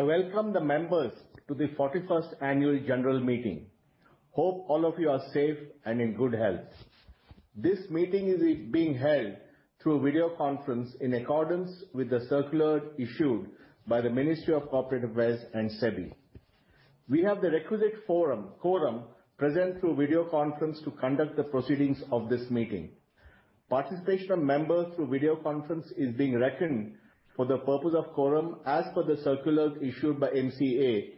I welcome the members to the 41st annual general meeting. Hope all of you are safe and in good health. This meeting is being held through video conference in accordance with the circular issued by the Ministry of Corporate Affairs and SEBI. We have the requisite quorum present through video conference to conduct the proceedings of this meeting. Participation of members through video conference is being reckoned for the purpose of quorum as per the circular issued by MCA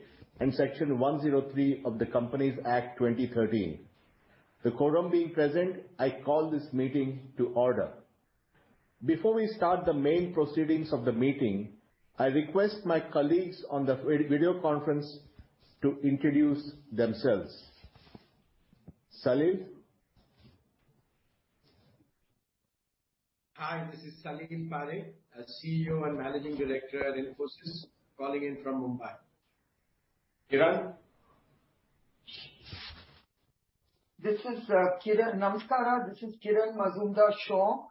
in Section 103 of the Companies Act, 2013. The quorum being present, I call this meeting to order. Before we start the main proceedings of the meeting, I request my colleagues on the video conference to introduce themselves. Salil. Hi, this is Salil Parekh, CEO and Managing Director at Infosys, calling in from Mumbai. Kiran. This is Kiran. Namaskara. This is Kiran Mazumdar-Shaw,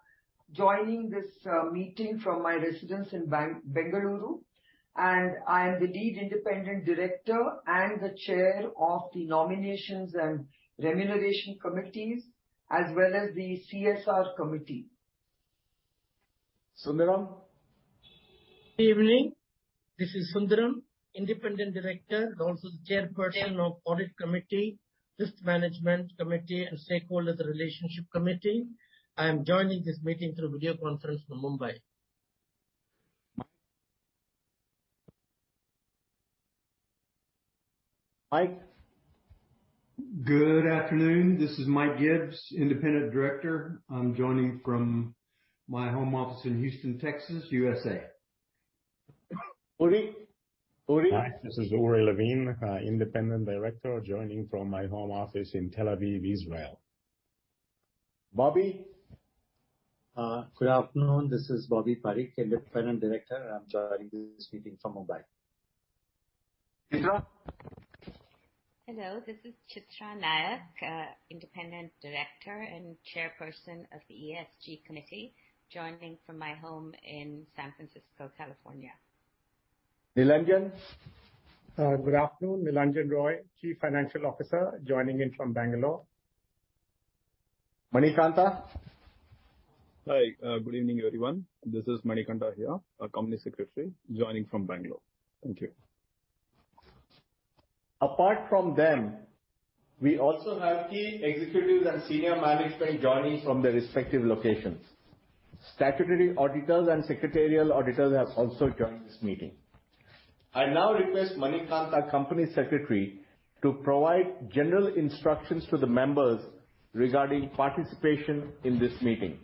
joining this meeting from my residence in Bangalore. I am the Lead Independent Director and the Chair of the Nominations and Remuneration Committees, as well as the CSR Committee. Sundaram. Good evening. This is D. Sundaram, Independent Director, also the Chairperson of Audit Committee, Risk Management Committee, and Stakeholder Relationship Committee. I am joining this meeting through video conference from Mumbai. Mike. Good afternoon. This is Michael Gibbs, Independent Director. I'm joining from my home office in Houston, Texas, USA. Uri. Hi, this is Uri Levine, Independent Director, joining from my home office in Tel Aviv, Israel. Bobby. Good afternoon. This is Bobby Parikh, Independent Director. I'm joining this meeting from Mumbai. Chitra. Hello, this is Chitra Nayak, Independent Director and Chairperson of the ESG Committee, joining from my home in San Francisco, California. Nilanjan. Good afternoon. Nilanjan Roy, Chief Financial Officer, joining in from Bangalore. Manikanta. Hi. Good evening, everyone. This is Manikantha here, our Company Secretary, joining from Bangalore. Thank you. Apart from them, we also have key executives and senior managers joining from respective locations. Statutory auditors and secretarial auditors are aslo joining this meeting. I now request Manikantha, Company Secretary, to provide general instructions to the members regarding participation in this meeting.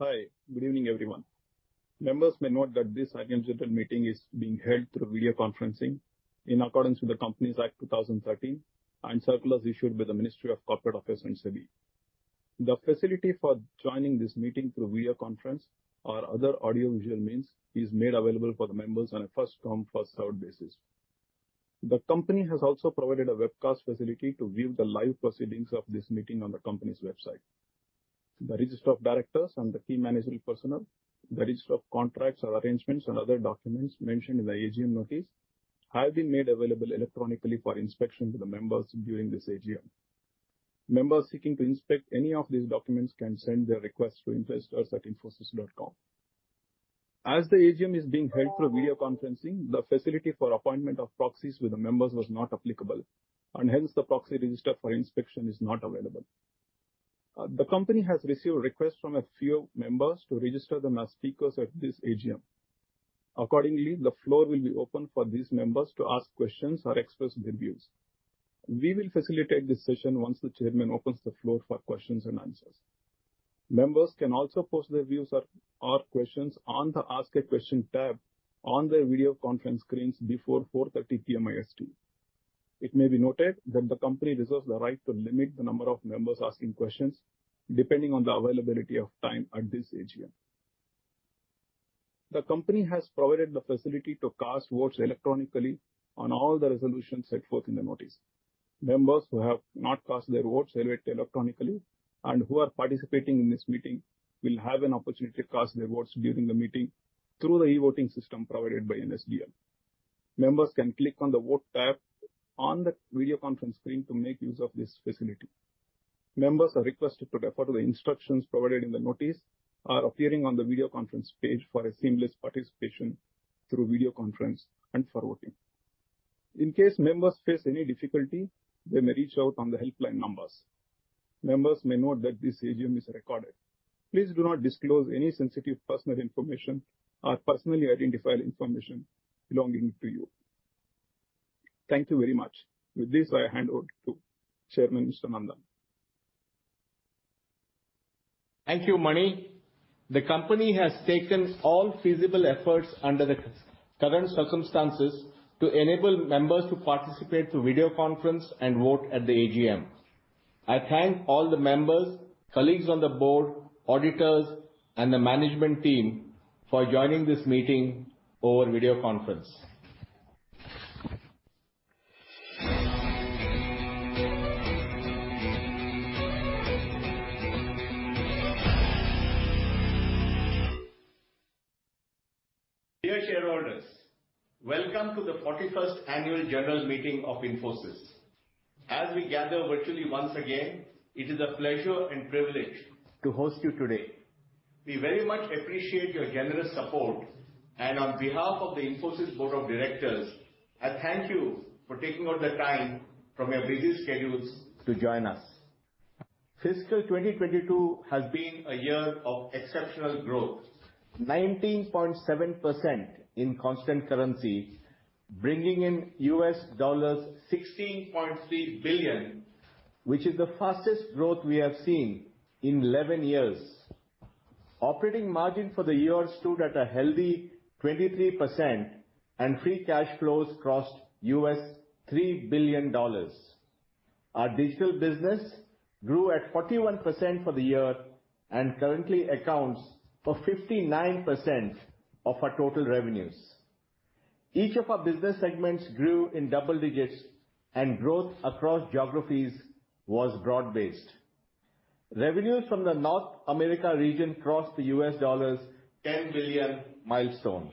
Hi, good evening, everyone. Members may note that this AGM general meeting is being held through video conferencing in accordance with the Companies Act 2013 and circulars issued by the Ministry of Corporate Affairs and SEBI. The facility for joining this meeting through video conference or other audio visual means is made available for the members on a first-come, first-served basis. The company has also provided a webcast facility to view the live proceedings of this meeting on the company's website. The register of directors and the key management personnel, the register of contracts or arrangements and other documents mentioned in the AGM notice have been made available electronically for inspection to the members during this AGM. Members seeking to inspect any of these documents can send their request to investors@infosys.com. As the AGM is being held through video conferencing, the facility for appointment of proxies with the members was not applicable, and hence, the proxy register for inspection is not available. The company has received requests from a few members to register them as speakers at this AGM. Accordingly, the floor will be open for these members to ask questions or express their views. We will facilitate this session once the chairman opens the floor for questions and answers. Members can also post their views or questions on the Ask a Question tab on their video conference screens before 4:30 P.M. IST. It may be noted that the company reserves the right to limit the number of members asking questions, depending on the availability of time at this AGM. The company has provided the facility to cast votes electronically on all the resolutions set forth in the notice. Members who have not cast their votes electronically and who are participating in this meeting will have an opportunity to cast their votes during the meeting through the e-voting system provided by NSDL. Members can click on the Vote tab on the video conference screen to make use of this facility. Members are requested to refer to the instructions provided in the notice, appearing on the video conference page for a seamless participation through video conference and for voting. In case members face any difficulty, they may reach out on the helpline numbers. Members may note that this AGM is recorded. Please do not disclose any sensitive personal information or personally identifiable information belonging to you. Thank you very much. With this, I hand over to Chairman, Mr. Nandan. Thank you, Mani. The company has taken all feasible efforts under the current circumstances to enable members to participate through video conference and vote at the AGM. I thank all the members, colleagues on the board, auditors, and the management team for joining this meeting over video conference. Dear shareholders, welcome to the 41st annual general meeting of Infosys. As we gather virtually once again, it is a pleasure and privilege to host you today. We very much appreciate your generous support, and on behalf of the Infosys Board of Directors, I thank you for taking out the time from your busy schedules to join us. Fiscal 2022 has been a year of exceptional growth. 19.7% in constant currency, bringing in $16.3 billion, which is the fastest growth we have seen in 11 years. Operating margin for the year stood at a healthy 23% and free cash flows crossed $3 billion. Our digital business grew at 41% for the year, and currently accounts for 59% of our total revenues. Each of our business segments grew in double digits and growth across geographies was broad-based. Revenues from the North America region crossed the $10 billion milestone.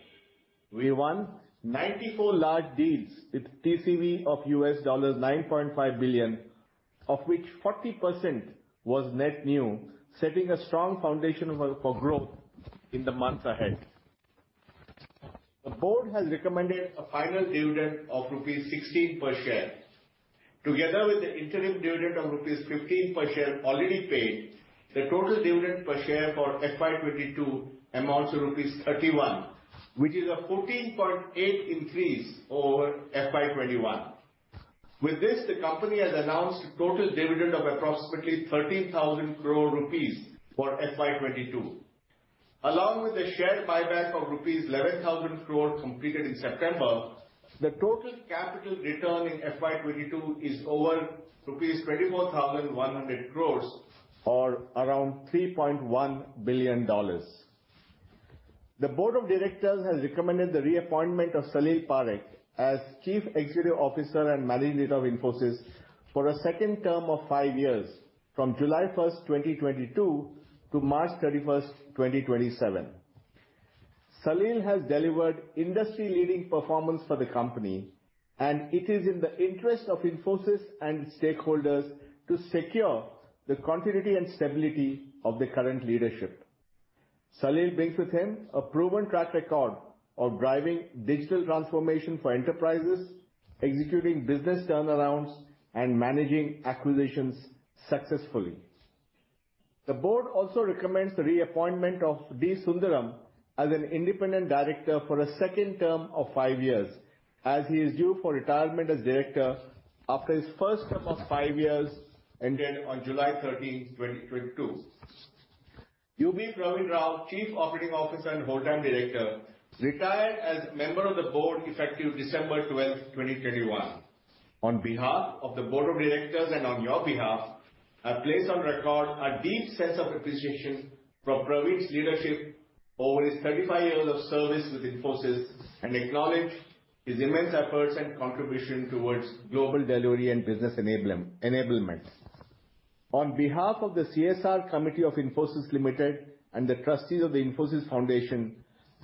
We won 94 large deals with TCV of $9.5 billion, of which 40% was net new, setting a strong foundation for growth in the months ahead. The board has recommended a final dividend of rupees 16 per share. Together with the interim dividend of rupees 15 per share already paid, the total dividend per share for FY 2022 amounts to rupees 31, which is a 14.8% increase over FY 2021. With this, the company has announced total dividend of approximately 13,000 crore rupees for FY 22. Along with the share buyback of rupees 11,000 crore completed in September, the total capital return in FY 22 is over rupees 24,100 crores or around $3.1 billion. The board of directors has recommended the reappointment of Salil Parekh as Chief Executive Officer and Managing Director of Infosys for a second term of five years from July 1, 2022 to March 31, 2027. Salil has delivered industry-leading performance for the company, and it is in the interest of Infosys and stakeholders to secure the continuity and stability of the current leadership. Salil brings with him a proven track record of driving digital transformation for enterprises, executing business turnarounds, and managing acquisitions successfully. The board also recommends the reappointment of D. Sundaram as an independent director for a second term of five years, as he is due for retirement as director after his first term of five years ended on July 13, 2022. U.B. Pravin Rao, Chief Operating Officer and whole-time director, retired as member of the board effective December 12, 2021. On behalf of the board of directors and on your behalf, I place on record our deep sense of appreciation for Pravin's leadership over his 35 years of service with Infosys, and acknowledge his immense efforts and contribution towards global delivery and business enablement. On behalf of the CSR committee of Infosys Limited and the trustees of the Infosys Foundation,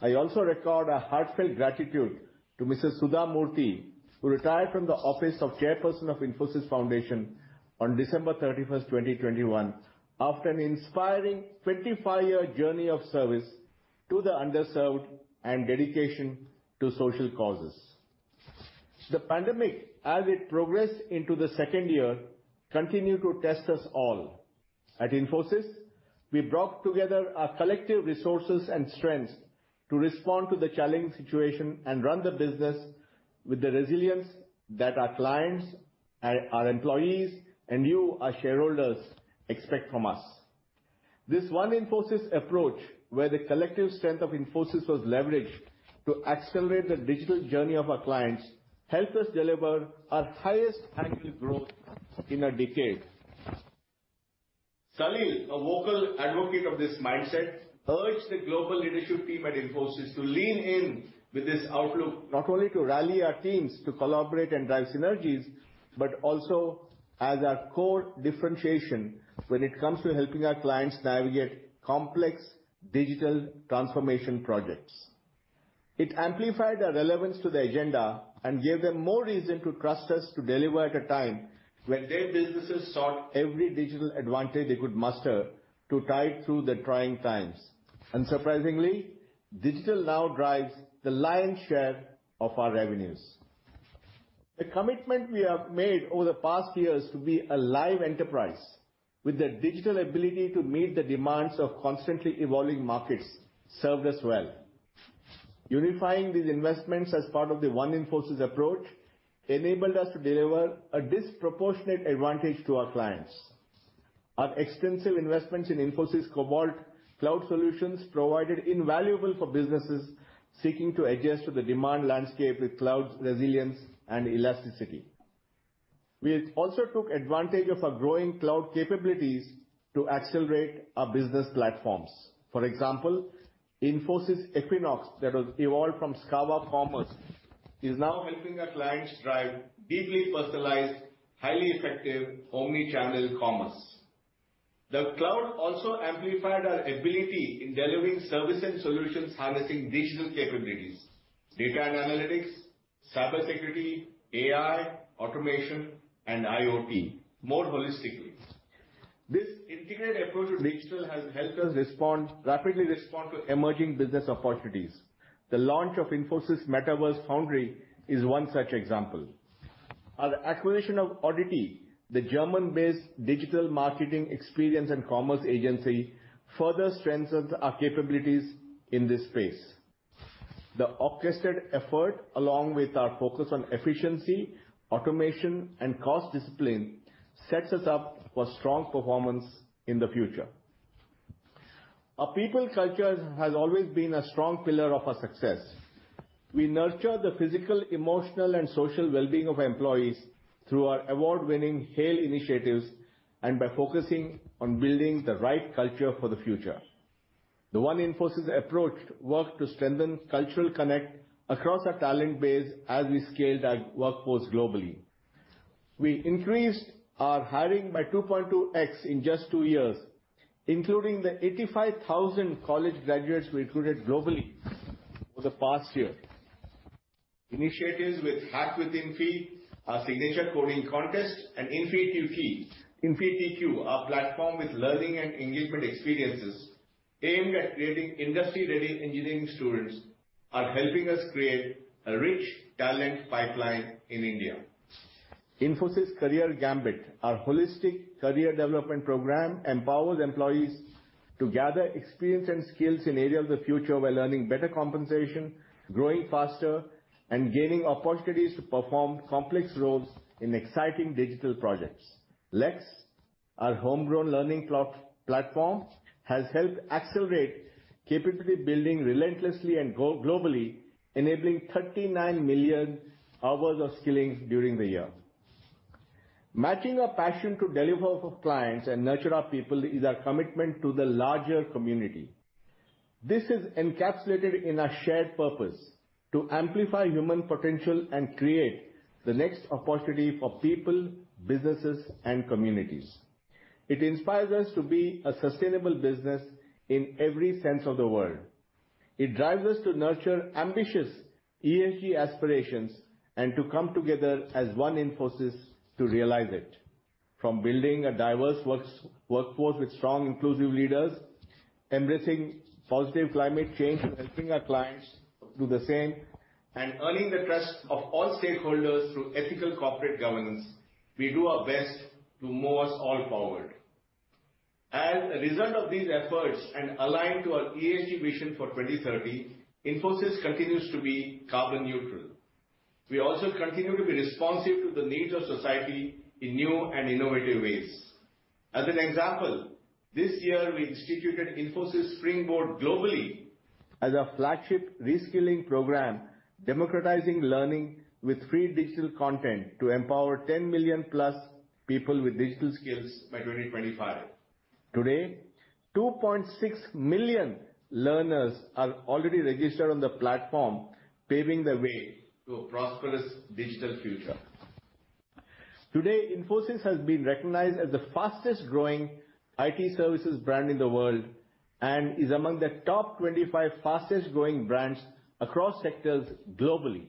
I also record our heartfelt gratitude to Mrs. Sudha Murty, who retired from the office of Chairperson of Infosys Foundation on December 31, 2021 after an inspiring 25-year journey of service to the underserved and dedication to social causes. The pandemic, as it progressed into the second year, continued to test us all. At Infosys, we brought together our collective resources and strengths to respond to the challenging situation and run the business with the resilience that our clients, our employees, and you, our shareholders, expect from us. This One Infosys approach, where the collective strength of Infosys was leveraged to accelerate the digital journey of our clients, helped us deliver our highest annual growth in a decade. Salil, a vocal advocate of this mindset, urged the global leadership team at Infosys to lean in with this outlook, not only to rally our teams to collaborate and drive synergies, but also as our core differentiation when it comes to helping our clients navigate complex digital transformation projects. It amplified our relevance to the agenda and gave them more reason to trust us to deliver at a time when their businesses sought every digital advantage they could muster to tide through the trying times. Unsurprisingly, digital now drives the lion's share of our revenues. The commitment we have made over the past years to be a live enterprise with the digital ability to meet the demands of constantly evolving markets served us well. Unifying these investments as part of the One Infosys approach enabled us to deliver a disproportionate advantage to our clients. Our extensive investments in Infosys Cobalt Cloud Solutions provided invaluable for businesses seeking to adjust to the demand landscape with cloud's resilience and elasticity. We also took advantage of our growing cloud capabilities to accelerate our business platforms. For example, Infosys Equinox, that was evolved from Skava Commerce, is now helping our clients drive deeply personalized, highly effective omni-channel commerce. The cloud also amplified our ability in delivering services and solutions harnessing digital capabilities, data and analytics, cyber security, AI, automation, and IoT, more holistically. This integrated approach to digital has helped us rapidly respond to emerging business opportunities. The launch of Infosys Metaverse Foundry is one such example. Our acquisition of Oddity, the German-based digital marketing experience and commerce agency, further strengthens our capabilities in this space. The orchestrated effort, along with our focus on efficiency, automation, and cost discipline, sets us up for strong performance in the future. Our people culture has always been a strong pillar of our success. We nurture the physical, emotional, and social well-being of employees through our award-winning HAIL initiatives and by focusing on building the right culture for the future. The One Infosys approach worked to strengthen cultural connect across our talent base as we scaled our workforce globally. We increased our hiring by 2.2x in just two years, including the 85,000 college graduates we recruited globally over the past year. Initiatives with HackWithInfy, our signature coding contest, and InfyTQ, our platform with learning and engagement experiences aimed at creating industry-ready engineering students, are helping us create a rich talent pipeline in India. Infosys Career Gambit, our holistic career development program, empowers employees to gather experience and skills in areas of the future while earning better compensation, growing faster, and gaining opportunities to perform complex roles in exciting digital projects. Lex, our homegrown learning platform, has helped accelerate capability building relentlessly and globally, enabling 39 million hours of skilling during the year. Matching our passion to deliver for clients and nurture our people is our commitment to the larger community. This is encapsulated in our shared purpose: to amplify human potential and create the next opportunity for people, businesses, and communities. It inspires us to be a sustainable business in every sense of the word. It drives us to nurture ambitious ESG aspirations and to come together as one Infosys to realize it. From building a diverse workforce with strong inclusive leaders, embracing positive climate change and helping our clients do the same, and earning the trust of all stakeholders through ethical corporate governance, we do our best to move us all forward. As a result of these efforts and aligned to our ESG vision for 2030, Infosys continues to be carbon neutral. We also continue to be responsive to the needs of society in new and innovative ways. As an example, this year we instituted Infosys Springboard globally as our flagship reskilling program, democratizing learning with free digital content to empower 10 million+ people with digital skills by 2025. Today, 2.6 million learners are already registered on the platform, paving the way to a prosperous digital future. Today, Infosys has been recognized as the fastest-growing IT services brand in the world, and is among the top 25 fastest-growing brands across sectors globally.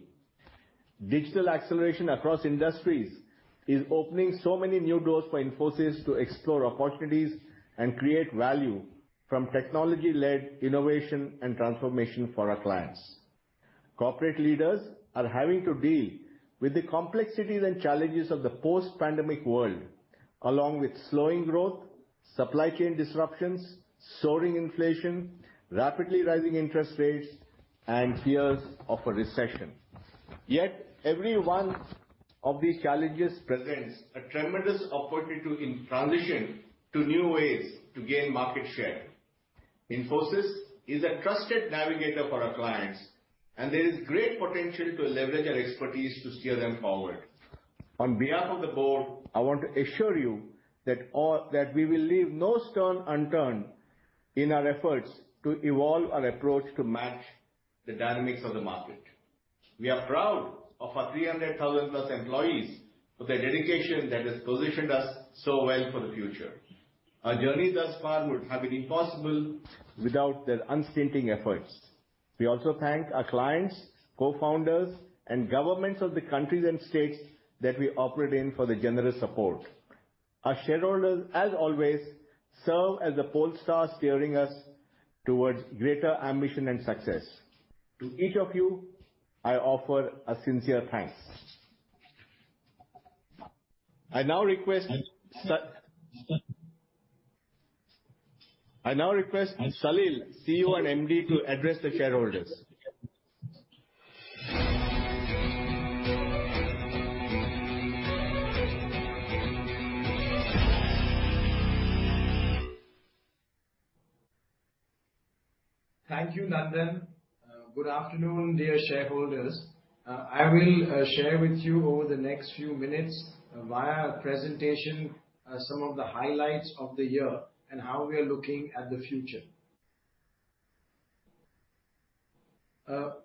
Digital acceleration across industries is opening so many new doors for Infosys to explore opportunities and create value from technology-led innovation and transformation for our clients. Corporate leaders are having to deal with the complexities and challenges of the post-pandemic world, along with slowing growth, supply chain disruptions, soaring inflation, rapidly rising interest rates, and fears of a recession. Yet every one of these challenges presents a tremendous opportunity to transition to new ways to gain market share. Infosys is a trusted navigator for our clients, and there is great potential to leverage our expertise to steer them forward. On behalf of the board, I want to assure you that we will leave no stone unturned in our efforts to evolve our approach to match the dynamics of the market. We are proud of our 300,000-plus employees for their dedication that has positioned us so well for the future. Our journey thus far would have been impossible without their unstinting efforts. We also thank our clients, cofounders, and governments of the countries and states that we operate in for their generous support. Our shareholders, as always, serve as the pole stars steering us towards greater ambition and success. To each of you, I offer a sincere thanks. I now request Salil, CEO and MD, to address the shareholders. Thank you, Nandan. Good afternoon, dear shareholders. I will share with you over the next few minutes via a presentation some of the highlights of the year and how we are looking at the future.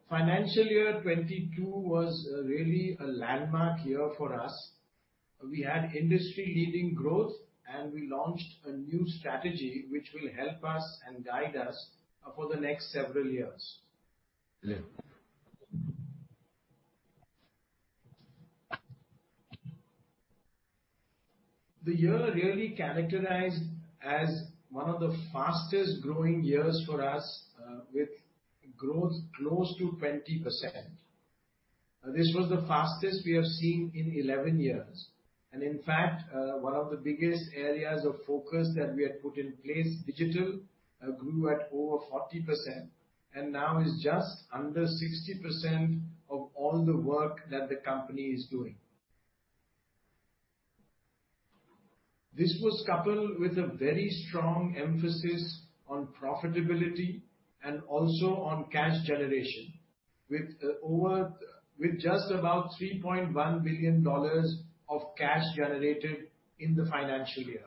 Financial year 2022 was really a landmark year for us. We had industry-leading growth and we launched a new strategy which will help us and guide us for the next several years. The year really characterized as one of the fastest-growing years for us with growth close to 20%. This was the fastest we have seen in 11 years. In fact, one of the biggest areas of focus that we had put in place, digital, grew at over 40% and now is just under 60% of all the work that the company is doing. This was coupled with a very strong emphasis on profitability and also on cash generation with just about $3.1 billion of cash generated in the financial year.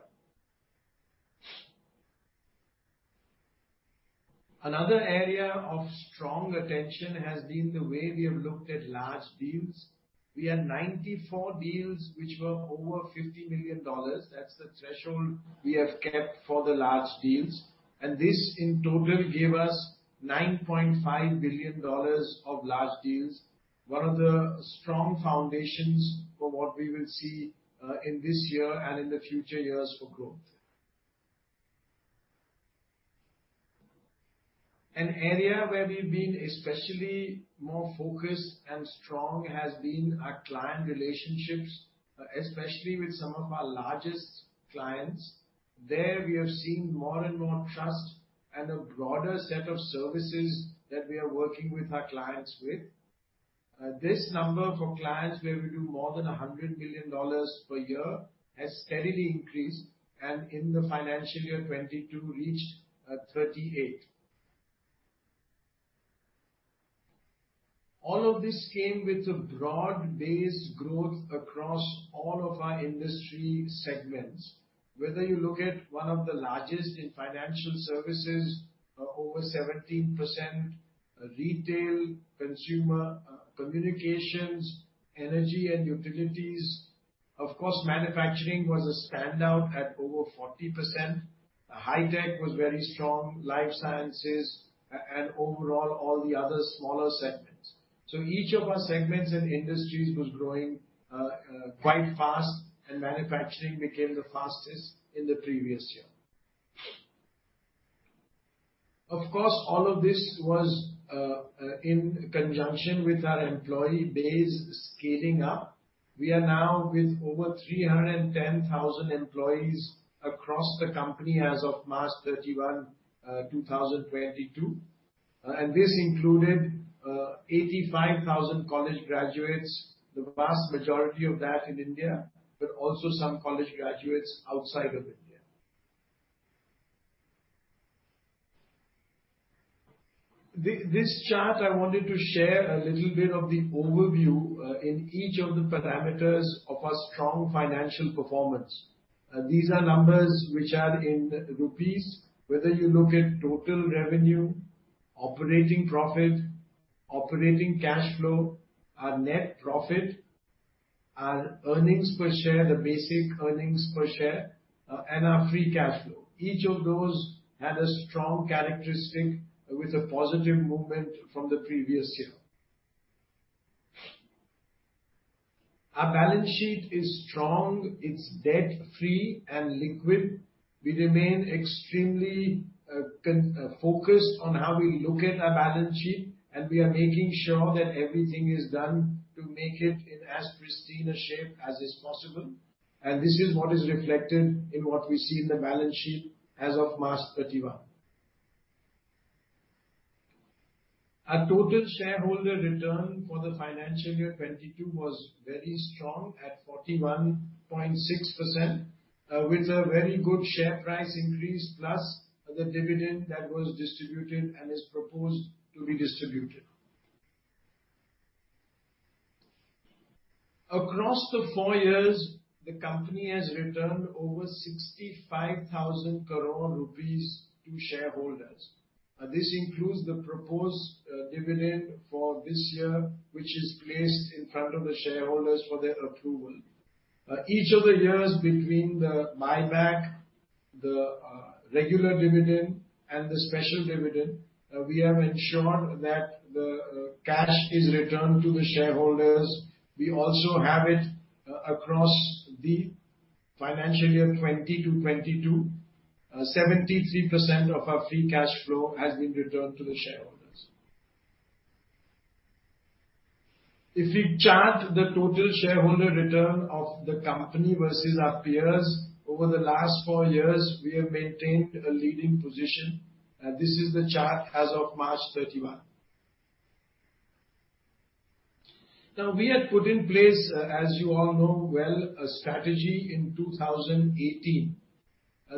Another area of strong attention has been the way we have looked at large deals. We had 94 deals which were over $50 million. That's the threshold we have kept for the large deals. This in total gave us $9.5 billion of large deals. One of the strong foundations for what we will see in this year and in the future years for growth. An area where we've been especially more focused and strong has been our client relationships, especially with some of our largest clients. There we have seen more and more trust and a broader set of services that we are working with our clients with. This number for clients where we do more than $100 million per year has steadily increased, and in the financial year 2022 reached 38. All of this came with a broad-based growth across all of our industry segments. Whether you look at one of the largest in financial services over 17%, retail, consumer, communications, energy and utilities. Of course, manufacturing was a standout at over 40%. High tech was very strong, life sciences and overall all the other smaller segments. Each of our segments and industries was growing quite fast and manufacturing became the fastest in the previous year. Of course, all of this was in conjunction with our employee base scaling up. We are now with over 310,000 employees across the company as of March 31, 2022. This included 85,000 college graduates. The vast majority of that in India, but also some college graduates outside of India. This chart I wanted to share a little bit of the overview in each of the parameters of our strong financial performance. These are numbers which are in rupees. Whether you look at total revenue, operating profit, operating cash flow, our net profit, our earnings per share, the basic earnings per share, and our free cash flow. Each of those had a strong characteristic with a positive movement from the previous year. Our balance sheet is strong, it's debt-free and liquid. We remain extremely focused on how we look at our balance sheet, and we are making sure that everything is done to make it in as pristine a shape as is possible. This is what is reflected in what we see in the balance sheet as of March 31. Our total shareholder return for the financial year 2022 was very strong at 41.6%, with a very good share price increase, plus the dividend that was distributed and is proposed to be distributed. Across the four years, the company has returned over 65,000 crore rupees to shareholders. This includes the proposed dividend for this year, which is placed in front of the shareholders for their approval. Each of the years between the buyback, the regular dividend and the special dividend, we have ensured that the cash is returned to the shareholders. We also have it across the financial year 2020 to 2022. 73% of our free cash flow has been returned to the shareholders. If we chart the total shareholder return of the company versus our peers over the last four years, we have maintained a leading position. This is the chart as of March 31. Now, we had put in place, as you all know well, a strategy in 2018.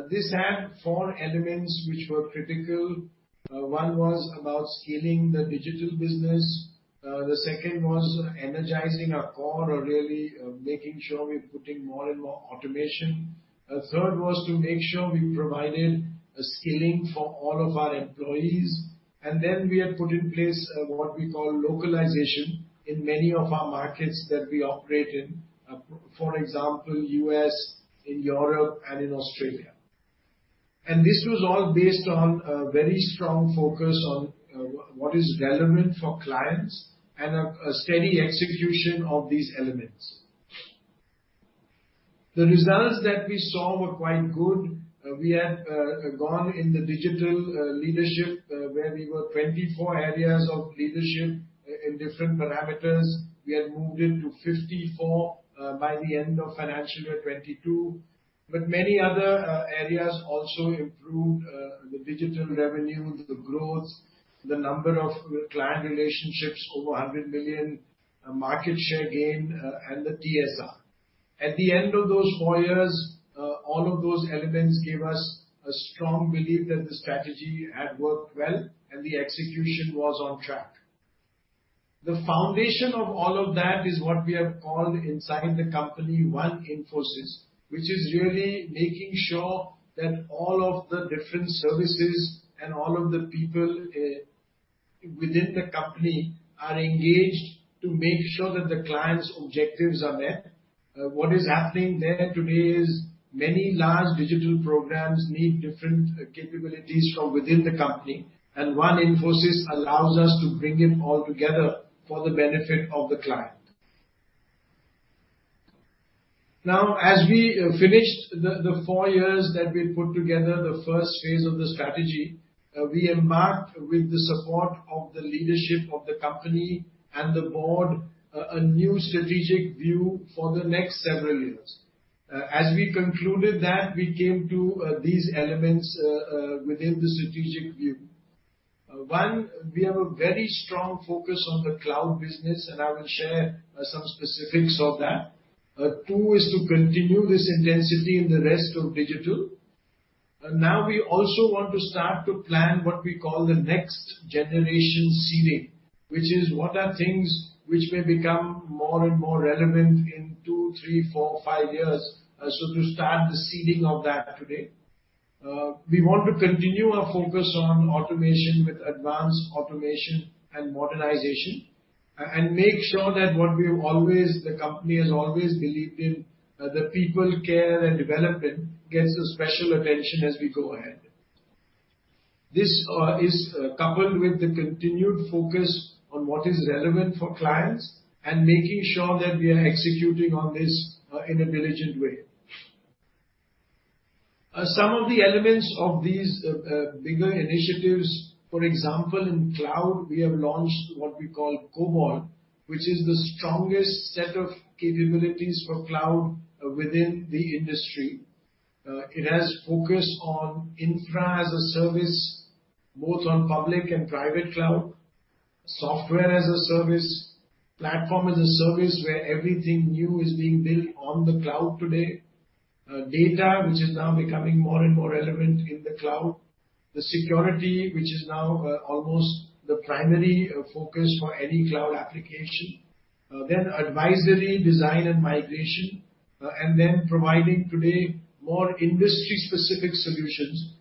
This had four elements which were critical. One was about scaling the digital business. The second was energizing our core or really, making sure we're putting more and more automation. Third was to make sure we provided a skilling for all of our employees. We have put in place, what we call localization in many of our markets that we operate in. For example, U.S., in Europe and in Australia. This was all based on a very strong focus on what is relevant for clients and a steady execution of these elements. The results that we saw were quite good. We had gone in the digital leadership where we were 24 areas of leadership in different parameters. We had moved into 54 by the end of financial year 2022. Many other areas also improved. The digital revenue, the growth, the number of client relationships over $100 billion, market share gain, and the TSR. At the end of those four years, all of those elements gave us a strong belief that the strategy had worked well and the execution was on track. The foundation of all of that is what we have called inside the company One Infosys, which is really making sure that all of the different services and all of the people within the company are engaged to make sure that the clients' objectives are met. What is happening there today is many large digital programs need different capabilities from within the company, and One Infosys allows us to bring it all together for the benefit of the client. Now, as we finished the four years that we put together the first phase of the strategy, we embarked with the support of the leadership of the company and the board a new strategic view for the next several years. As we concluded that, we came to these elements within the strategic view. One, we have a very strong focus on the cloud business, and I will share some specifics of that. Two is to continue this intensity in the rest of digital. Now we also want to start to plan what we call the next generation seeding, which is what are things which may become more and more relevant in two, three, four, five years, so to start the seeding of that today. We want to continue our focus on automation with advanced automation and modernization, and make sure that what the company has always believed in, the people care and development, gets a special attention as we go ahead. This is coupled with the continued focus on what is relevant for clients and making sure that we are executing on this, in a diligent way. Some of the elements of these bigger initiatives, for example, in cloud, we have launched what we call Cobalt, which is the strongest set of capabilities for cloud within the industry. It has focus on infra as a service, both on public and private cloud, software as a service, platform as a service, where everything new is being built on the cloud today, data, which is now becoming more and more relevant in the cloud, the security, which is now almost the primary focus for any cloud application, then advisory, design and migration, and then providing today more industry-specific solutions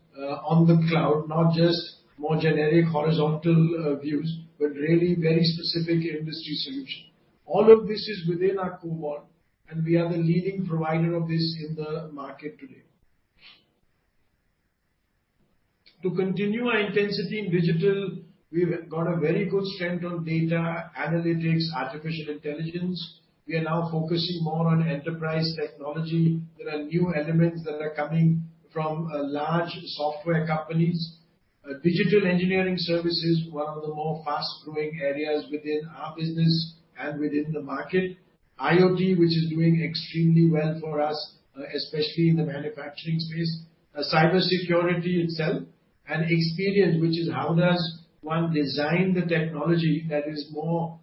on the cloud, not just more generic horizontal views, but really very specific industry solution. All of this is within our Cobalt, and we are the leading provider of this in the market today. To continue our intensity in digital, we've got a very good strength on data analytics, artificial intelligence. We are now focusing more on enterprise technology. There are new elements that are coming from large software companies. Digital engineering services, one of the more fast growing areas within our business and within the market. IoT, which is doing extremely well for us, especially in the manufacturing space. Cybersecurity itself and experience, which is how does one design the technology that is more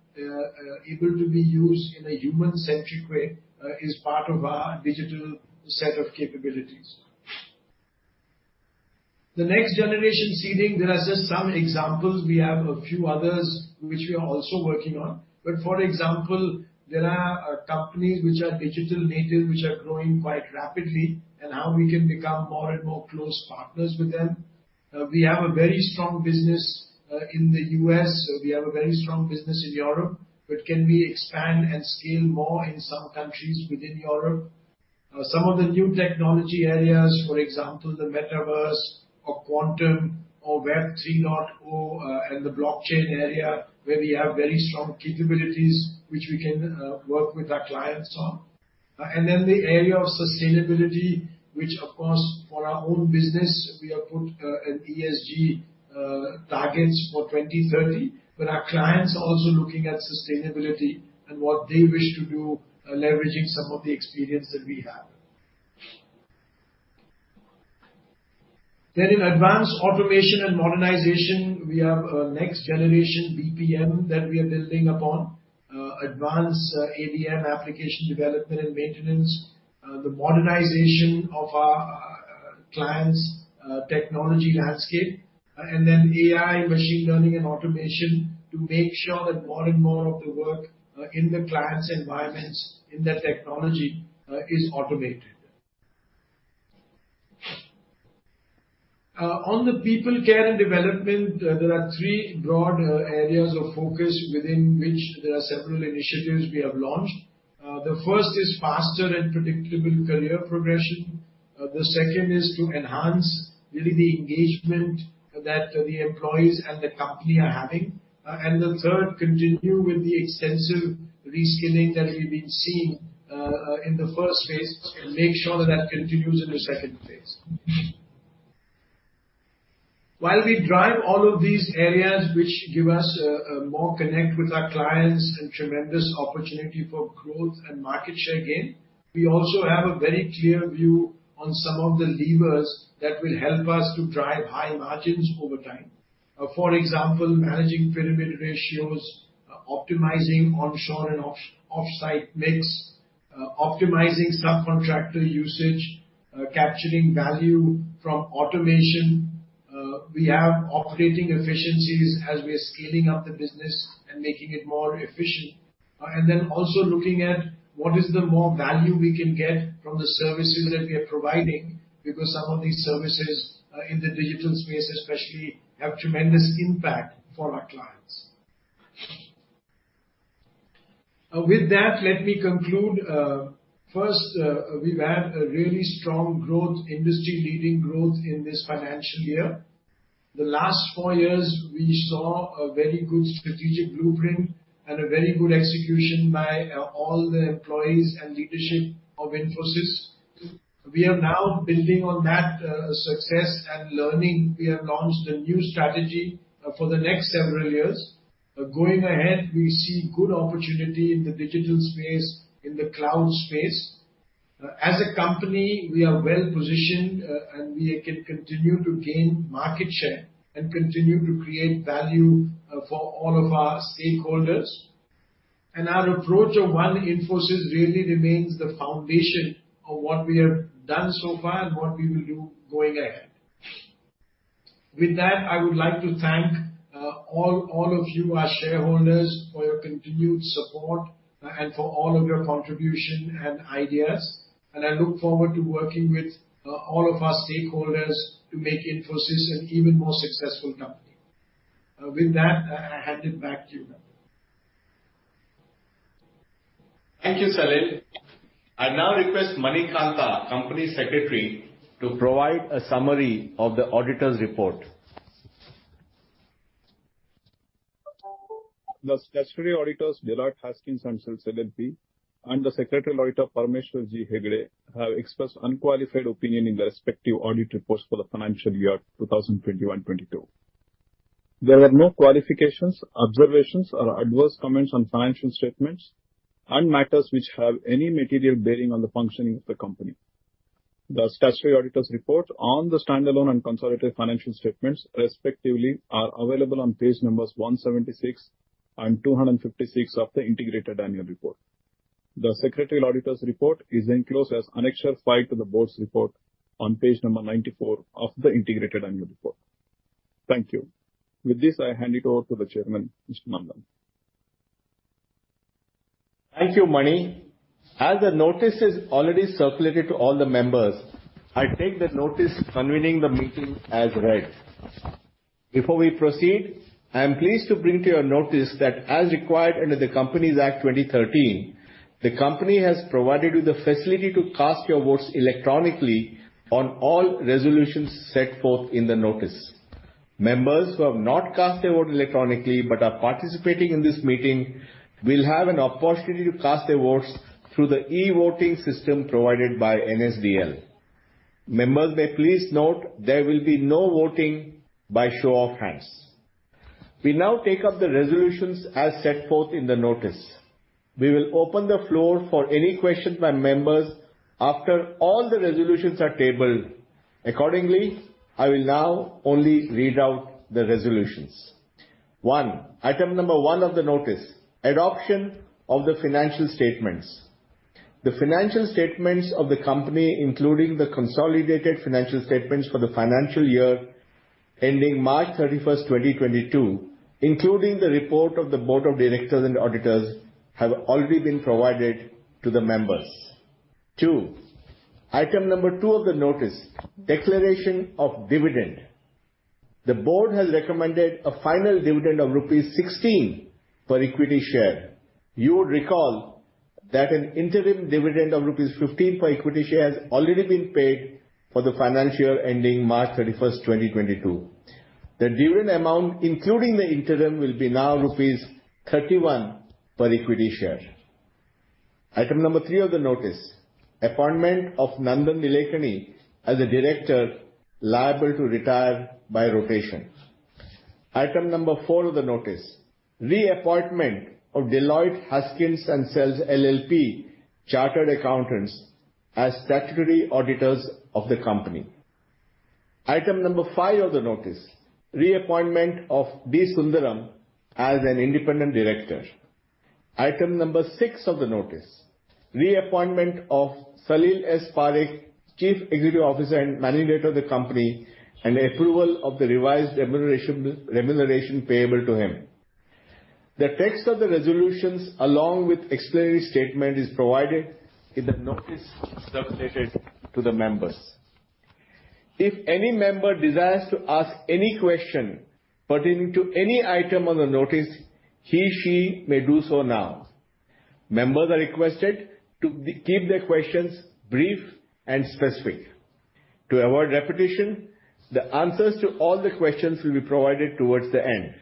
able to be used in a human-centric way, like it's part of our digital set of capabilities. The next generation seeding, there are just some examples. We have a few others which we are also working on. For example, there are companies which are digital native which are growing quite rapidly and how we can become more and more close partners with them. We have a very strong business in the U.S. We have a very strong business in Europe, but can we expand and scale more in some countries within Europe? Some of the new technology areas, for example, the Metaverse or Quantum or Web 3.0, and the blockchain area where we have very strong capabilities which we can work with our clients on. The area of sustainability, which of course for our own business we have put, an ESG targets for 2030, but our clients are also looking at sustainability and what they wish to do, leveraging some of the experience that we have. In advanced automation and modernization, we have a next-generation BPM that we are building upon, advanced ADM application development and maintenance, the modernization of our clients' technology landscape, and then AI machine learning and automation to make sure that more and more of the work in the clients' environments in that technology is automated. On the people care and development, there are three broad areas of focus within which there are several initiatives we have launched. The first is faster and predictable career progression. The second is to enhance really the engagement that the employees and the company are having. The third, continue with the extensive reskilling that we've been seeing in the first phase to make sure that continues in the second phase. While we drive all of these areas, which give us more connection with our clients and tremendous opportunity for growth and market share gain, we also have a very clear view on some of the levers that will help us to drive high margins over time. For example, managing pyramid ratios, optimizing onshore and offshore mix, optimizing subcontractor usage, capturing value from automation. We have operating efficiencies as we are scaling up the business and making it more efficient. Also looking at what is the more value we can get from the services that we are providing because some of these services, in the digital space especially have tremendous impact for our clients. With that, let me conclude. First, we've had a really strong growth, industry-leading growth in this financial year. The last four years, we saw a very good strategic blueprint and a very good execution by all the employees and leadership of Infosys. We are now building on that, success and learning. We have launched a new strategy for the next several years. Going ahead, we see good opportunity in the digital space, in the cloud space. As a company, we are well-positioned, and we can continue to gain market share and continue to create value for all of our stakeholders. Our approach of One Infosys really remains the foundation of what we have done so far and what we will do going ahead. With that, I would like to thank all of you, our shareholders, for your continued support and for all of your contribution and ideas. I look forward to working with all of our stakeholders to make Infosys an even more successful company. With that, I hand it back to you. Thank you, Salil. I now request Manikantha, Company Secretary, to provide a summary of the auditor's report. The statutory auditors, Deloitte Haskins & Sells LLP, and the Secretarial Auditor, Parameshwar G. Hegde, have expressed unqualified opinion in the respective audit reports for the financial year 2021-22. There are no qualifications, observations or adverse comments on financial statements and matters which have any material bearing on the functioning of the company. The statutory auditors report on the standalone and consolidated financial statements, respectively, are available on page numbers 176 and 256 of the integrated annual report. The Secretarial Auditor's report is enclosed as Annexure five to the board's report on page number 94 of the integrated annual report. Thank you. With this, I hand it over to the Chairman, Mr. Nandan. Thank you, Mani. As the notice is already circulated to all the members, I take the notice convening the meeting as read. Before we proceed, I am pleased to bring to your notice that as required under the Companies Act, 2013, the company has provided you the facility to cast your votes electronically on all resolutions set forth in the notice. Members who have not cast their vote electronically but are participating in this meeting will have an opportunity to cast their votes through the e-voting system provided by NSDL. Members may please note there will be no voting by show of hands. We now take up the resolutions as set forth in the notice. We will open the floor for any questions by members after all the resolutions are tabled. Accordingly, I will now only read out the resolutions. One, item number one of the notice: Adoption of the financial statements. The financial statements of the company, including the consolidated financial statements for the financial year ending March 31, 2022, including the report of the board of directors and auditors, have already been provided to the members. Two, item number two of the notice: Declaration of dividend. The board has recommended a final dividend of rupees 16 per equity share. You would recall that an interim dividend of rupees 15 per equity share has already been paid for the financial year ending March 31, 2022. The dividend amount, including the interim, will be now rupees 31 per equity share. Item number three of the notice: Appointment of Nandan Nilekani as a director liable to retire by rotation. Item number four of the notice reappointment of Deloitte Haskins & Sells LLP chartered accountants as statutory auditors of the company. Item number five of the notice reappointment of D. Sundaram as an Independent Director. Item number six of the notice reappointment of Salil S. Parekh, Chief Executive Officer and Managing Director of the company, and approval of the revised remuneration payable to him. The text of the resolutions, along with explanatory statement, is provided in the notice circulated to the members. If any member desires to ask any question pertaining to any item on the notice, he or she may do so now. Members are requested to keep their questions brief and specific. To avoid repetition, the answers to all the questions will be provided towards the end.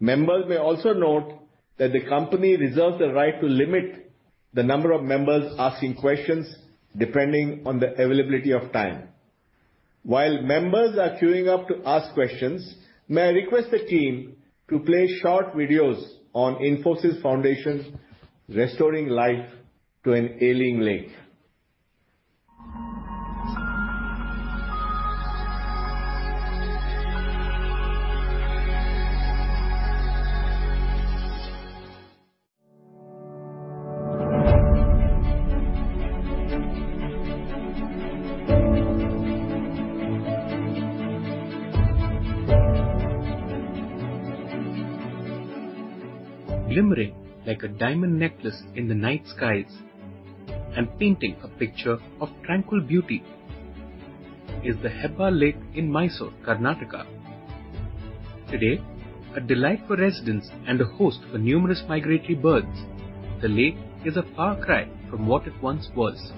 Members may also note that the company reserves the right to limit the number of members asking questions depending on the availability of time. While members are queuing up to ask questions, may I request the team to play short videos on Infosys Foundation restoring life to an ailing lake. Glimmering like a diamond necklace in the night skies and painting a picture of tranquil beauty is the Hebbal Lake in Mysore, Karnataka. Today, a delight for residents and a host for numerous migratory birds, the lake is a far cry from what it once was.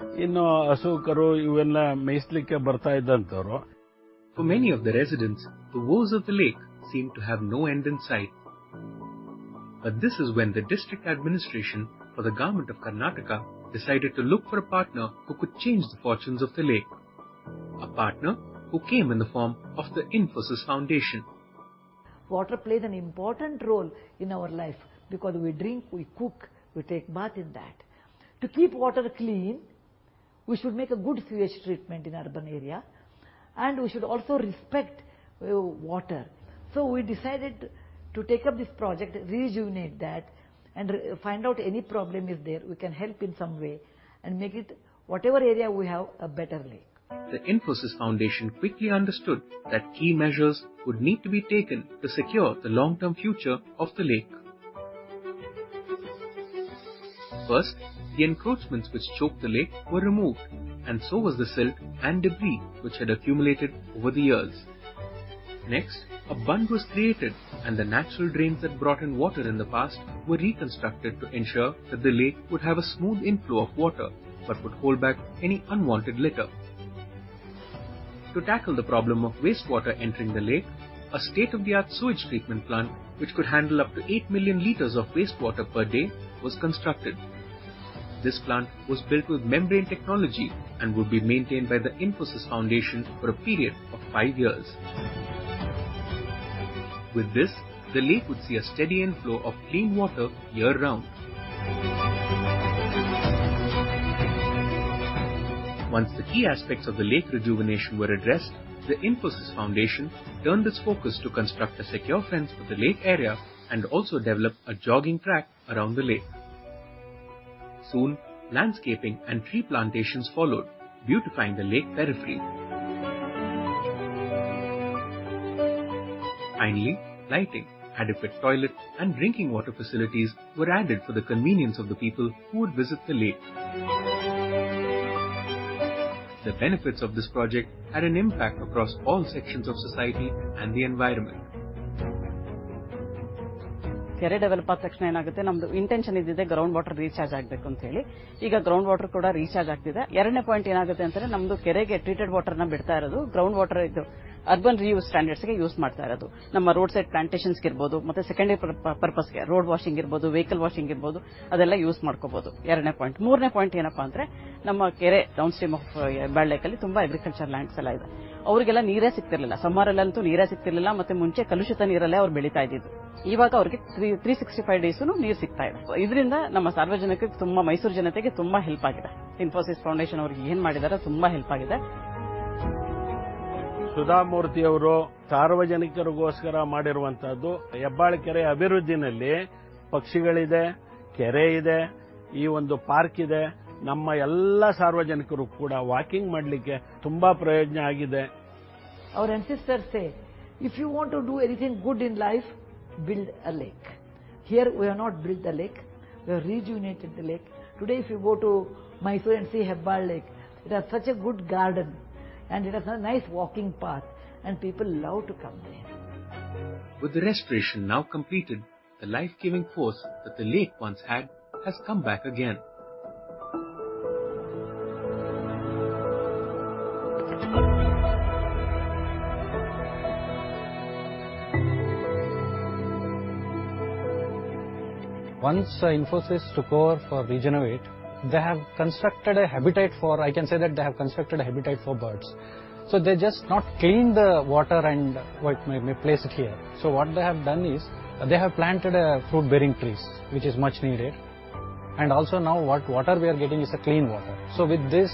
For many of the residents, the woes of the lake seemed to have no end in sight. This is when the district administration for the Government of Karnataka decided to look for a partner who could change the fortunes of the lake. A partner who came in the form of the Infosys Foundation. Water played an important role in our life because we drink, we cook, we take bath in that. To keep water clean, we should make a good sewage treatment in urban area, and we should also respect water. We decided to take up this project, rejuvenate that, and find out any problem is there we can help in some way and make it whatever area we have a better lake. The Infosys Foundation quickly understood that key measures would need to be taken to secure the long-term future of the lake. First, the encroachments which choked the lake were removed, and so was the silt and debris which had accumulated over the years. Next, a bund was created, and the natural drains that brought in water in the past were reconstructed to ensure that the lake would have a smooth inflow of water but would hold back any unwanted litter. To tackle the problem of wastewater entering the lake, a state-of-the-art sewage treatment plant, which could handle up to eight million liters of wastewater per day, was constructed. This plant was built with membrane technology and would be maintained by the Infosys Foundation for a period of five years. With this, the lake would see a steady inflow of clean water year-round. Once the key aspects of the lake rejuvenation were addressed, the Infosys Foundation turned its focus to construct a secure fence for the lake area and also develop a jogging track around the lake. Soon, landscaping and tree plantations followed, beautifying the lake periphery. Finally, lighting, adequate toilets, and drinking water facilities were added for the convenience of the people who would visit the lake. The benefits of this project had an impact across all sections of society and the environment. Our ancestors say, "If you want to do anything good in life, build a lake. Here we have not built the lake, we have rejuvenated the lake. Today, if you go to Mysore and see Hebbal Lake, it has such a good garden, and it has a nice walking path, and people love to come there. With the restoration now completed, the life-giving force that the lake once had has come back again. Once Infosys took over for Rejuvenate, they have constructed a habitat for birds. I can say that they have constructed a habitat for birds. They just not only clean the water and maintain the place here. What they have done is they have planted fruit-bearing trees, which is much needed. Also now what water we are getting is clean water. With this,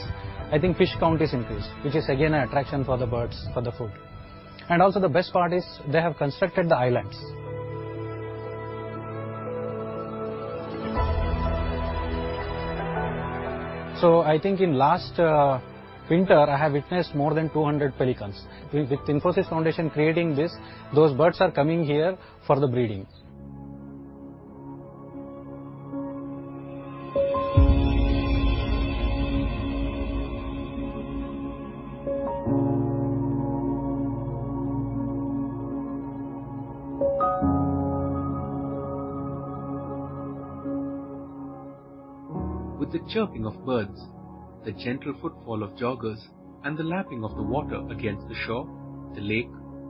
I think fish count is increased, which is again an attraction for the birds, for the food. Also the best part is they have constructed the islands. I think in last winter, I have witnessed more than 200 pelicans. With Infosys Foundation creating this, those birds are coming here for the breeding. With the chirping of birds, the gentle footfall of joggers, and the lapping of the water against the shore, the lake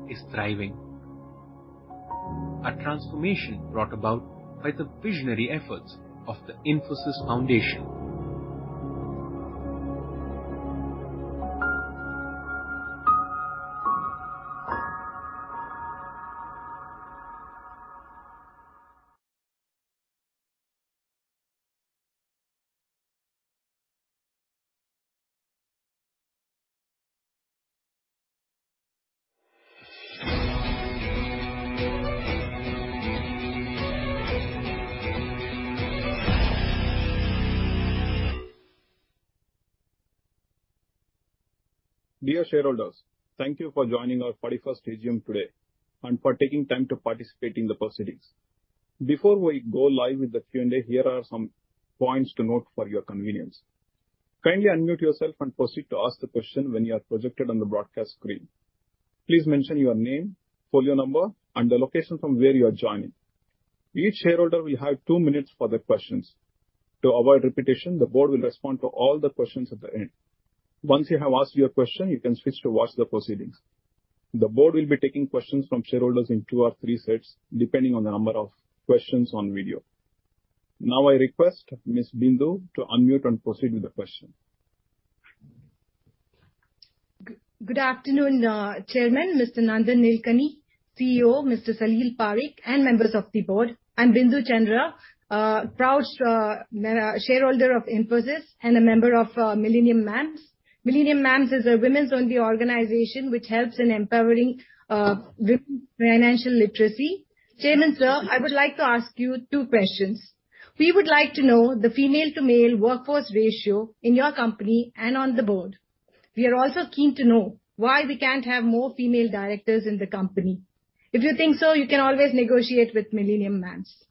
is thriving. A transformation brought about by the visionary efforts of the Infosys Foundation. Dear shareholders, thank you for joining our forty-first AGM today and for taking time to participate in the proceedings. Before we go live with the Q&A, here are some points to note for your convenience. Kindly unmute yourself and proceed to ask the question when you are projected on the broadcast screen. Please mention your name, folio number, and the location from where you are joining. Each shareholder will have two minutes for their questions. To avoid repetition, the board will respond to all the questions at the end. Once you have asked your question, you can switch to watch the proceedings. The board will be taking questions from shareholders in two or three sets, depending on the number of questions on video. Now I request Ms. Bindu to unmute and proceed with the question. Good afternoon, Chairman, Mr. Nandan Nilekani, CEO, Mr. Salil Parekh, and members of the board. I'm Bindu Chandra, a proud shareholder of Infosys and a member of Millennium Mams'. Millennium Mams' is a women's-only organization which helps in empowering women's financial literacy. Chairman, sir, I would like to ask you two questions. We would like to know the female-to-male workforce ratio in your company and on the board. We are also keen to know why we can't have more female directors in the company. If you think so, you can always negotiate with Millennium Mams'.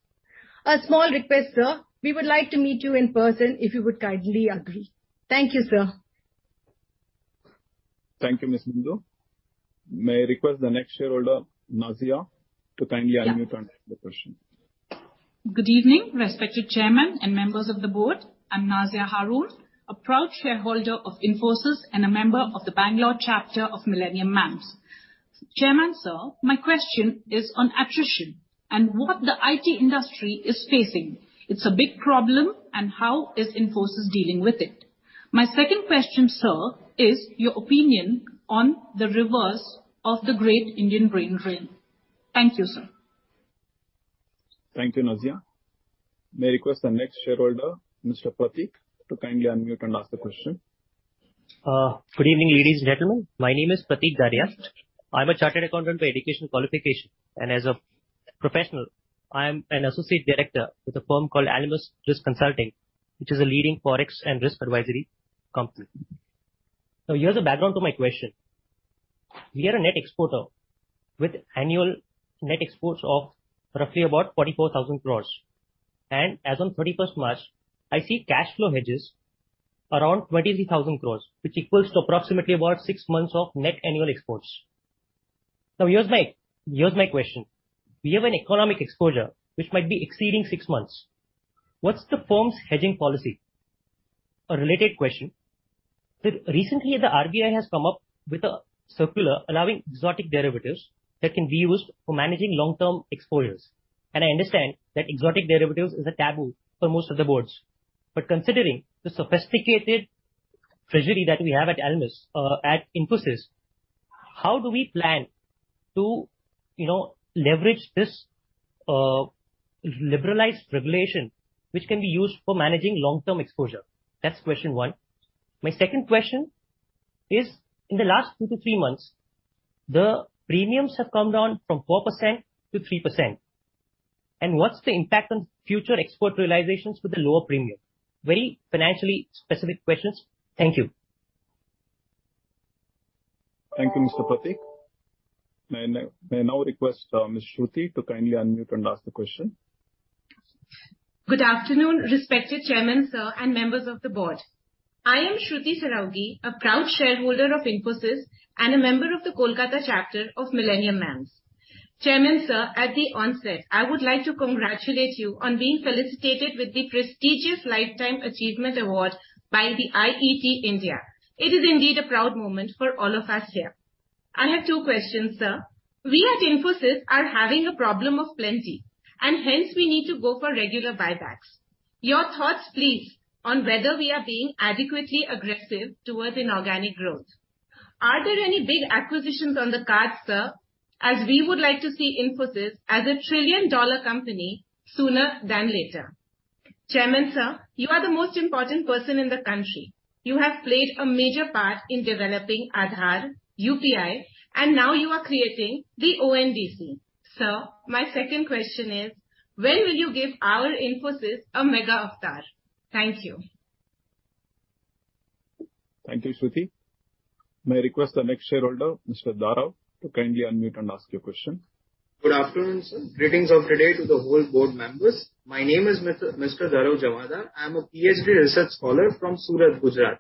A small request, sir. We would like to meet you in person if you would kindly agree. Thank you, sir. Thank you, Ms. Bindu. May I request the next shareholder, Nazia, to kindly unmute and ask the question? Good evening, respected Chairman and members of the board. I'm Nazia Haroon, a proud shareholder of Infosys and a member of the Bangalore chapter of Millennium Mams'. Chairman, sir, my question is on attrition and what the IT industry is facing. It's a big problem, and how is Infosys dealing with it? My second question, sir, is your opinion on the reverse of the great Indian brain drain. Thank you, sir. Thank you, Nazia. May I request the next shareholder, Mr. Prateek, to kindly unmute and ask the question? Good evening, ladies and gentlemen. My name is Prateek Giardia. I'm a chartered accountant by education qualification, and as a professional, I am an associate director with a firm called Almus Risk Consulting, which is a leading Forex and risk advisory company. Now, here's a background to my question. We are a net exporter with annual net exports of roughly about 44,000 crore. As on 31st March, I see cash flow hedges around 23,000 crore, which equals to approximately about six months of net annual exports. Now, here's my question: We have an economic exposure which might be exceeding six months. What's the firm's hedging policy? A related question. Recently, the RBI has come up with a circular allowing exotic derivatives that can be used for managing long-term exposures. I understand that exotic derivatives is a taboo for most of the boards. Considering the sophisticated treasury that we have at Almus, at Infosys, how do we plan to, you know, leverage this, liberalized regulation which can be used for managing long-term exposure? That's question one. My second question is: In the last two to three months, the premiums have come down from 4% to 3%. What's the impact on future export realizations with the lower premium? Very financially specific questions. Thank you. Thank you, Mr. Prateek. May I now request Ms. Shruti to kindly unmute and ask the question? Good afternoon, respected Chairman, sir, and members of the board. I am Shruti Saraogi, a proud shareholder of Infosys and a member of the Kolkata chapter of Millennium Mams. Chairman, sir, at the onset, I would like to congratulate you on being felicitated with the prestigious Lifetime Achievement Award by the IET India. It is indeed a proud moment for all of us here. I have two questions, sir. We at Infosys are having a problem of plenty, and hence we need to go for regular buybacks. Your thoughts, please, on whether we are being adequately aggressive towards inorganic growth. Are there any big acquisitions on the cards, sir, as we would like to see Infosys as a trillion-dollar company sooner than later. Chairman, sir, you are the most important person in the country. You have played a major part in developing Aadhaar, UPI, and now you are creating the ONDC. Sir, my second question is: when will you give our Infosys a mega avatar? Thank you. Thank you, Shruti. May I request the next shareholder, Mr. Dara Jawada, to kindly unmute and ask your question. Good afternoon, sir. Greetings of the day to the whole board members. My name is Mr. Dhara Jawada. I am a PhD research scholar from Surat, Gujarat.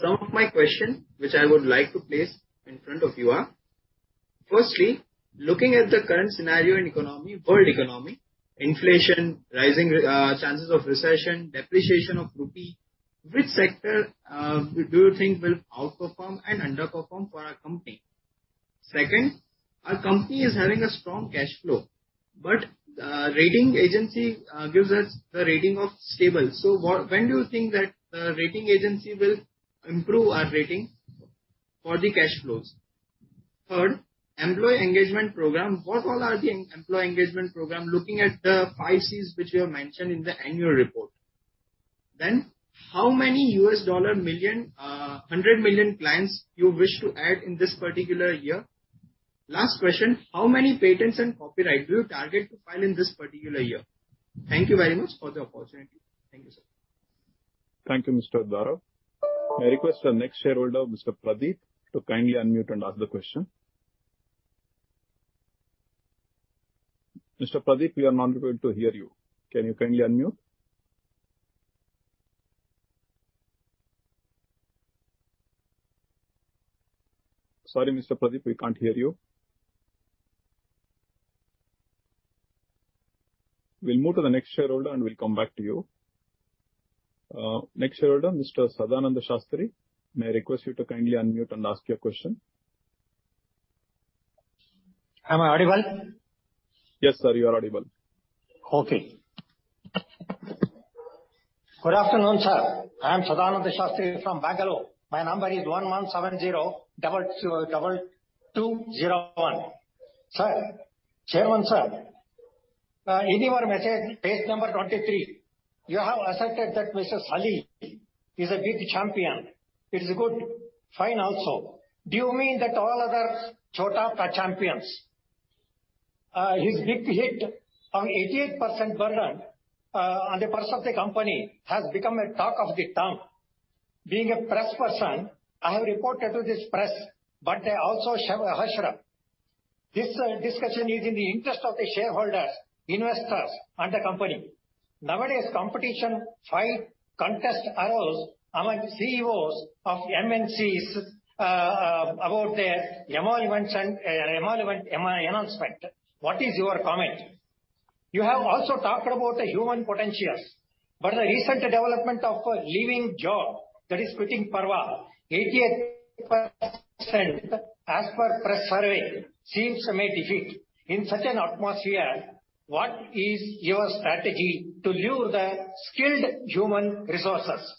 Some of my question which I would like to place in front of you are: firstly, looking at the current scenario in economy, world economy, inflation rising, chances of recession, depreciation of rupee, which sector do you think will outperform and underperform for our company? Second, our company is having a strong cash flow, but rating agency gives us the rating of stable. When do you think that rating agency will improve our rating for the cash flows? Third, employee engagement program. What all are the employee engagement program looking at the five Cs which you have mentioned in the annual report? How many US dollar million, hundred million clients you wish to add in this particular year? Last question, how many patents and copyright do you target to file in this particular year? Thank you very much for the opportunity. Thank you, sir. Thank you, Mr. Dara Jawada. May I request the next shareholder, Mr. Pradeep, to kindly unmute and ask the question. Mr. Pradeep, we are not able to hear you. Can you kindly unmute? Sorry, Mr. Pradeep, we can't hear you. We'll move to the next shareholder, and we'll come back to you. Next shareholder, Mr. Sadananda Sastry. May I request you to kindly unmute and ask your question. Am I audible? Yes, sir, you are audible. Good afternoon, sir. I am Sadananda Sastry from Bangalore. My number is 1170-22-2201. Sir, Chairman, sir, in your message, page number 23, you have asserted that Salil Parekh is a big champion. It is good. Fine also. Do you mean that all others chota are champions? His big hit on 88% burden on the purse of the company has become a talk of the town. Being a press person, I have reported to the press, but I also share a heads up. This discussion is in the interest of the shareholders, investors and the company. Nowadays, competition fight contest arose among CEOs of MNCs about their emoluments and emolument announcement. What is your comment? You have also talked about the human potentials, but the recent development of leaving job, that is quitting behavior, 88% as per press survey seems a major defeat. In such an atmosphere, what is your strategy to lure the skilled human resources?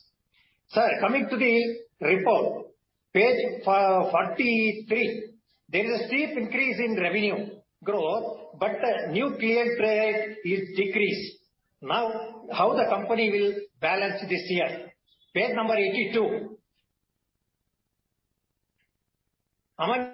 Sir, coming to the report, page 53, there is a steep increase in revenue growth, but the new pay rate is decreased. Now, how the company will balance this year? Page number 82. Among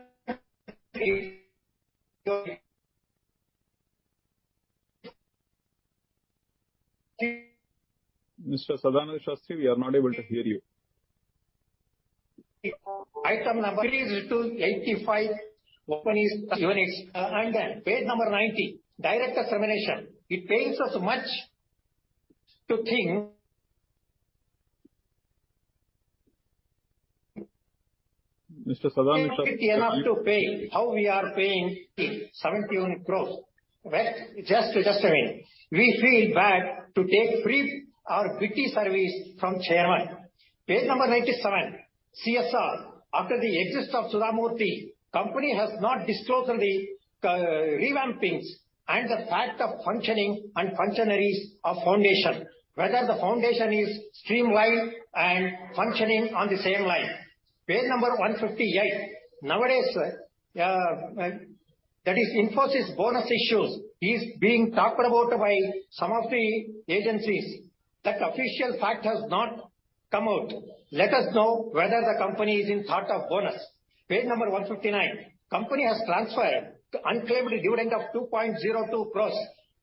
Mr. Sadananda Sastry, we are not able to hear you. Item number is 285 and then page number 90, director remuneration. It enough to pay how we are paying it, 71 crore. Right? Just a minute. We feel bad to take free or paid service from chairman. Page number 97, CSR. After the exit of Sudha Murty, company has not disclosed on the revampings and the fact of functioning and functionaries of foundation, whether the foundation is streamlined and functioning on the same line. Page number 158. Nowadays, that is Infosys bonus issues is being talked about by some of the agencies. The official fact has not come out. Let us know whether the company is in thought of bonus. Page number 159. Company has transferred the unclaimed dividend of 2.02 crore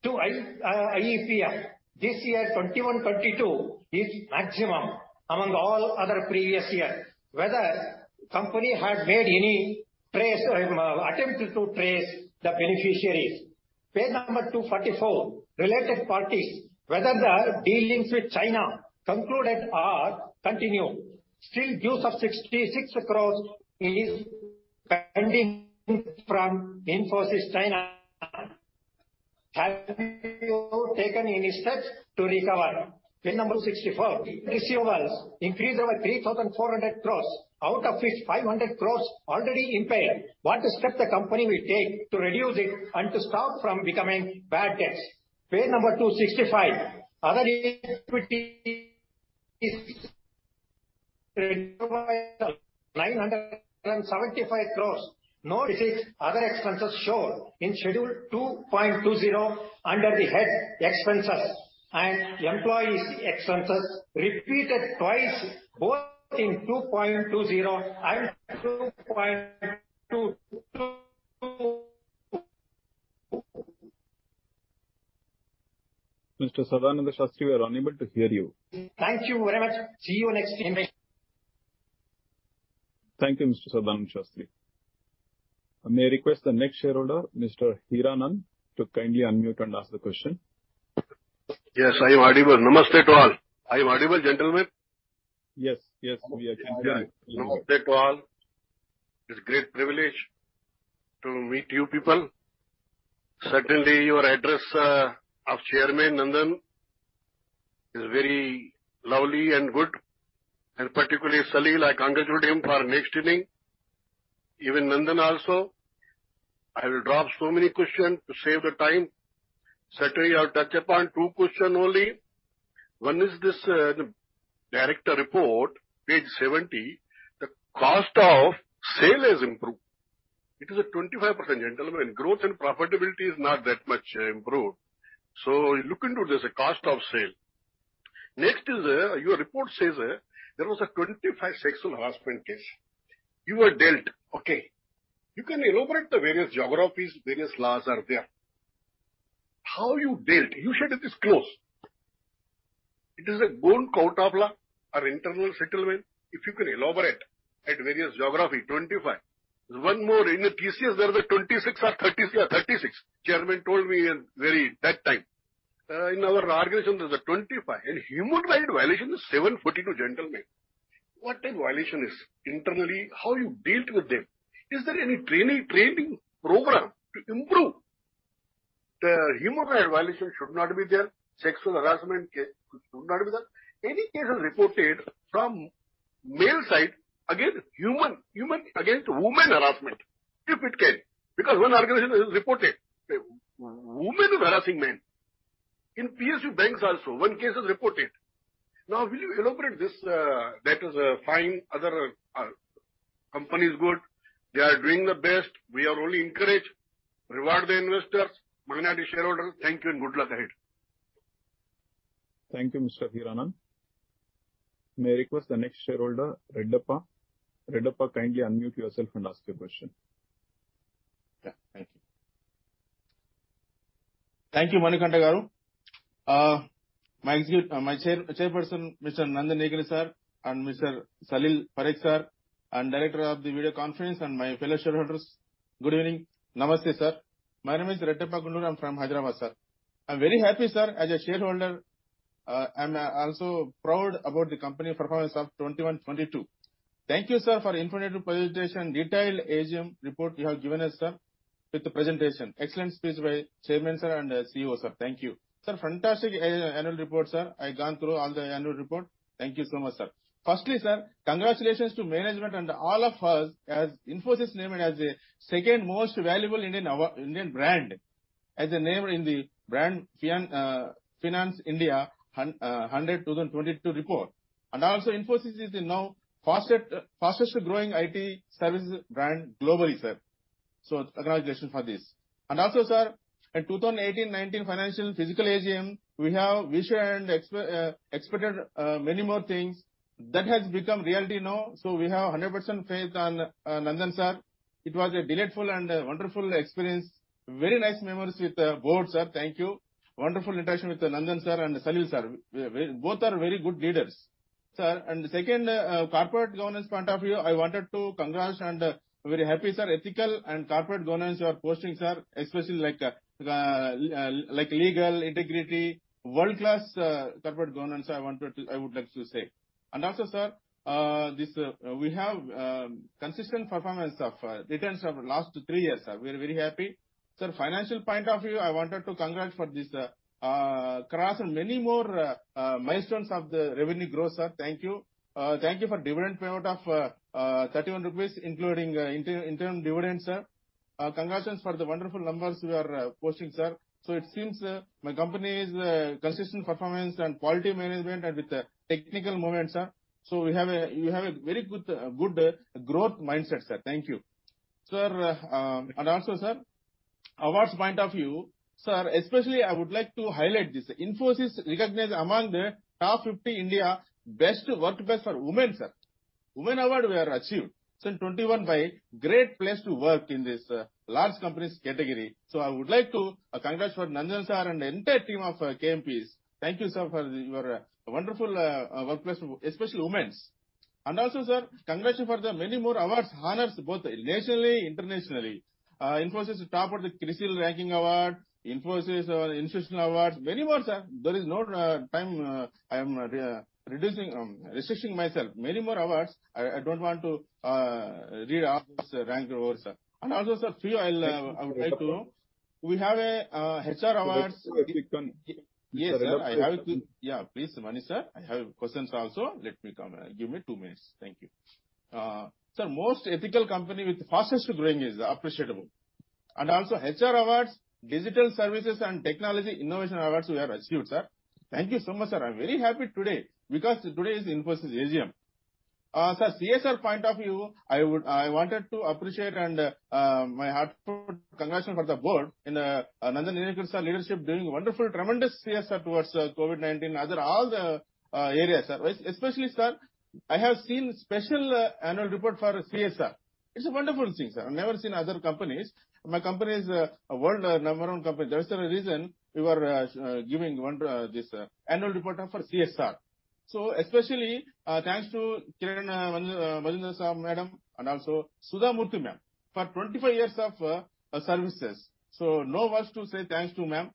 to IEPF. This year, 2021, 2022, is maximum among all other previous years. Whether company had made any attempt to trace the beneficiaries. Page number 244, related parties, whether their dealings with China concluded or continue. Still dues of 66 crores is pending from Infosys China. Have you taken any steps to recover? Page number 64, receivables increased over 3,400 crores, out of which 500 crores already impaired. What step the company will take to reduce it and to stop from becoming bad debts? Page number 265, other equity 975 crores. Notice other expenses shown in schedule 2.20 under the head Expenses and Employees Expenses repeated twice, both in 2.20 and 2.2. Mr. Sadananda Sastry, we are unable to hear you. Thank you very much. See you next time. Thank you, Mr. Sadananda Sastry. May I request the next shareholder, Mr. Hiranand Kotwani, to kindly unmute and ask the question. Yes, I am audible. Namaste to all. I am audible, gentlemen? Yes. Yes, we are hearing you. Namaste to all. It's a great privilege to meet you people. Certainly, your address of Chairman Nandan is very lovely and good, and particularly Salil, I congratulate him for next inning. Even Nandan also. I will drop so many questions to save the time. Certainly, I'll touch upon two questions only. One is this, the directors' report, page 70. The cost of sales has improved. It is a 25%, gentlemen. Growth and profitability is not that much improved. Look into this, the cost of sales. Next is, your report says, there were 25 sexual harassment cases. They were dealt, okay. You can elaborate the various geographies, various laws are there. How you dealt, you should disclose. It is been to court of law or internal settlement? If you can elaborate at various geography, 25. One more, in the TCS, there was a 26 or 36. Chairman told me in very that time. In our organization, there's a 25, and human rights violation is 742, gentlemen. What type violation is internally? How you dealt with them? Is there any training program to improve? The human rights violation should not be there. Sexual harassment case should not be there. Any case is reported from male side against human against women harassment, if it can. Because one organization is reported, women harassing men. In PSU banks also, one case is reported. Now, will you elaborate this, that is fine. Other company is good. They are doing the best. We are only encourage. Reward the investors, minority shareholder. Thank you and good luck ahead. Thank you, Mr. Hiranand. May I request the next shareholder, Redappa. Redappa, kindly unmute yourself and ask your question. Thank you. Thank you, Manikantha Garu. My chairperson, Mr. Nandan Nilekani, sir, and Mr. Salil Parekh, sir, and director of the video conference, and my fellow shareholders, good evening. Namaste, sir. My name is Reddeppa Gundluru, I'm from Hyderabad, sir. I'm very happy, sir, as a shareholder. I'm also proud about the company performance of 2021, 2022. Thank you, sir, for informative presentation, detailed AGM report you have given us, sir, with the presentation. Excellent speech by chairman, sir, and CEO, sir. Thank you. Sir, fantastic annual report, sir. I've gone through all the annual report. Thank you so much, sir. Firstly, sir, congratulations to management and all of us as Infosys named as the second most valuable Indian brand as a name in the Brand Finance India 100 2022 report. Infosys is now the fastest growing IT services brand globally, sir. Congratulations for this. sir, in 2018 2019 financial physical AGM, we have wished and expected many more things. That has become reality now, we have 100% faith on Nandan Nilekani, sir. It was a delightful and a wonderful experience. Very nice memories with the board, sir. Thank you. Wonderful interaction with Nandan Nilekani, sir, and Salil Parekh, sir. We both are very good leaders. Sir, second, corporate governance point of view, I wanted to congrats and very happy, sir. Ethical and corporate governance you are posting, sir, especially like legal, integrity, world-class, corporate governance, I would like to say. sir, this, we have consistent performance of returns of last three years, sir. We're very happy. Sir, from a financial point of view, I wanted to congrats for this cross and many more milestones of the revenue growth, sir. Thank you. Thank you for dividend payout of 31 rupees, including interim dividend, sir. Congratulations for the wonderful numbers you are posting, sir. It seems my company's consistent performance and quality management and with the technical movement, sir. You have a very good growth mindset, sir. Thank you. Sir, and also, sir, from awards point of view, sir, especially I would like to highlight this. Infosys recognized among the top 50 India best workplace for women, sir. Women award we achieved in 2021 by Great Place to Work in this large companies category. I would like to congrats for Nandan, sir, and entire team of KMPs. Thank you, sir, for your wonderful workplace, especially women's. Also sir, congratulation for the many more awards, honors, both nationally, internationally. Infosys top of the CRISIL Ranking award, Infosys Institutional awards. Many more, sir. There is no time, I am restricting myself. Many more awards. I don't want to read out this rank awards, sir. Also, sir, few I'll try to. We have a HR awards. Yes, sir. I have to. Yeah. Please Manish sir. I have questions also. Let me come. Give me two minutes. Thank you. Most ethical company with fastest growing is appreciable. Also HR awards, digital services and technology innovation awards we have achieved, sir. Thank you so much, sir. I'm very happy today because today is Infosys AGM. Sir, CSR point of view, I would, I wanted to appreciate and my heartfelt congratulation for the board under Nandan Nilekani sir leadership, doing wonderful, tremendous CSR towards COVID-19. Other all the areas, sir. Especially, sir, I have seen special annual report for CSR. It's a wonderful thing, sir. I've never seen other companies. My company is a world number one company. There's a reason we were giving one this annual report for CSR. So especially, thanks to Kiran Mazumdar-Shaw and also Sudha Murty ma'am for 25 years of services. So no words to say thanks to ma'am.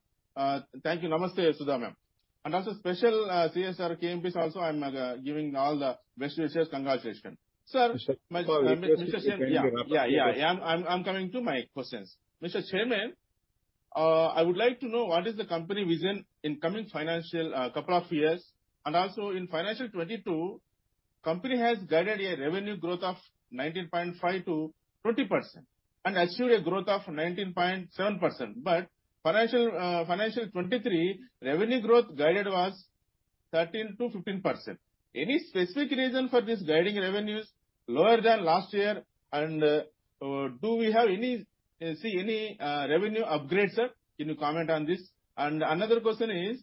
Thank you. Namaste, Sudha ma'am. Also special CSR KMPs also, I'm giving all the best wishes. Congratulations. Sir. Mr. Reddappa, please conclude. Thank you. Yeah. I'm coming to my questions. Mr. Chairman, I would like to know what is the company vision in coming financial couple of years? In financial year 2022, company has guided a revenue growth of 19.5%-20% and achieved a growth of 19.7%. Financial productivity, revenue growth guided was 13%-15%. Any specific reason for this guiding revenues lower than last year and do we see any revenue upgrades, sir? Can you comment on this? Another question is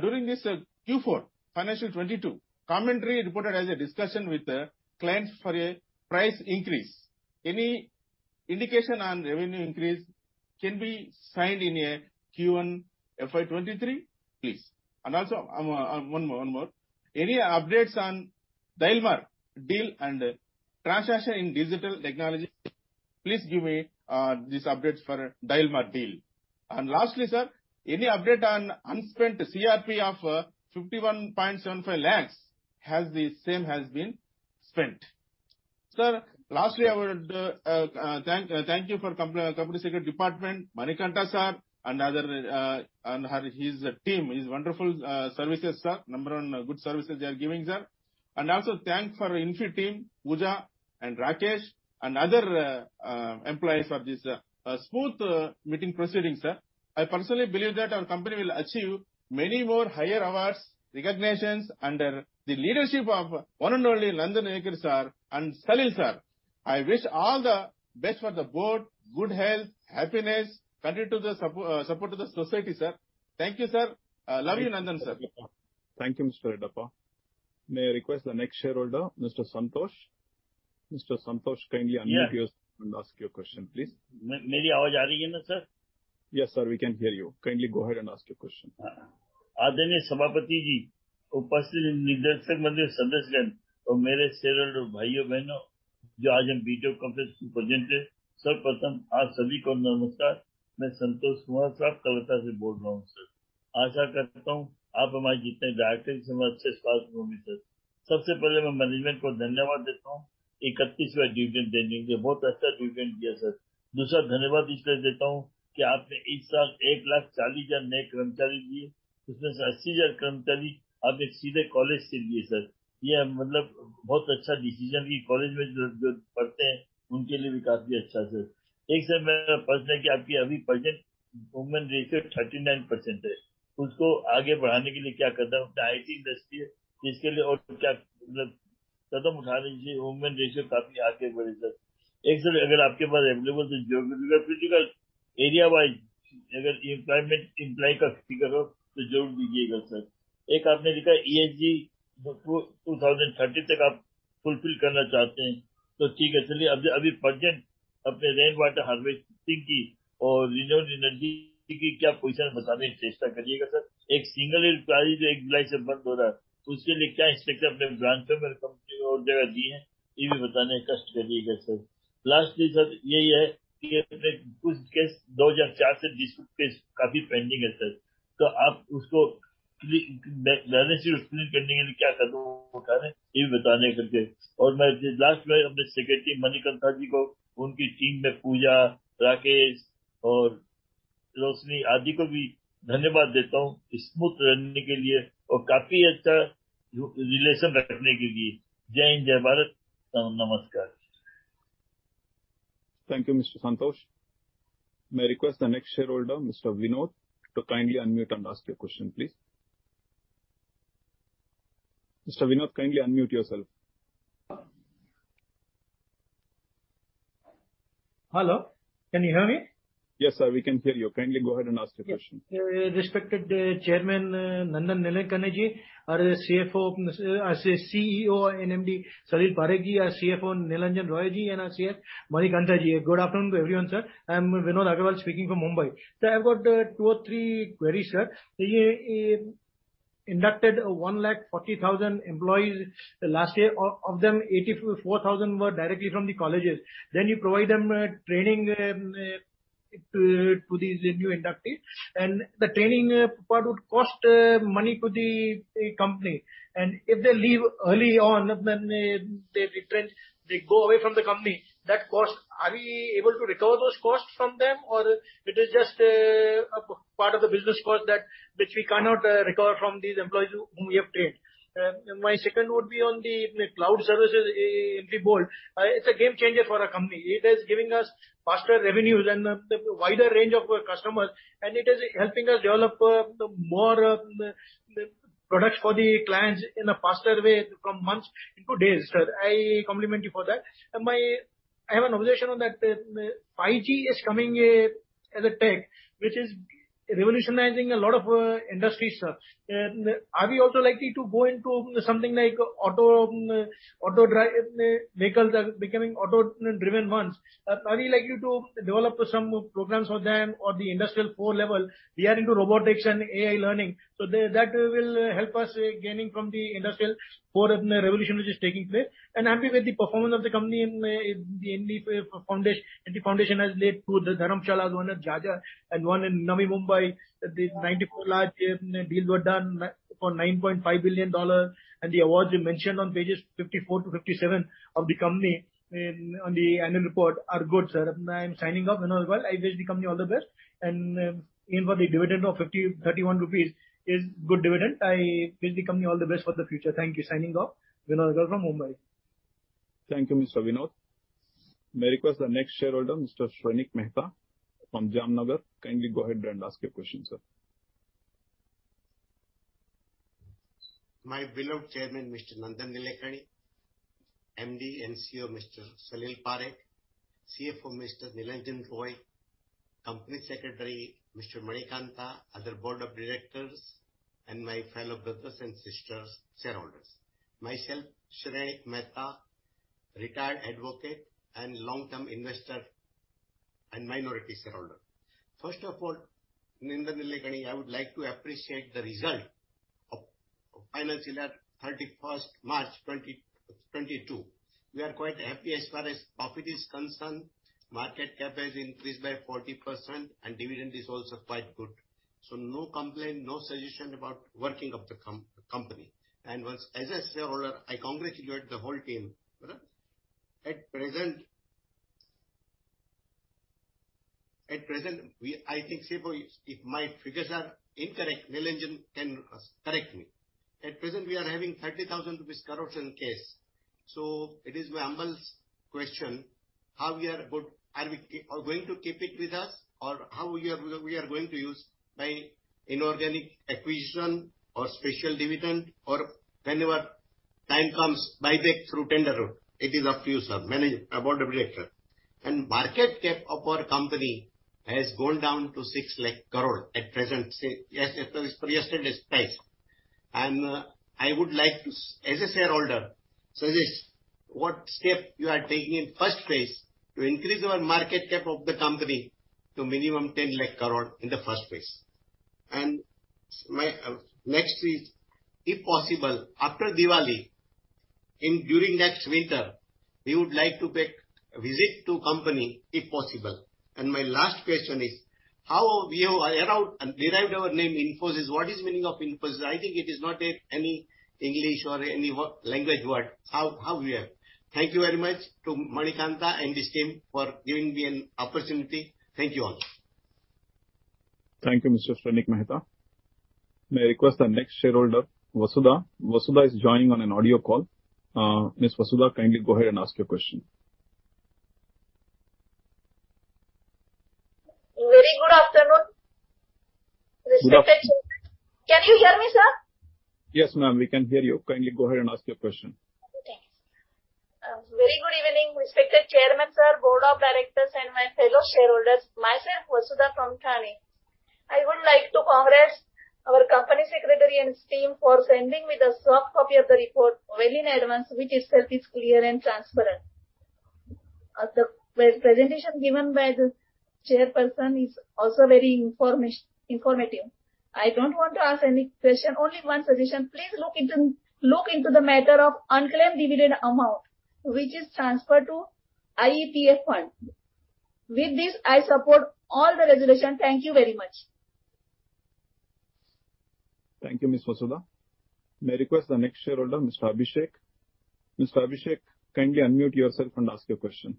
during this Q4, financial year 2022, commentary reported as a discussion with the clients for a price increase. Any indication on revenue increase can be seen in a Q1 FY 2023, please? Also, one more. Any updates on Daimler deal and transaction in digital technology? Please give me these updates for Daimler deal. Lastly, sir, any update on unspent CSR of 51.75 lakhs? Has the same been spent? Sir, lastly, I would thank you for company secret department, Manikantha sir and other and his team, his wonderful services, sir. Number one good services they are giving, sir. Also thanks for Info team, Pooja and Rakesh and other employees for this smooth meeting proceeding, sir. I personally believe that our company will achieve many more higher awards, recognitions under the leadership of one and only Nandan Nilekani sir and Salil sir. I wish all the best for the board, good health, happiness, continue to support to the society, sir. Thank you, sir. Love you, Nandan Sir. Thank you, Mr. Reddappa. May I request the next shareholder, Mr. Santosh? Mr. Santosh, kindly. Yeah. Unmute yourself and ask your question, please. Yes, sir. We can hear you. Kindly go ahead and ask your question. Thank you Mr. Santosh. May I request the next shareholder, Mr Vinod Agarwal. Kindly unmute and ask your question. Good afternoon to everyone, sir. I'm Vinod Agarwal speaking from Mumbai. I've got, two or three queries, sir. Inducted 140,000 employees last year. Of them, 84,000 were directly from the colleges. You provide them training to these new inductees. The training part would cost money to the company. If they leave early on, they go away from the company, that cost, are we able to recover those costs from them? Or it is just a part of the business cost that which we cannot recover from these employees whom we have trained. My second would be on the cloud services, Infosys Cobalt. It's a game changer for our company. It is giving us faster revenues and the wider range of customers, and it is helping us develop the more products for the clients in a faster way from months into days, sir. I compliment you for that. I have an observation on that, 5G is coming as a tech which is revolutionizing a lot of industries, sir. Are we also likely to go into something like auto drive, vehicles are becoming auto-driven ones. Are we likely to develop some programs for them or the industrial core level? We are into robotics and AI learning, so that will help us gaining from the industrial core revolution which is taking place. I'm happy with the performance of the company and the foundation, and the foundation has led to the Dharamshala, one at Jhajjar and one in Navi Mumbai. The 94 large deals were done for $9.5 billion. The awards you mentioned on pages 54-57 of the company and on the annual report are good, sir. I'm signing off. Vinod Agarwal. I wish the company all the best and aim for the dividend of 31 rupees is good dividend. I wish the company all the best for the future. Thank you. Signing off, Vinod Agarwal from Mumbai. Thank you, Mr. Vinod. May I request the next shareholder, Mr. Shrenik Mehta from Jamnagar. Kindly go ahead and ask your question, sir. My beloved chairman, Mr. Nandan Nilekani, MD and CEO, Mr. Salil Parekh, CFO, Mr. Nilanjan Roy, Company Secretary, Mr. Manikantha, other Board of Directors, and my fellow brothers and sisters shareholders. Myself, Shrenik Mehta, retired advocate and long-term investor and minority shareholder. First of all, Nandan Nilekani, I would like to appreciate the result of financial year 31 March 2022. We are quite happy as far as profit is concerned. Market cap has increased by 40% and dividend is also quite good. No complaint, no suggestion about working of the company. As a shareholder, I congratulate the whole team. At present I think, Sibo, if my figures are incorrect, Nilanjan can correct me. At present, we are having 30,000 rupees corruption case. It is my humble question, how are we going to keep it with us or how we are going to use by inorganic acquisition or special dividend or whenever time comes, buyback through tender route. It is up to you, sir. Our board of directors. Market cap of our company has gone down to 6 lakh crore at present, as per yesterday's price. I would like to, as a shareholder, suggest what step you are taking in first phase to increase our market cap of the company to minimum 10 lakh crore in the first phase. My next is, if possible, after Diwali, during next winter, we would like to pay visit to company if possible. My last question is, how we have derived our name Infosys. What is meaning of Infosys? I think it is not any English or any language word. How we have? Thank you very much to Manikantha and his team for giving me an opportunity. Thank you all. Thank you, Mr. Shrenik Mehta. May I request the next shareholder, Vasudha. Vasudha is joining on an audio call. Ms. Vasudha, kindly go ahead and ask your question. Very good afternoon. Good aftertoon Can you hear me, sir? Yes, ma'am, we can hear you. Kindly go ahead and ask your question. Okay, thanks. Very good evening, respected Chairman, sir, Board of Directors, and my fellow shareholders. Myself, Vasudha from Thane. I would like to congratulate our company secretary and his team for sending me the soft copy of the report well in advance, which itself is clear and transparent. The presentation given by the chairperson is also very informative. I don't want to ask any question, only one suggestion. Please look into the matter of unclaimed dividend amount which is transferred to IEPF fund. With this, I support all the resolution. Thank you very much. Thank you, Ms. Vasudha. May I request the next shareholder, Mr. Abhishek. Mr. Abhishek, kindly unmute yourself and ask your question.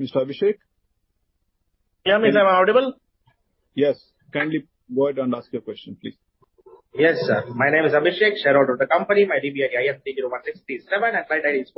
Mr. Abhishek? Yeah. Am I audible? Yes. Kindly go ahead and ask your question, please. Yes, sir. My name is Abhishek, shareholder of the company. My DPIN is 301637 and client ID is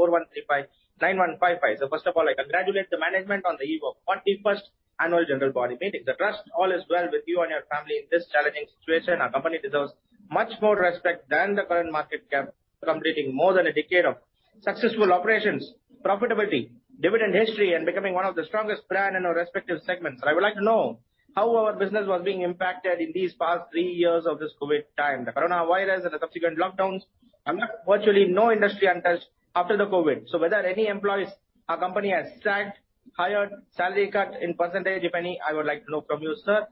41359155. First of all, I congratulate the management on the eve of 41st annual general body meeting. I trust all is well with you and your family in this challenging situation. Our company deserves much more respect than the current market cap, completing more than a decade of successful operations, profitability, dividend history, and becoming one of the strongest brand in our respective segments. I would like to know how our business was being impacted in these past three years of this COVID-19 time, the coronavirus and the subsequent lockdowns and virtually no industry untouched after the COVID-19. Whether any employees our company has sacked. Higher salary cut in percentage, if any, I would like to know from you, sir.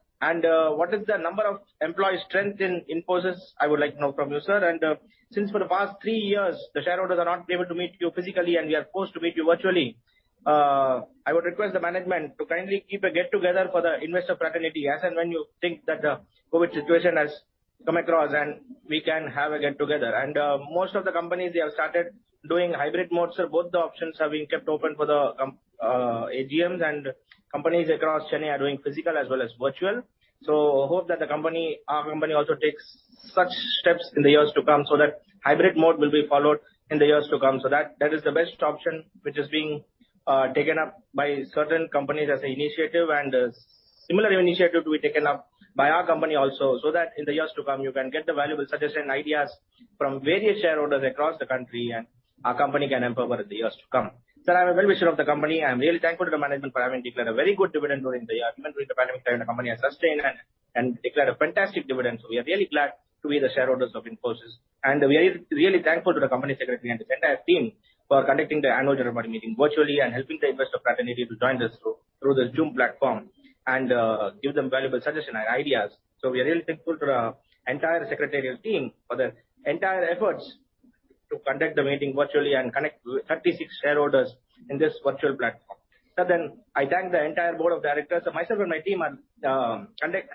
What is the number of employees strength in Infosys, I would like to know from you, sir. Since for the past three years, the shareholders are not able to meet you physically, and we are forced to meet you virtually. I would request the management to kindly keep a get together for the investor fraternity as and when you think that the COVID situation has come across, and we can have a get together. Most of the companies, they have started doing hybrid mode, so both the options are being kept open for the AGMs and companies across Chennai are doing physical as well as virtual. Hope that the company, our company also takes such steps in the years to come, so that hybrid mode will be followed in the years to come. That is the best option which is being taken up by certain companies as an initiative and similar initiative to be taken up by our company also, so that in the years to come, you can get the valuable suggestion, ideas from various shareholders across the country, and our company can empower in the years to come. Sir, I am a well-wisher of the company. I am really thankful to the management for having declared a very good dividend during the year. Even during the pandemic time, the company has sustained and declared a fantastic dividend. We are really glad to be the shareholders of Infosys. We are really thankful to the company secretary and his entire team for conducting the annual general body meeting virtually and helping the investor fraternity to join this through the Zoom platform and give them valuable suggestion and ideas. We are really thankful to the entire secretarial team for their entire efforts to conduct the meeting virtually and connect 36 shareholders in this virtual platform. Sir, I thank the entire board of directors. Myself and my team are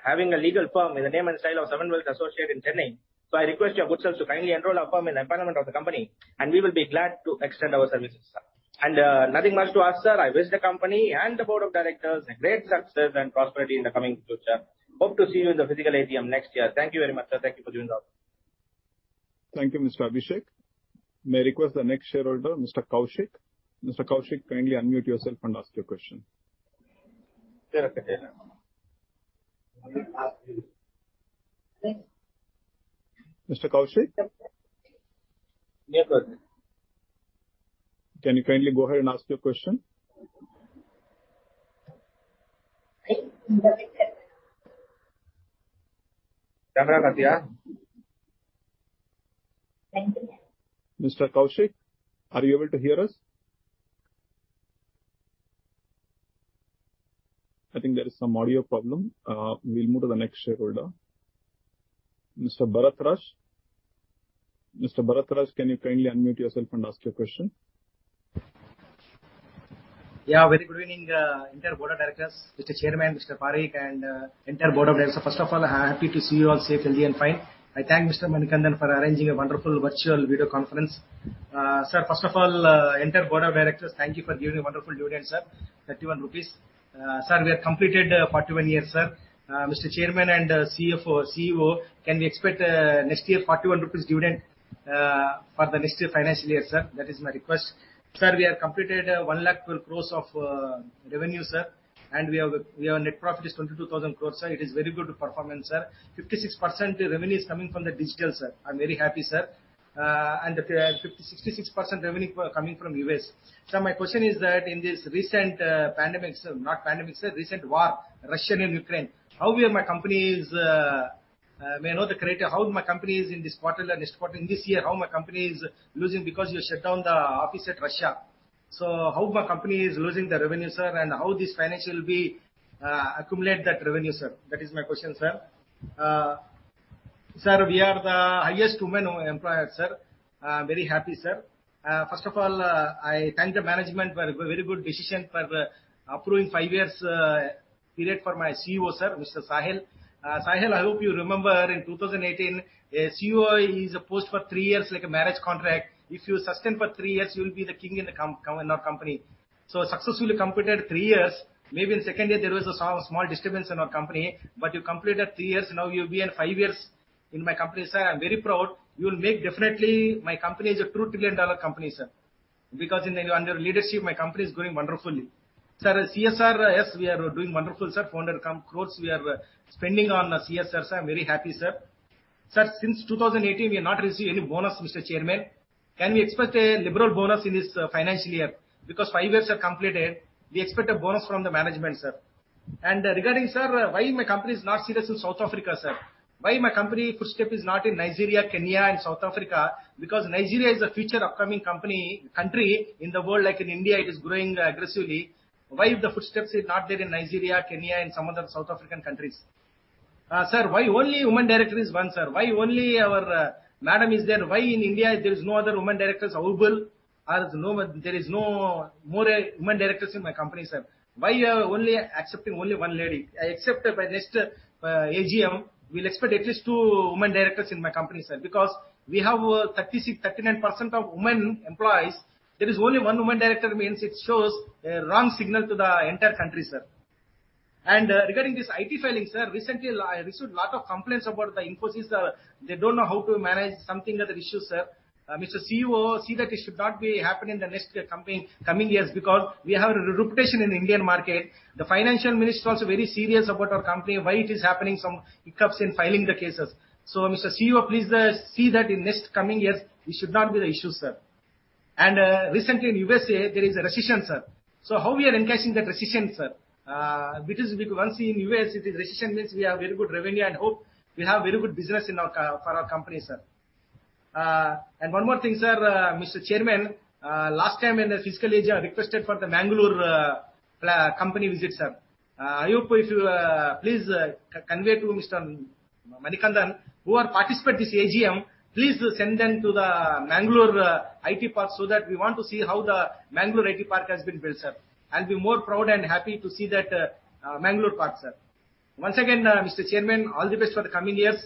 having a legal firm in the name and style of Seven Worlds Associates in Chennai. I request your good self to kindly enroll our firm in the employment of the company, and we will be glad to extend our services, sir. Nothing much to ask, sir. I wish the company and the board of directors a great success and prosperity in the coming future. Hope to see you in the physical AGM next year. Thank you very much, sir. Thank you for doing so. Thank you, Mr. Abhishek. May I request the next shareholder, Mr. Kaushik. Mr. Kaushik, kindly unmute yourself and ask your question. Sure, okay, sir. Mr. Kaushik? Yeah, good. Can you kindly go ahead and ask your question? Thank you. Mr. Kaushik, are you able to hear us? I think there is some audio problem. We'll move to the next shareholder. Mr. Bharath Raj. Mr. Bharath Raj, can you kindly unmute yourself and ask your question? Yeah, very good evening, entire board of directors, Mr. Chairman, Mr. Parekh, and entire board of directors. First of all, I'm happy to see you all safe, healthy, and fine. I thank Mr. Manikantha for arranging a wonderful virtual video conference. Sir, first of all, entire board of directors, thank you for giving a wonderful dividend, sir. 31 rupees. Sir, we have completed 41 years, sir. Mr. Chairman and CFO, CEO, can we expect next year 41 rupees dividend for the next year financial year, sir? That is my request. Sir, we have completed 1 lakh crore of revenue, sir. We have net profit is 22,000 crore, sir. It is very good performance, sir. 56% revenue is coming from the digital, sir. I'm very happy, sir. 56% revenue coming from US. Sir, my question is that in this recent war, Russia and Ukraine, how my company is impacted in this quarter and next quarter. In this year, how my company is losing because you shut down the office at Russia. How my company is losing the revenue, sir, and how this fiscal year will be able to accumulate that revenue, sir? That is my question, sir. Sir, we are the highest women employer, sir. I'm very happy, sir. First of all, I thank the management for a very good decision for approving five years period for my CEO, sir, Mr. Salil. Salil, I hope you remember in 2018, a CEO is a post for three years like a marriage contract. If you sustain for three years, you'll be the king in the company. Successfully completed three years. Maybe in second year, there was a small disturbance in our company, but you completed three years. Now you'll be in five years in my company, sir. I'm very proud. You will make definitely my company as a $2 trillion company, sir. Because under your leadership, my company is growing wonderfully. Sir, CSR, yes, we are doing wonderful, sir. 400 crore we are spending on CSR, sir. I'm very happy, sir. Sir, since 2018, we have not received any bonus, Mr. Chairman. Can we expect a liberal bonus in this financial year? Because five years are completed, we expect a bonus from the management, sir. Regarding, sir, why my company is not serious in South Africa, sir? Why my company footprint is not in Nigeria, Kenya, and South Africa? Because Nigeria is a future upcoming country in the world, like in India, it is growing aggressively. Why the footsteps is not there in Nigeria, Kenya, and some other South African countries? Sir, why only woman director is one, sir? Why only our madam is there? Why in India there is no other woman directors available? Or there is no more woman directors in my company, sir. Why you are only accepting only one lady? Except if by next AGM, we'll expect at least two women directors in my company, sir, because we have 39% of women employees. There is only one woman director means it shows a wrong signal to the entire country, sir. Regarding this IT filing, sir, recently I received lot of complaints about the Infosys. They don't know how to manage something that issue, sir. Mr. CEO, see that it should not be happening in the next year, coming years, because we have a reputation in the Indian market. The Finance Minister also very serious about our company, why it is happening, some hiccups in filing the cases. Mr. CEO, please, see that in next coming years, it should not be the issue, sir. Recently in USA, there is a recession, sir. How we are encashing that recession, sir? Because once in US, it is recession means we have very good revenue and hope we have very good business for our company, sir. One more thing, sir, Mr. Chairman, last time in the fiscal year, I requested for the Bangalore plant company visit, sir. I hope if you please convey to Mr. Manikantha who are participate this AGM please do send them to the Bangalore IT Park so that we want to see how the Bangalore IT Park has been built, sir. I'll be more proud and happy to see that Bangalore park, sir. Once again Mr. Chairman all the best for the coming years.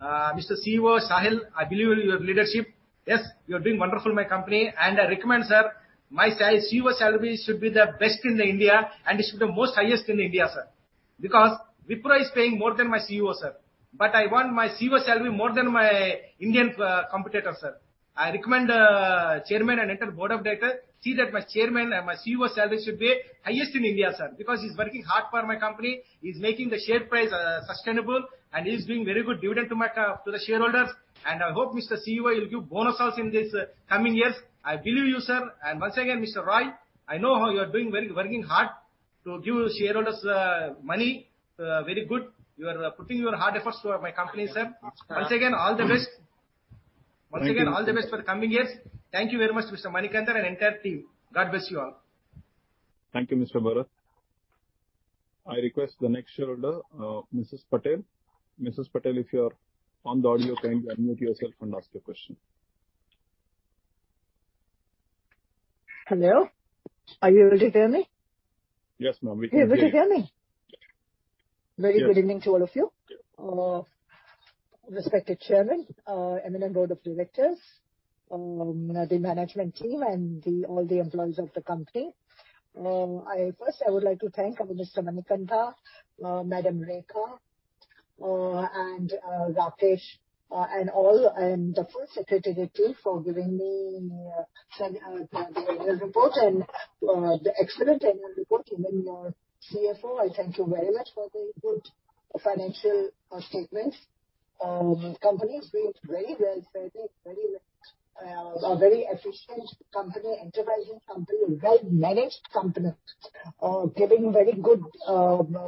Mr. CEO Salil I believe in your leadership. Yes you're doing wonderful my company. I recommend sir my CEO salary should be the best in India and it should be most highest in India sir. Because Wipro is paying more than my CEO sir but I want my CEO salary more than my Indian competitor sir. I recommend, chairman and entire board of directors see that my chairman and my CEO salary should be highest in India, sir, because he's working hard for my company, he's making the share price sustainable, and he's doing very good dividend to the shareholders. I hope, Mr. CEO, you'll give bonus also in this coming years. I believe you, sir. Once again, Mr. Roy, I know how you're working hard to give shareholders money very good. You are putting your hard efforts to my company, sir. Once again, all the best. Thank you. Once again, all the best for the coming years. Thank you very much, Mr. Manikantha and entire team. God bless you all. Thank you, Mr. Bharat. I request the next shareholder, Mrs. Patel. Mrs. Patel, if you're on the audio, kindly unmute yourself and ask your question. Hello. Are you able to hear me? Yes, ma'am. We can hear you. You're able to hear me? Yes. Very good evening to all of you. Respected chairman, eminent board of directors, the management team and all the employees of the company. I first would like to thank Mr. Manikantha, Madam Rekha, and Rakesh, and all the full secretary team for giving me and sending the annual report and the excellent annual report. Even your CFO, I thank you very much for the good financial statements. Company is doing very well. A very efficient company, enterprising company, a well-managed company, giving very good,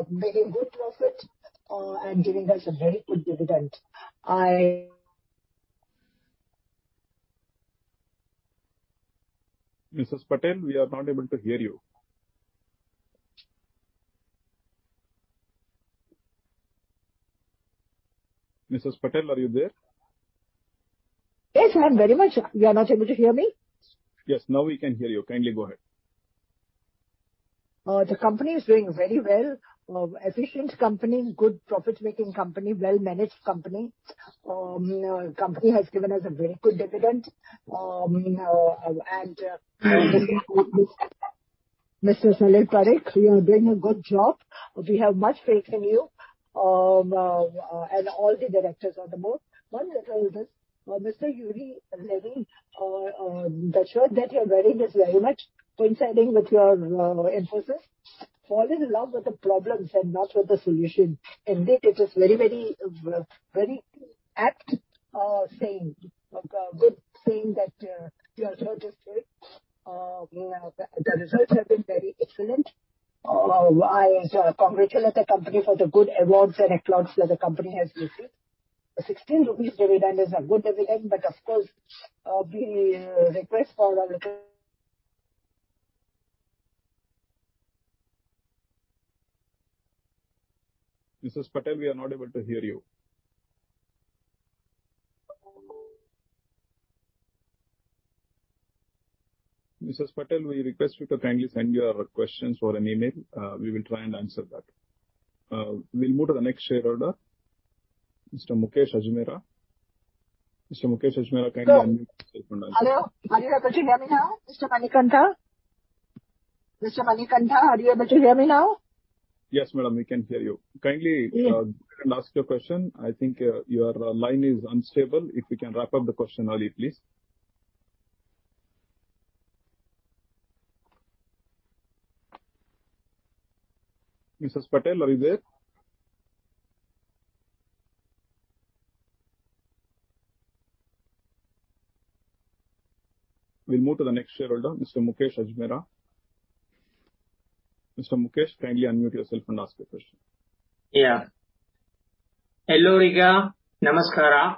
making good profit, and giving us a very good dividend. Mrs. Patel, we are not able to hear you. Mrs. Patel, are you there? Yes, I am very much. You are not able to hear me? Yes, now we can hear you. Kindly go ahead. The company is doing very well. Efficient company, good profit making company, well-managed company. Company has given us a very good dividend, and Mr. Salil Parekh, you are doing a good job. We have much faith in you, and all the directors on the board. One little this, Mr. Uri Levine, the shirt that you're wearing is very much coinciding with your emphasis. Fall in love with the problems and not with the solution. Indeed, it is very, very, very apt saying, like a good saying that you have registered. The results have been very excellent. I congratulate the company for the good awards and accolades that the company has received. An 16 rupees dividend is a good dividend, but of course, we request for a little. Mrs. Patel, we are not able to hear you. Mrs. Patel, we request you to kindly send your questions via email. We will try and answer that. We'll move to the next shareholder, Mr. Mukesh Ajmera. Mr. Mukesh Ajmera, kindly unmute yourself and ask- Hello. Are you able to hear me now, Mr. Manikantha? Mr. Manikantha, are you able to hear me now? Yes, madam. We can hear you. Yes. Ask your question. I think, your line is unstable. If you can wrap up the question early, please. Mrs. Patel, are you there? We'll move to the next shareholder, Mr. Mukesh Ajmera. Mr. Mukesh, kindly unmute yourself and ask your question. Yeah. Hello, Rica. Namaskara.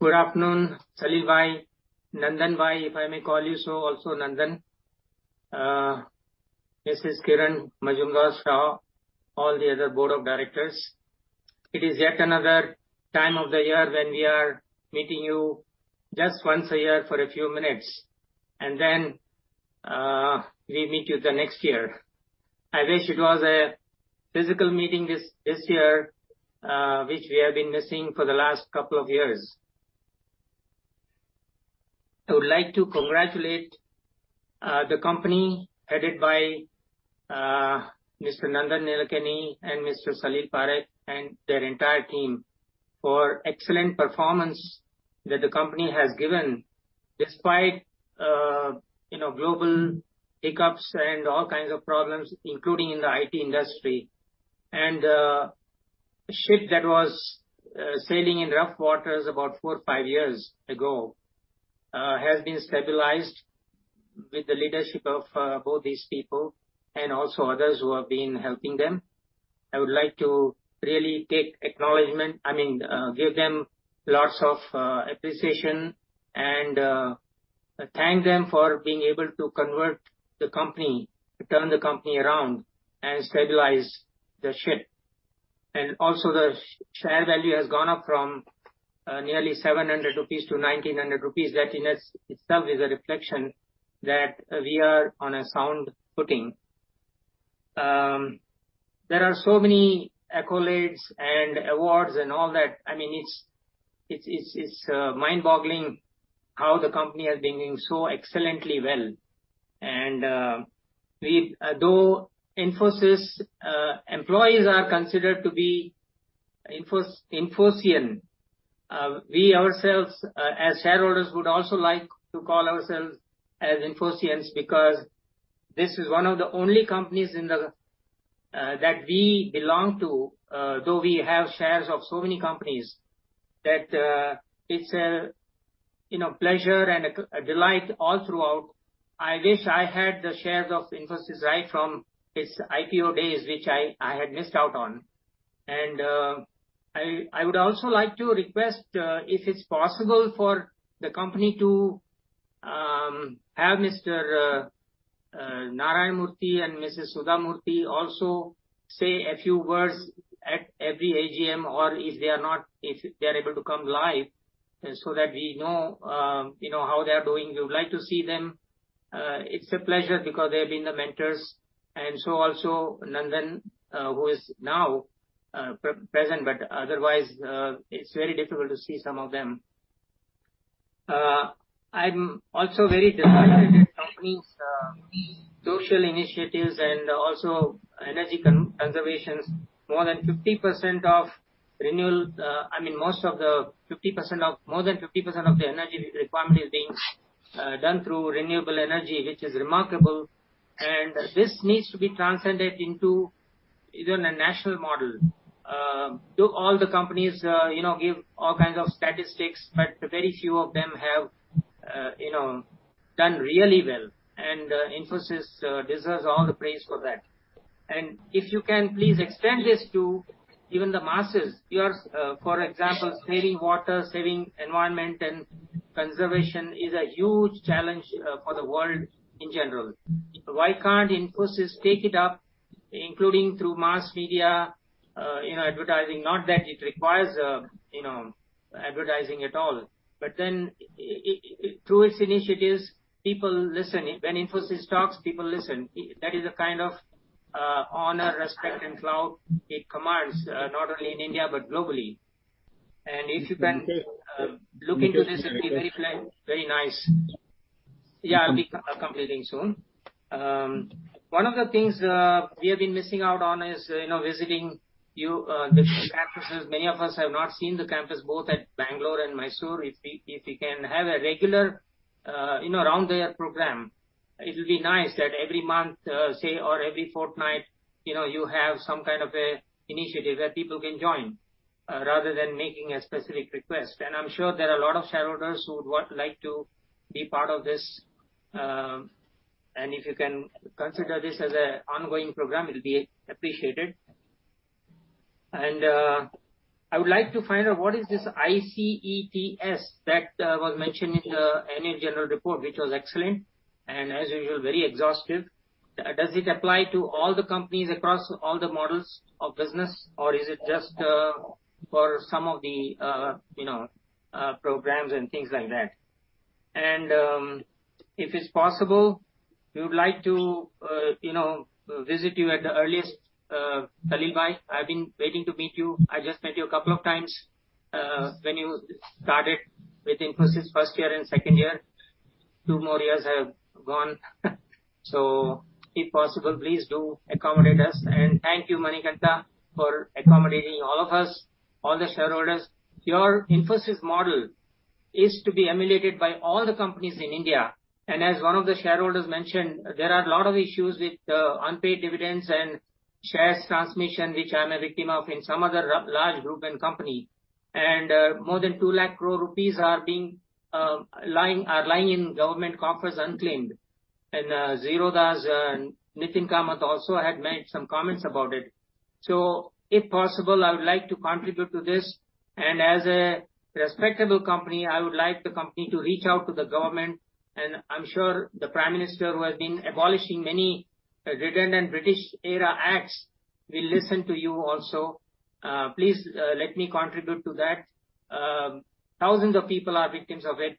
Good afternoon, Salil bhai, Nandan bhai, if I may call you so, also Nandan, Mrs. Kiran Mazumdar-Shaw, all the other board of directors. It is yet another time of the year when we are meeting you just once a year for a few minutes, and then we meet you the next year. I wish it was a physical meeting this year, which we have been missing for the last couple of years. I would like to congratulate the company headed by Mr. Nandan Nilekani and Mr. Salil Parekh, and their entire team for excellent performance that the company has given despite you know, global hiccups and all kinds of problems, including in the IT industry. Ship that was sailing in rough waters about four, five years ago has been stabilized. With the leadership of both these people and also others who have been helping them. I would like to really give them lots of appreciation and thank them for being able to convert the company, to turn the company around and stabilize the ship. The share value has gone up from nearly 700 rupees to 1,900 rupees. That in itself is a reflection that we are on a sound footing. There are so many accolades and awards and all that. I mean, it's mind-boggling how the company has been doing so excellently well. Though Infosys employees are considered to be Infosian, we ourselves, as shareholders would also like to call ourselves as Infosians. Because this is one of the only companies in the that we belong to, though we have shares of so many companies. That, it's a, you know, pleasure and a delight all throughout. I wish I had the shares of Infosys right from its IPO days, which I had missed out on. I would also like to request if it's possible for the company to have Mr. Narayana Murthy and Mrs. Sudha Murty also say a few words at every AGM. Or if they're able to come live, so that we know, you know, how they are doing. We would like to see them. It's a pleasure because they've been the mentors. Also Nandan, who is now present, but otherwise, it's very difficult to see some of them. I'm also very delighted with the company's social initiatives and also energy conservation. More than 50% of the energy requirement is being done through renewable energy, which is remarkable. This needs to be transcended into even a national model. Though all the companies, you know, give all kinds of statistics, but very few of them have, you know, done really well. Infosys deserves all the praise for that. If you can please extend this to even the masses. For example, saving water, saving environment and conservation is a huge challenge for the world in general. Why can't Infosys take it up, including through mass media, you know, advertising? Not that it requires, you know, advertising at all. It, through its initiatives, people listen. When Infosys talks, people listen. That is a kind of honor, respect and clout it commands, not only in India, but globally. If you can look into this, it'll be very nice. Yeah, I'll be completing soon. One of the things we have been missing out on is, you know, visiting you, the different campuses. Many of us have not seen the campus both at Bangalore and Mysore. If we can have a regular, you know, round-the-year program, it'll be nice that every month, say or every fortnight, you know, you have some kind of a initiative that people can join, rather than making a specific request. I'm sure there are a lot of shareholders who would want like to be part of this. If you can consider this as a ongoing program, it'll be appreciated. I would like to find out what is this iCETS that was mentioned in the annual general report, which was excellent and as usual, very exhaustive. Does it apply to all the companies across all the models of business, or is it just for some of the, you know, programs and things like that? If it's possible, we would like to, you know, visit you at the earliest, Salil bhai. I've been waiting to meet you. I just met you a couple of times, when you started with Infosys first year and second year. Two more years have gone. So if possible, please do accommodate us. Thank you, Manikantha, for accommodating all of us, all the shareholders. Your Infosys model is to be emulated by all the companies in India. As one of the shareholders mentioned, there are a lot of issues with unpaid dividends and shares transmission, which I'm a victim of in some other large group and company. More than 200,000 crore rupees are lying in government coffers unclaimed. Zerodha's Nithin Kamath also had made some comments about it. If possible, I would like to contribute to this. As a respectable company, I would like the company to reach out to the government. I'm sure the Prime Minister, who has been abolishing many redundant British-era acts, will listen to you also. Please, let me contribute to that. Thousands of people are victims of it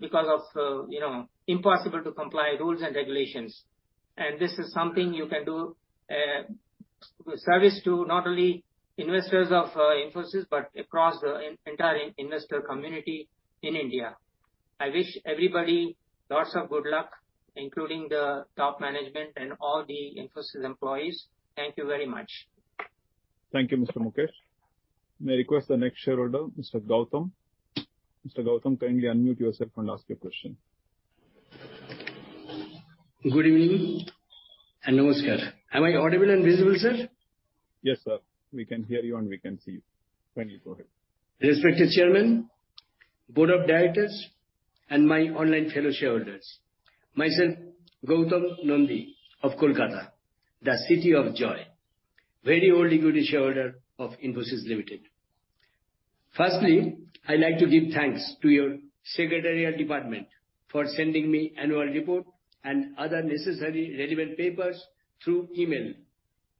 because of you know impossible to comply rules and regulations. This is something you can do service to not only investors of Infosys, but across the entire investor community in India. I wish everybody lots of good luck, including the top management and all the Infosys employees. Thank you very much. Thank you, Mr. Mukesh. May I request the next shareholder, Mr. Goutam? Mr. Goutam, kindly unmute yourself and ask your question. Good evening. Namaskar. Am I audible and visible sir? Yes sir, we can hear you and we can see you. Kindly go ahead. Respected Chairman, Board of Directors and my online fellow shareholders. Myself Goutam Nandy of Kolkata, the city of joy. Very old equity shareholder of Infosys Limited. Firstly, I like to give thanks to your Secretariat Department for sending me annual report and other necessary relevant papers through email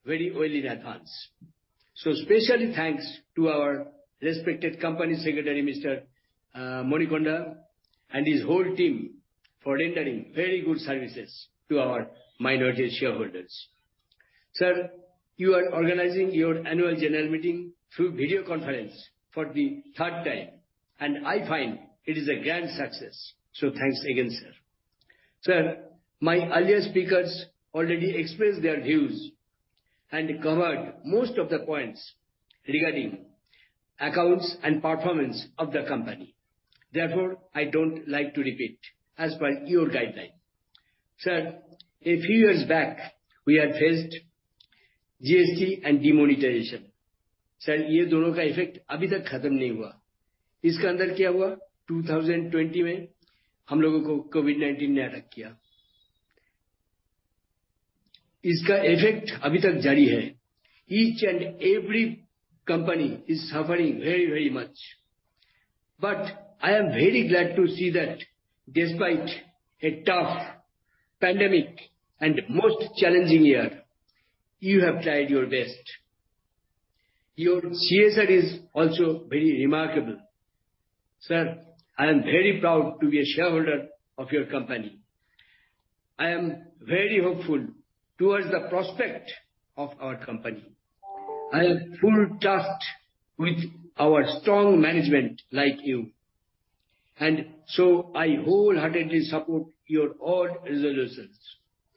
very early in advance. Specially thanks to our respected Company Secretary, Mr. Manikantha and his whole team for rendering very good services to our minority shareholders. Sir, you are organizing your annual general meeting through video conference for the third time and I find it is a grand success. Thanks again sir. Sir, my earlier speakers already expressed their views and covered most of the points regarding accounts and performance of the company. Therefore, I don't like to repeat as per your guideline. Sir, a few years back we had faced GST and demonetization. Sir, ये दोनों का effect अभी तक खत्म नहीं हुआ। इसके अंदर क्या हुआ? 2020 में हम लोगों को COVID-19 ने attack किया। इसका effect अभी तक जारी है। Each and every company is suffering very very much. I am very glad to see that despite a tough pandemic and most challenging year, you have tried your best. Your CSR is also very remarkable. Sir, I am very proud to be a shareholder of your company. I am very hopeful towards the prospect of our company. I have full trust with our strong management like you and so I wholeheartedly support your all resolutions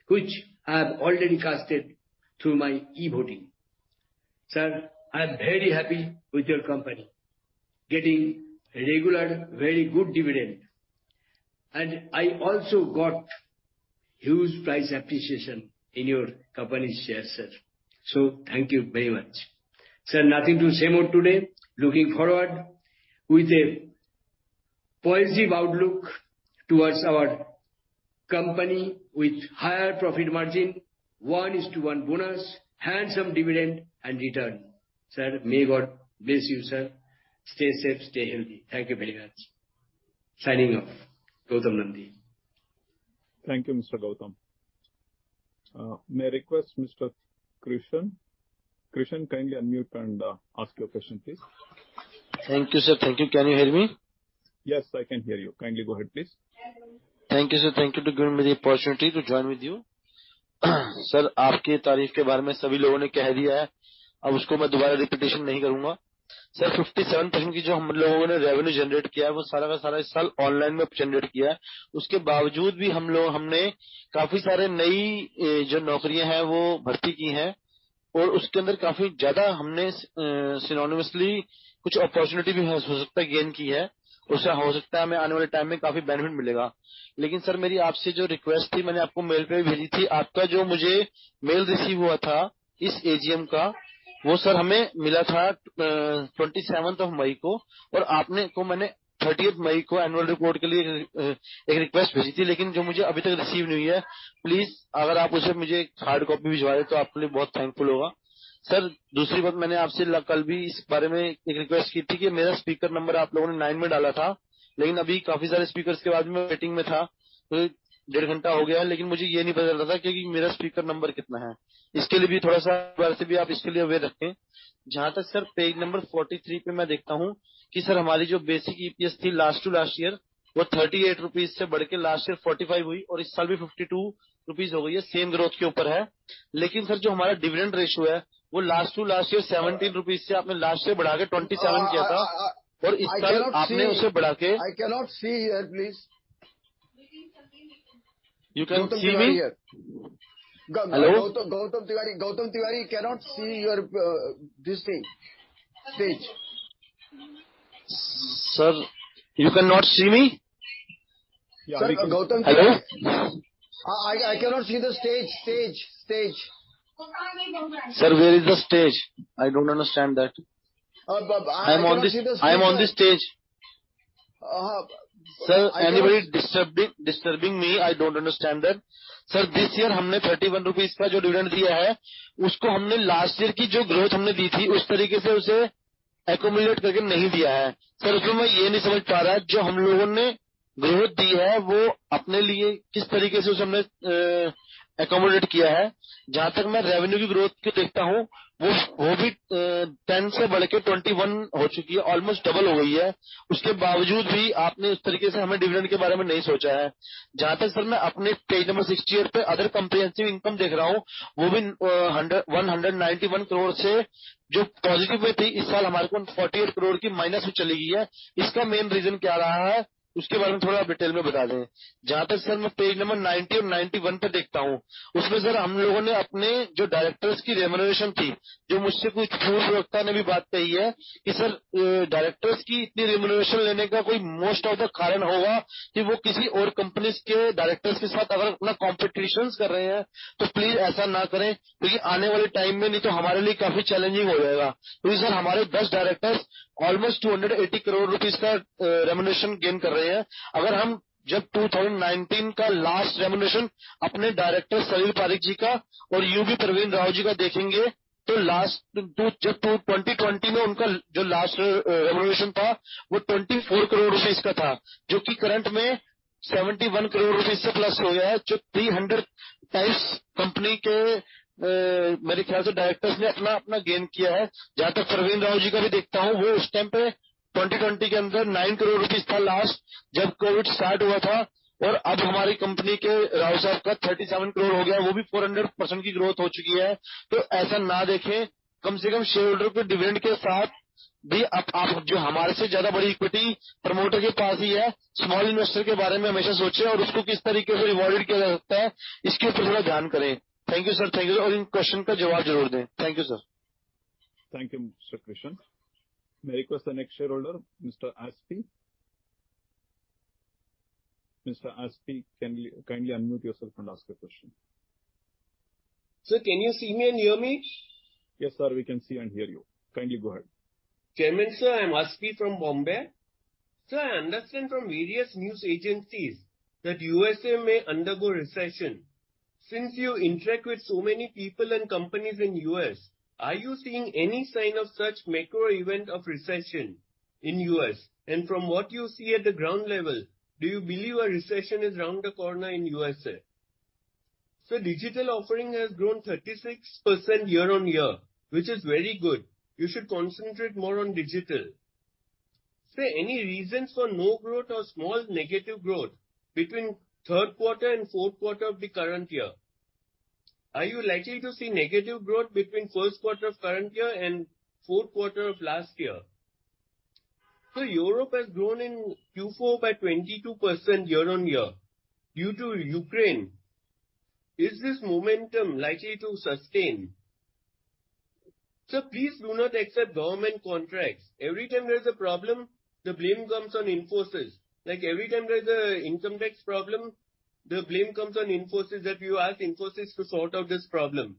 which I have already casted through my e-voting. Sir, I am very happy with your company getting regular, very good dividend and I also got huge price appreciation in your company's share sir. Thank you very much. Sir, nothing to say more today. Looking forward with a positive outlook towards our company with higher profit margin, 1:1 bonus, handsome dividend and return. Sir, may God bless you sir. Stay safe, stay healthy. Thank you very much. Signing off Goutam Nandy. Thank you, Mr. Goutam. May I request Mr. Krishan. Krishan, kindly unmute and ask your question, please. Thank you, sir. Thank you. Can you hear me? Yes, I can hear you. Kindly go ahead, please. Thank you, sir. Thank you to giving me the opportunity to join with you. Sir, आपकी तारीफ के बारे में सभी लोगों ने कह दिया है। अब उसको मैं दोबारा repetition नहीं करूंगा। Sir, 57% की जो हम लोगों ने revenue generate किया है, वो सारा का सारा इस साल online में generate किया है। उसके बावजूद भी हम लोग हमने काफी सारे नई जो नौकरियां हैं, वो भर्ती की हैं और उसके अंदर काफी ज्यादा हमने synonymously कुछ opportunity भी हो सकता है gain की है। उससे हो सकता है हमें आने वाले time में काफी benefit मिलेगा। लेकिन Sir, मेरी आपसे जो request थी, मैंने आपको mail भी भेजी थी। आपका जो मुझे mail receive हुआ था इस AGM का, वो Sir, हमें मिला था 27th of May को और आपने, को मैंने 30th May को annual report के लिए एक request भेजी थी, लेकिन जो मुझे अभी तक receive नहीं हुई है। Please अगर आप उसे मुझे hard copy भिजवाए, तो आपके लिए बहुत thankful होगा। Sir, दूसरी बात मैंने आपसे कल भी इस बारे में एक request की थी कि मेरा speaker number आप लोगों ने nine में डाला था, लेकिन अभी काफी सारे speakers के बाद मैं waiting में था। तो डेढ़ घंटा हो गया, लेकिन मुझे यह नहीं पता चल रहा था कि मेरा speaker number कितना है। इसके लिए भी थोड़ा सा दोबारा से भी आप इसके लिए aware रखें। जहां तक Sir, page number 43 पर मैं देखता हूं कि Sir, हमारी जो basic EPS थी last to last year, वो ₹38 से बढ़कर last year ₹45 हुई और इस साल भी ₹52 हो गई है। Same growth के ऊपर है। लेकिन Sir, जो हमारा dividend ratio है, वो last to last year ₹17 से आपने last year बढ़ाकर ₹27 किया था और इस साल आपने उसे बढ़ाकर I cannot see here, please. You can see me? Gautam Tiwari here. Gautam Tiwari cannot see your this thing, stage. Sir, you cannot see me? Sir, Gautam Tiwari. Hello. I cannot see the stage. Sir, where is the stage? I don't understand that. I am on this stage. Sir, anybody disturbing me? I don't understand that. Sir, इस साल हमने ₹31 का जो dividend दिया है, उसको हमने last year की जो growth हमने दी थी, उस तरीके से उसे accumulate करके नहीं दिया है। Sir, इसमें मैं यह नहीं समझ पा रहा जो हम लोगों ने growth दी है, वो अपने लिए किस तरीके से उसने accommodate किया है। जहां तक मैं revenue की growth को देखता हूं, वो भी 10 से बढ़कर 21 हो चुकी है। Almost double हो गई है। उसके बावजूद भी आपने इस तरीके से हमें dividend के बारे में नहीं सोचा है। जहां तक Sir, मैं अपने page number 68 पर other comprehensive income देख रहा हूं, वो भी ₹191 करोड़ से जो positive में थी, इस साल हमारे को ₹48 करोड़ की minus में चली गई है। इसका main reason क्या रहा है, उसके बारे में थोड़ा detail में बता दें। जहां तक Sir, मैं page number 90 और 91 पर देखता हूं, उसमें Sir, हम लोगों ने अपने जो directors की remuneration थी, जो मुझसे कुछ full व्यवस्था ने भी बात कही है कि Sir, directors की इतनी remuneration लेने का कोई most of the कारण होगा कि वो किसी और companies के directors के साथ अगर अपना competition कर रहे हैं, तो please ऐसा ना करें, क्योंकि आने वाले time में नहीं तो हमारे लिए काफी challenging हो जाएगा। क्योंकि Sir, हमारे 10 directors almost ₹280 करोड़ का remuneration gain कर रहे हैं। अगर हम जब 2019 का last remuneration अपने director सतीश पारीक जी का और U.B. Pravin Rao जी का देखेंगे तो last दो, जब 2020 में उनका जो last remuneration था, वो ₹24 करोड़ का था, जो कि current में ₹71 करोड़ से plus हो गया है, जो three hundred times company के, मेरे ख्याल से directors ने अपना-अपना gain किया है। Jahan tak Praveen Rao ji ka bhi dekhta hun, woh us time pe 2020 ke andar INR 9 crore tha last jab COVID-19 start hua tha aur ab hamari company ke Rao sahab ka INR 37 crore ho gaya. Woh bhi 400% ki growth ho chuki hai. Aisa na dekhen. Kam se kam shareholder ke dividend ke saath bhi aap jo hamare se jyada badi equity promoter ke paas hi hai. Small investor ke baare mein hamesha sochein aur usko kis tareeke se rewarded kiya ja sakta hai, iske upar thoda dhyan karein. Thank you, sir. Thank you. Aur in question ka jawab zaroor den. Thank you, sir. Thank you, Mr. Krishnan. May I request the next shareholder, Mr. Aspi? Mr. Aspi, can you kindly unmute yourself and ask your question. Sir, can you see me and hear me? Yes, sir. We can see and hear you. Kindly go ahead. Chairman Sir, I am Aspi from Bombay. Sir, I understand from various news agencies that USA may undergo recession. Since you interact with so many people and companies in U.S., are you seeing any sign of such macro event of recession in U.S.? From what you see at the ground level, do you believe a recession is around the corner in USA? Sir, digital offering has grown 36% year-on-year, which is very good. You should concentrate more on digital. Sir, any reasons for no growth or small negative growth between third quarter and fourth quarter of the current year? Are you likely to see negative growth between first quarter of current year and fourth quarter of last year? Sir, Europe has grown in Q4 by 22% year-on-year due to Ukraine. Is this momentum likely to sustain? Sir, please do not accept government contracts. Every time there is a problem, the blame comes on Infosys. Like every time there is a income tax problem, the blame comes on Infosys that you ask Infosys to sort out this problem.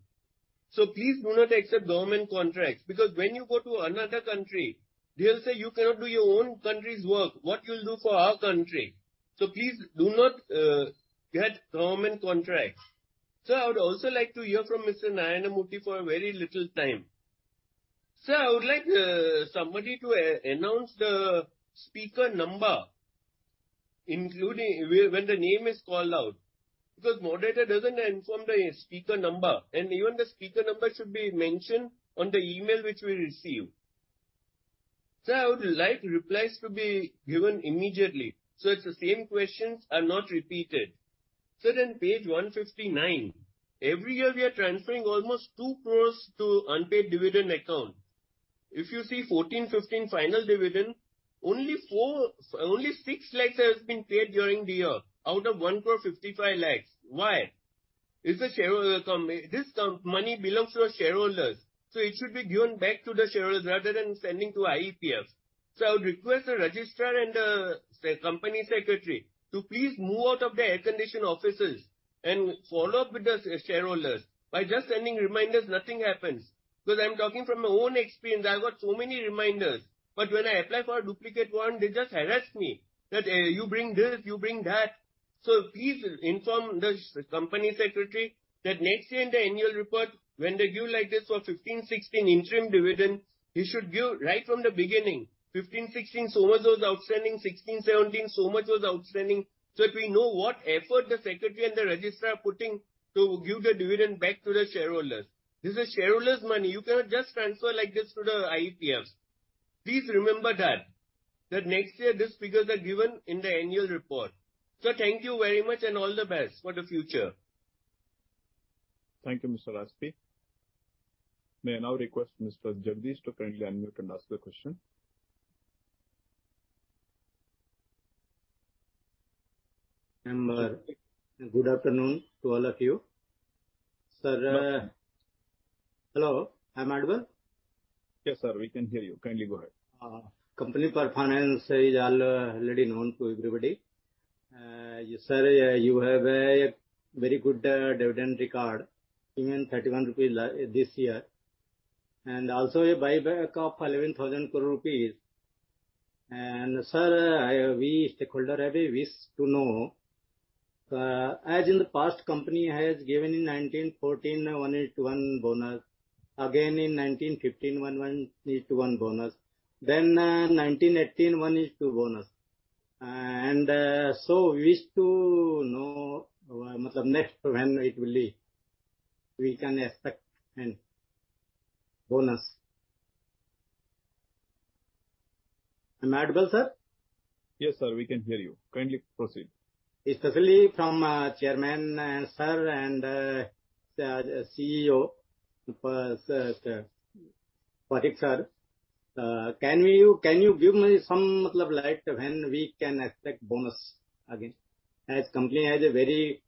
Please do not accept government contracts because when you go to another country, they will say you cannot do your own country's work. What you will do for our country? Please do not get government contracts. Sir, I would also like to hear from Mr. Narayana Murthy for a very little time. Sir, I would like somebody to announce the speaker number when the name is called out because moderator doesn't inform the speaker number and even the speaker number should be mentioned on the email which we receive. Sir, I would like replies to be given immediately, so that the same questions are not repeated. Sir, page 159. Every year we are transferring almost 2 crores to unpaid dividend account. If you see 2014, 2015 final dividend, only 6 lakhs has been paid during the year out of 1.55 crore. Why? Is the shareholder money belongs to our shareholders, so it should be given back to the shareholders rather than sending to IEPF. I would request the registrar and, say, company secretary to please move out of their air-conditioned offices and follow up with the shareholders. By just sending reminders, nothing happens. Because I'm talking from my own experience. I've got so many reminders. But when I apply for a duplicate one, they just harass me that, you bring this, you bring that. Please inform the company secretary that next year in the annual report, when they give like this for 15, 16 interim dividend, they should give right from the beginning. 15, 16 so much was outstanding. 16,17 so much was outstanding. If we know what effort the secretary and the registrar are putting to give the dividend back to the shareholders. This is shareholders' money. You cannot just transfer like this to the IEPF. Please remember that next year these figures are given in the annual report. Sir, thank you very much and all the best for the future. Thank you, Mr. Aspi. May I now request Mr. Jagdish to kindly unmute and ask the question. Good afternoon to all of you. Sir, Yes, sir. Hello, I'm audible? Yes, sir. We can hear you. Kindly go ahead. Company performance is already known to everybody. You, sir, have a very good dividend record, even 31 rupees this year, and also a buyback of 11,000 crore rupees. Sir, we stakeholders wish to know, as in the past company has given in 1914 a 1:1 bonus, again in 1915 a 1:1 bonus, then in 1918 a 1:2 bonus. We wish to know, matlab next when it will be. We can expect a bonus. Am I audible, sir? Yes, sir. We can hear you. Kindly proceed. Especially from Chairman sir and CEO sir, Parikh sir. Can you give me some light when we can expect bonus again? As company has a very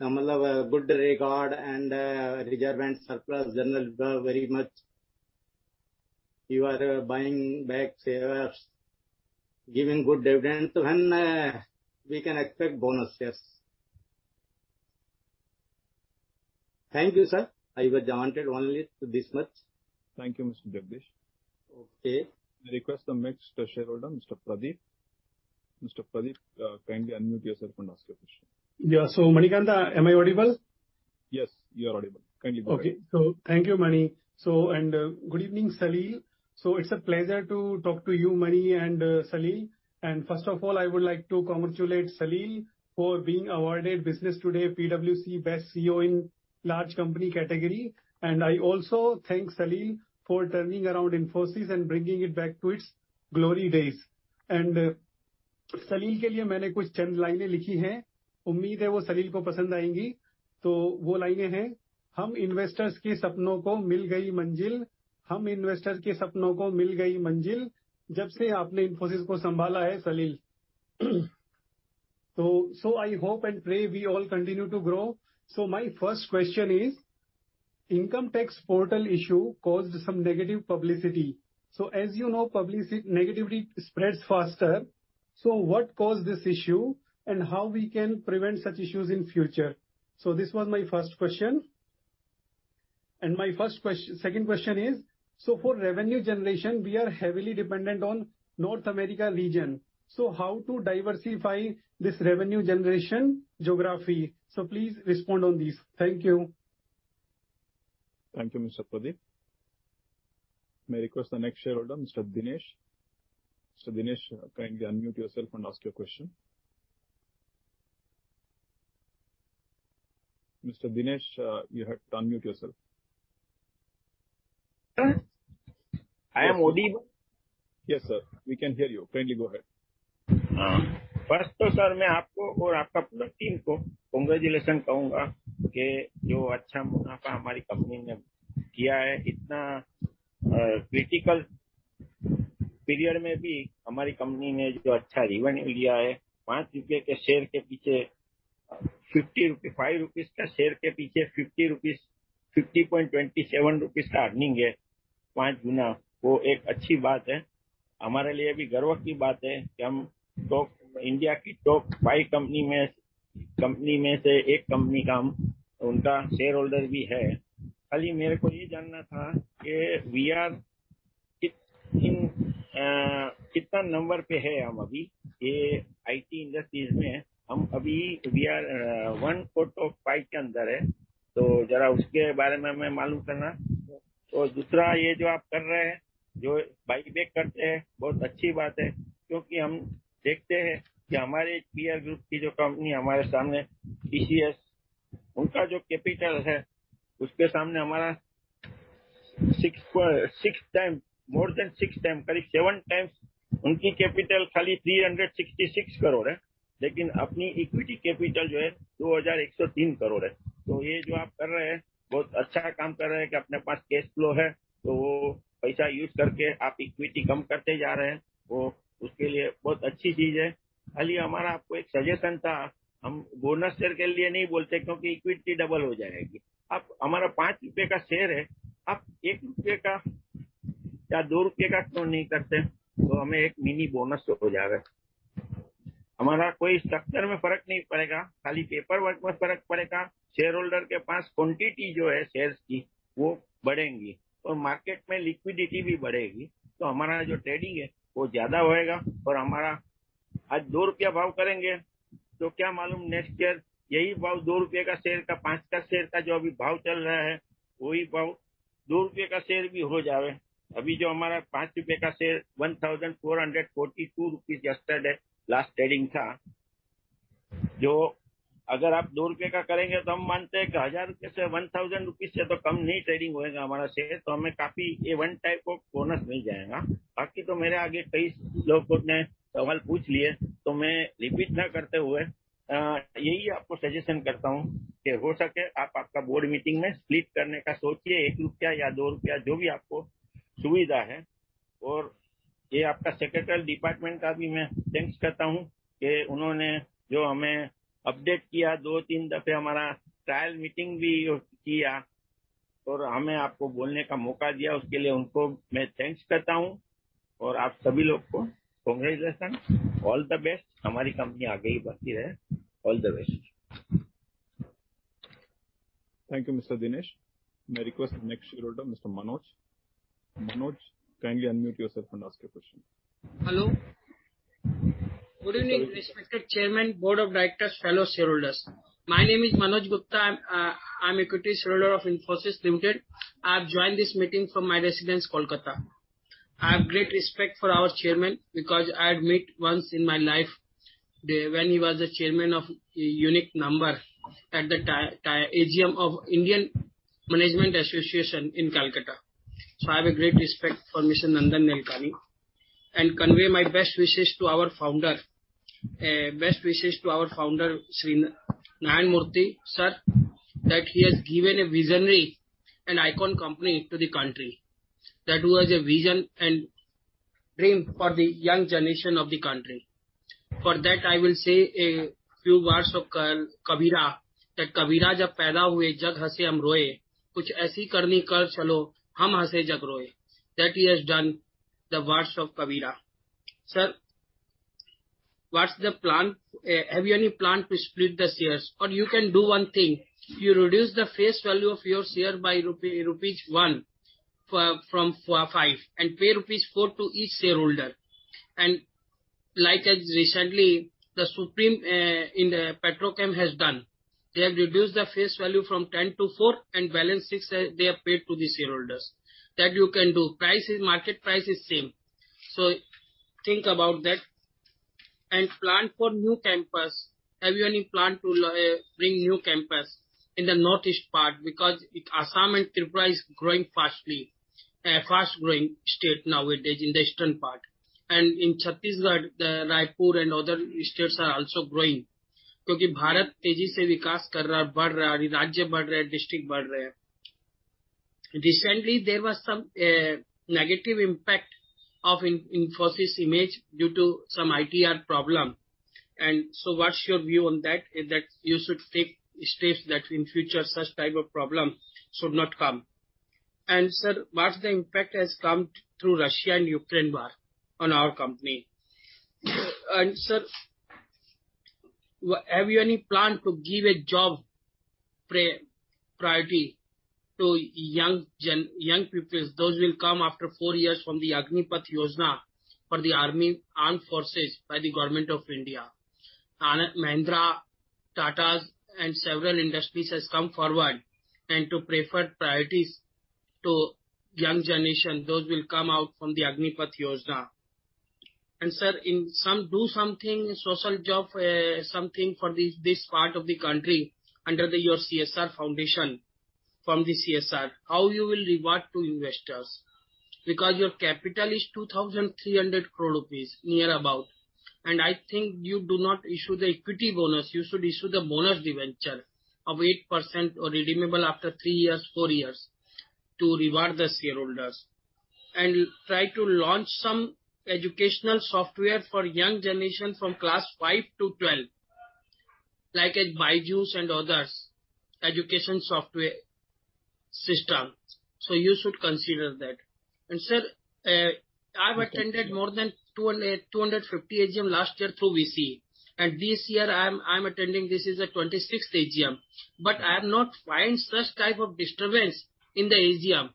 good record and reserves and surplus generally very much. You are buying back shares, giving good dividend. When we can expect bonus, yes? Thank you, sir. I wanted only to this much. Thank you, Mr. Jagdish. Okay. I request the next shareholder, Mr. Pradeep. Mr. Pradeep, kindly unmute yourself and ask your question. Yes. Manikantha, am I audible? Yes, you are audible. Kindly go ahead. Okay. Thank you Mani. Good evening, Salil. It's a pleasure to talk to you, Mani and Salil. First of all, I would like to congratulate Salil for being awarded Business Today PwC Best CEO in large company category. I also thank Salil for turning around Infosys and bringing it back to its glory days. Salil के लिए मैंने कुछ चंद लाइनें लिखी हैं। उम्मीद है वो Salil को पसंद आएंगी। तो वो लाइनें हैं, "हम investors के सपनों को मिल गई मंजिल। जब से आपने Infosys को संभाला है Salil।" I hope and pray we all continue to grow. My first question is Income Tax portal issue caused some negative publicity. As you know, negative publicity spreads faster. What caused this issue and how we can prevent such issues in future? This was my first question. My first question, second question is so for revenue generation, we are heavily dependent on North America region. Please respond on these. Thank you. Thank you, Mr. Pradeep. May I request the next shareholder, Mr. Dinesh. Mr. Dinesh, kindly unmute yourself and ask your question. Mr. Dinesh, you have to unmute yourself. I am audible. Yes, sir. We can hear you. Kindly go ahead. हाँ, first तो sir मैं आपको और आपकी पूरी team को congratulation कहूंगा कि जो अच्छा मुनाफा हमारी company ने किया है, इतने critical period में भी हमारी company ने जो अच्छा revenue लिया है। ₹5 के share के पीछे ₹50.27 का earning है। वो एक अच्छी बात है। हमारे लिए भी गर्व की बात है कि हम India की top five companies में से एक company के shareholder भी हैं। खाली मेरे को ये जानना था कि हम अभी कितने number पे हैं? ये IT industries में हम अभी we are one fourth of five के अंदर है। तो जरा उसके बारे में हमें मालूम करना। और दूसरा ये जो आप कर रहे हैं, जो buyback करते हैं, बहुत अच्छी बात है। क्योंकि हम देखते हैं कि हमारे peer group की जो company हमारे सामने TCS उनका जो capital है, उसके सामने हमारा six time more than six time करीब seven times उनकी capital खाली ₹366 करोड़ है। लेकिन अपनी equity capital जो है ₹2,103 करोड़ है। तो ये जो आप कर रहे हैं, बहुत अच्छा काम कर रहे हैं कि अपने पास cash flow है तो वो पैसा use करके आप equity कम करते जा रहे हैं। वो उसके लिए बहुत अच्छी चीज है। खाली हमारा आपको एक suggestion था। हम bonus share के लिए नहीं बोलते क्योंकि equity double हो जाएगी। अब हमारा पाँच रुपये का share है। आप एक रुपये का या दो रुपये का क्यों नहीं करते? तो हमें एक mini bonus हो जावे। हमारा कोई structure में फर्क नहीं पड़ेगा। खाली paperwork में फर्क पड़ेगा। Shareholder के पास quantity जो है shares की वो बढ़ेंगी तो market में liquidity भी बढ़ेगी। तो हमारा जो trading है वो ज्यादा होगा और हमारा आज दो रुपये भाव करेंगे तो क्या मालूम next year यही भाव दो रुपये का share का, पांच का share का जो अभी भाव चल रहा है, वही भाव दो रुपये का share भी हो जावे। अभी जो हमारा पाँच रुपये का share ₹1,442 yesterday last trading था। जो अगर आप दो रुपये का करेंगे तो हम मानते हैं कि ₹1,000 से तो कम नहीं trading होगा हमारा share. तो हमें काफी a one type of bonus मिल जाएगा। बाकी तो मेरे आगे कई लोगों ने सवाल पूछ लिए तो मैं repeat ना करते हुए यही आपको suggestion करता हूं कि हो सके आप आपका board meeting में split करने का सोचिए। एक रुपया या दो रुपया जो भी आपको सुविधा है और ये आपका secretary department का भी मैं thanks करता हूं कि उन्होंने जो हमें update किया, दो तीन दफे हमारा trial meeting भी किया और हमें आपको बोलने का मौका दिया। उसके लिए उनको मैं thanks करता हूं और आप सभी लोगों को congratulation all the best. हमारी company आगे भी बढ़ती रहे। All the best. Thank you, Mr. Dinesh. May I request the next shareholder, Mr. Manoj. Manoj, kindly unmute yourself and ask your question. Hello. Good evening, respected Chairman, Board of Directors, fellow shareholders. My name is Manoj Gupta. I am an equity shareholder of Infosys Limited. I have joined this meeting from my residence Kolkata. I have great respect for our chairman because I had met once in my life when he was a chairman of Unit Number at the AGM of Calcutta Management Association in Kolkata. I have a great respect for Mr. Nandan Nilekani and convey my best wishes to our founder. Best wishes to our founder Sri Narayana Murthy sir, that he has given a visionary and iconic company to the country. That was a vision and dream for the young generation of the country. For that I will say a few words of Kabira that "कबीरा जब पैदा हुए जग हँसे हम रोए, कुछ ऐसी करनी कर चलो हम हँसे जग रोए।" That he has done the words of Kabira. Sir, what's the plan? Have you any plan to split the shares? Or you can do one thing. You reduce the face value of your share by rupee, rupees 1 from five and pay rupees 4 to each shareholder and like as recently the Supreme in the IPCL has done. They have reduced the face value from 10 to four and balance six they have paid to the shareholders. That you can do. Price is market price is same. So think about that and plan for new campus. Have you any plan to bring new campus in the northeast part? Because Assam and Tripura is growing fastly. A fast growing state nowadays in the eastern part. In Chhattisgarh, Raipur and other states are also growing. क्योंकि भारत तेजी से विकास कर रहा है, बढ़ रहा है और ये राज्य बढ़ रहे हैं, district बढ़ रहे हैं. Recently there was some negative impact on Infosys image due to some ITR problem. What's your view on that? Is that you should take steps that in future such type of problem should not come. Sir, what's the impact has come through Russia and Ukraine war on our company? Sir, have you any plan to give a job priority to young peoples those will come after four years from the Agnipath Yojana for the armed forces by the Government of India. Anand Mahindra, Tatas and several industries has come forward and to preferred priorities to young generation those will come out from the Agnipath Yojana. Sir, in some do something social job, something for this part of the country under your CSR foundation from the CSR. How you will reward to investors? Because your capital is 2,300 crore rupees near about. I think you do not issue the equity bonus. You should issue the bonus debenture of 8% or redeemable after three years, four years to reward the shareholders. Try to launch some educational software for young generation from class five to 12. Like as BYJU'S and others education software system. You should consider that. Sir, I've attended more than 250 AGM last year through VC. This year I'm attending this is the 26th AGM. I have not find such type of disturbance in the AGM.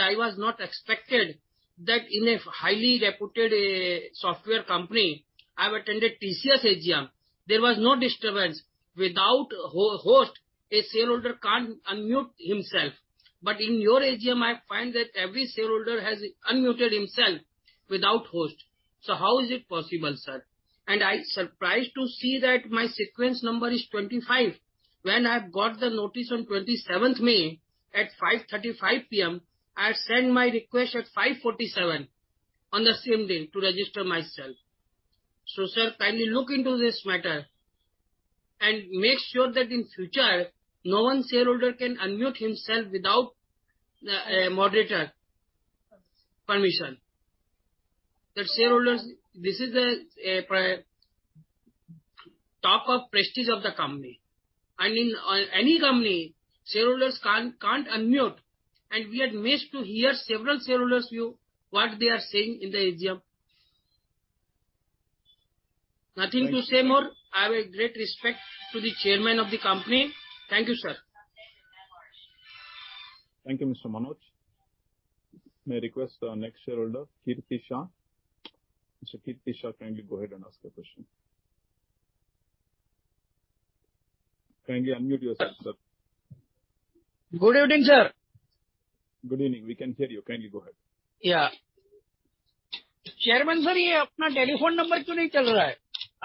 I was not expected that in a highly reputed software company, I've attended TCS AGM, there was no disturbance. Without host, a shareholder can't unmute himself. In your AGM, I find that every shareholder has unmuted himself without host. How is it possible, sir? I surprised to see that my sequence number is 25. When I've got the notice on 27th May at 5:35 P.M., I send my request at 5:47 P.M. on the same day to register myself. Sir, kindly look into this matter and make sure that in future no one shareholder can unmute himself without a moderator permission. This is a priority, top of prestige of the company. In any company, shareholders can't unmute. We had missed to hear several shareholders view what they are saying in the AGM. Nothing to say more. I have a great respect to the chairman of the company. Thank you, sir. Thank you, Mr. Manoj. May I request our next shareholder, Kirti Shah. Mr. Kirti Shah, kindly go ahead and ask your question. Kindly unmute yourself, sir. Good evening, sir. Good evening. We can hear you. Kindly go ahead. Chairman sir, ये अपना telephone number क्यों नहीं चल रहा है?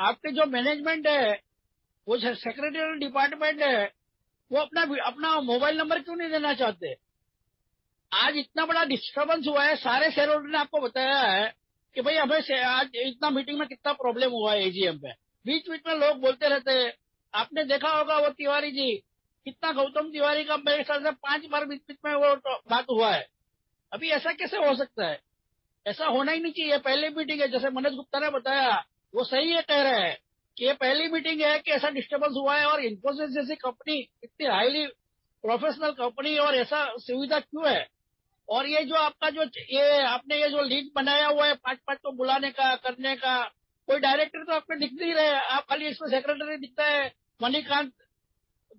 आपके जो management है, वो secretary department है, वो अपना mobile number क्यों नहीं देना चाहते? आज इतना बड़ा disturbance हुआ है। सारे shareholder ने आपको बताया है कि भाई हमें से आज इतना meeting में कितना problem हुआ है AGM में। बीच-बीच में लोग बोलते रहते हैं। आपने देखा होगा वो Gautam Tiwari जी। कितना Gautam Tiwari का मैं इस साल से पांच बार बीच-बीच में वो बात हुआ है। अभी ऐसा कैसे हो सकता है? ऐसा होना ही नहीं चाहिए। पहली meeting है जैसे Manoj Gupta ने बताया। वो सही है कह रहे हैं कि ये पहली meeting है कि ऐसा disturbance हुआ है और Infosys जैसी company, इतनी highly professional company और ऐसा सुविधा क्यों है? और ये जो आपका जो, ये आपने ये जो link बनाया हुआ है पांच-पांच को बुलाने का, करने का, कोई director तो आपको दिख नहीं रहे। आप खाली इसमें secretary दिखता है। Manikantha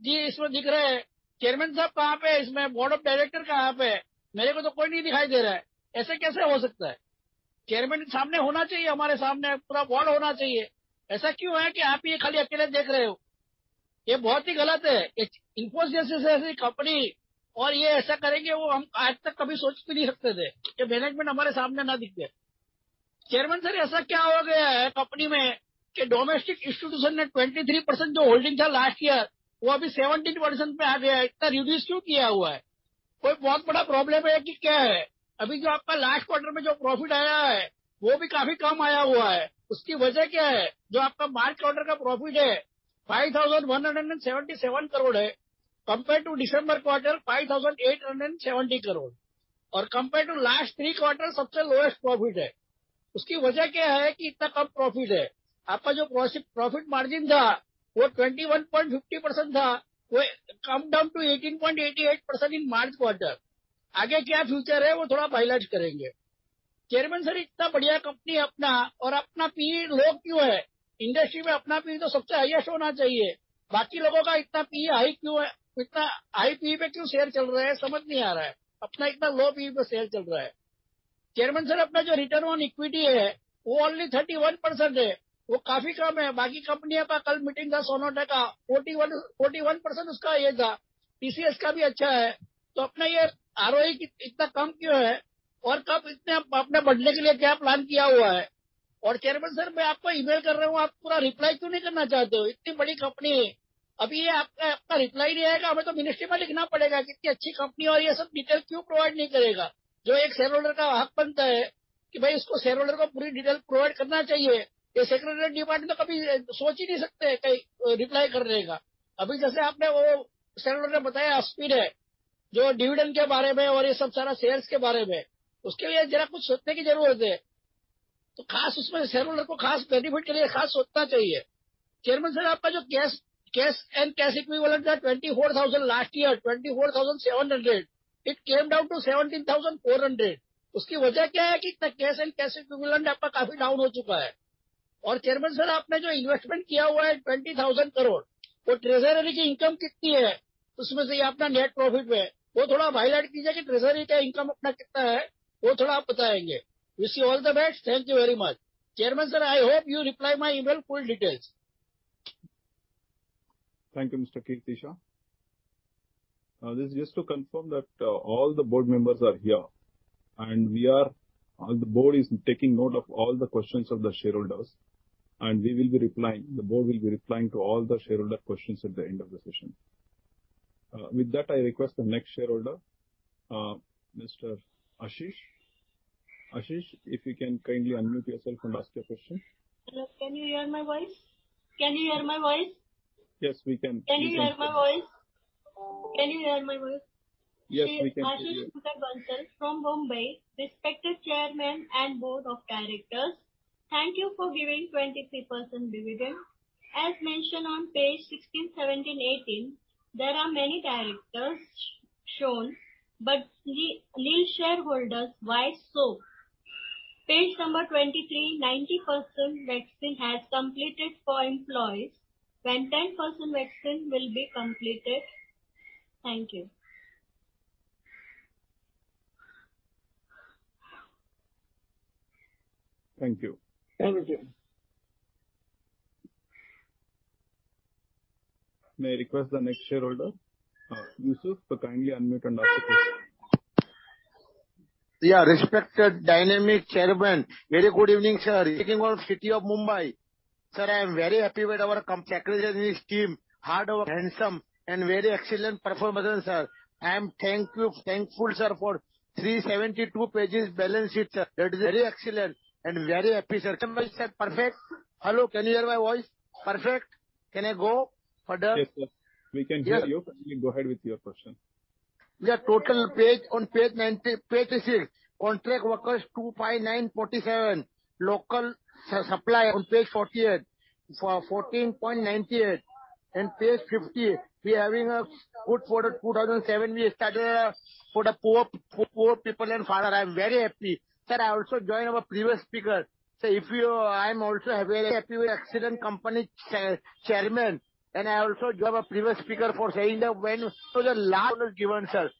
जी इसमें दिख रहे हैं। Chairman साहब कहां पे है इसमें? Board of director कहां पे है? मेरे को तो कोई नहीं दिखाई दे रहा है। ऐसे कैसे हो सकता है? Chairman सामने होना चाहिए, हमारे सामने पूरा board होना चाहिए। ऐसा क्यों है कि आप ही खाली अकेले देख रहे हो? ये बहुत ही गलत है। एक Infosys जैसी company और ये ऐसा करेंगे वो हम आज तक कभी सोच भी नहीं सकते थे कि management हमारे सामने ना दिखते। Chairman sir, ऐसा क्या हो गया है company में कि domestic institution ने 23% जो holding था last year, वो अभी 17% पे आ गया है। इतना reduce क्यों किया हुआ है? कोई बहुत बड़ा problem है कि क्या है? अभी जो आपका last quarter में जो profit आया है, वो भी काफी कम आया हुआ है। उसकी वजह क्या है? जो आपका March quarter का profit है, INR 5,177 crore है compared to December quarter INR 5,870 crore. Compared to last three quarter सबसे lowest profit है। उसकी वजह क्या है कि इतना कम profit है? आपका जो gross profit margin था, वो 21.50% था। वो come down to 18.88% in March quarter. आगे क्या future है वो थोड़ा भाईलाज करेंगे। Chairman sir, इतना बढ़िया company है अपना और अपना PE low क्यों है? Industry में अपना भी तो सबसे highest होना चाहिए। बाकी लोगों का इतना PE high क्यों है, इतना high PE पर क्यों share चल रहा है, समझ नहीं आ रहा है। अपना इतना low PE पर share चल रहा है। Chairman sir, अपना जो return on equity है वो only 31% है। वो काफी कम है। बाकी companies का कल meeting था Sona BLW का 41%, उसका है एक था PCS का भी अच्छा है तो अपना ये ROE इतना कम क्यों है और कब इतने अपने बढ़ने के लिए क्या plan किया हुआ है? और Chairman sir मैं आपको email कर रहा हूं, आप पूरा reply क्यों नहीं करना चाहते हो? इतनी बड़ी company है। अभी आपका reply नहीं आएगा। हमें तो ministry में लिखना पड़ेगा कि इतनी अच्छी company है और ये सब detail क्यों provide नहीं करेगा जो एक shareholder का हक बनता है कि भाई इसको shareholder को पूरी detail provide करना चाहिए। ये secretariat department तो कभी सोच ही नहीं सकते हैं कहीं reply करने का। अभी जैसे आपने वो shareholder ने बताया Aspi है, जो dividend के बारे में और ये सब सारा sales के बारे में उसके लिए जरा कुछ सोचने की जरूरत है। तो खास उसमें shareholder को खास benefit के लिए खास सोचना चाहिए। Chairman sir आपका जो cash and cash equivalent था 24,000 last year 24,700 it came down to 17,400 उसकी वजह क्या है कि cash and cash equivalent आपका काफी down हो चुका है। Chairman sir आपने जो investment किया हुआ है INR 20,000 करोड़ तो treasury की income कितनी है उसमें से ये अपना net profit है। वो थोड़ा highlight कीजिए कि treasury का income अपना कितना है। वो थोड़ा आप बताएंगे। Wish you all the best. Thank you very much. Chairman sir, I hope you reply my email full details. Thank you, Mr. Kirti Shah. This is just to confirm that all the board members are here and the board is taking note of all the questions of the shareholders and we will be replying. The board will be replying to all the shareholder questions at the end of the session. With that, I request the next shareholder. Mr. Ashish. Ashish, if you can kindly unmute yourself and ask your question. Hello, can you hear my voice? Can you hear my voice? Yes, we can. Can you hear my voice? Yes, we can hear you. Ashish Shankar Bansal from Bombay. Respected Chairman and Board of Directors, thank you for giving 23% dividend. As mentioned on page 16, 17, 18 there are many directors shown but nil shareholders. Why so? Page number 23, 90% vaccine has completed for employees when 10% vaccine will be completed. Thank you. Thank you. Thank you. May I request the next shareholder, Yusuf, to kindly unmute and ask a question. Respected dynamic Chairman. Very good evening, sir. Speaking from city of Mumbai. Sir, I am very happy with our secretary and his team hard work, Hemanth and very excellent performance sir. I am thankful sir for 372 pages balance sheet sir. That is very excellent and very happy sir. Perfect. Hello. Can you hear my voice? Perfect. Can I go further? Yes, sir. We can hear you. You can go ahead with your question. Yeah. Total on page 90, page six on track workers 25,947. Local supplier on page 48 for 14.98 and page 50. We are having a good quarter 2007. We started for the poor people and father. I am very happy. Sir, I also join our previous speaker. Sir, I am also very happy with excellent company Chairman and I also join our previous speaker for saying that when was the last bonus given sir?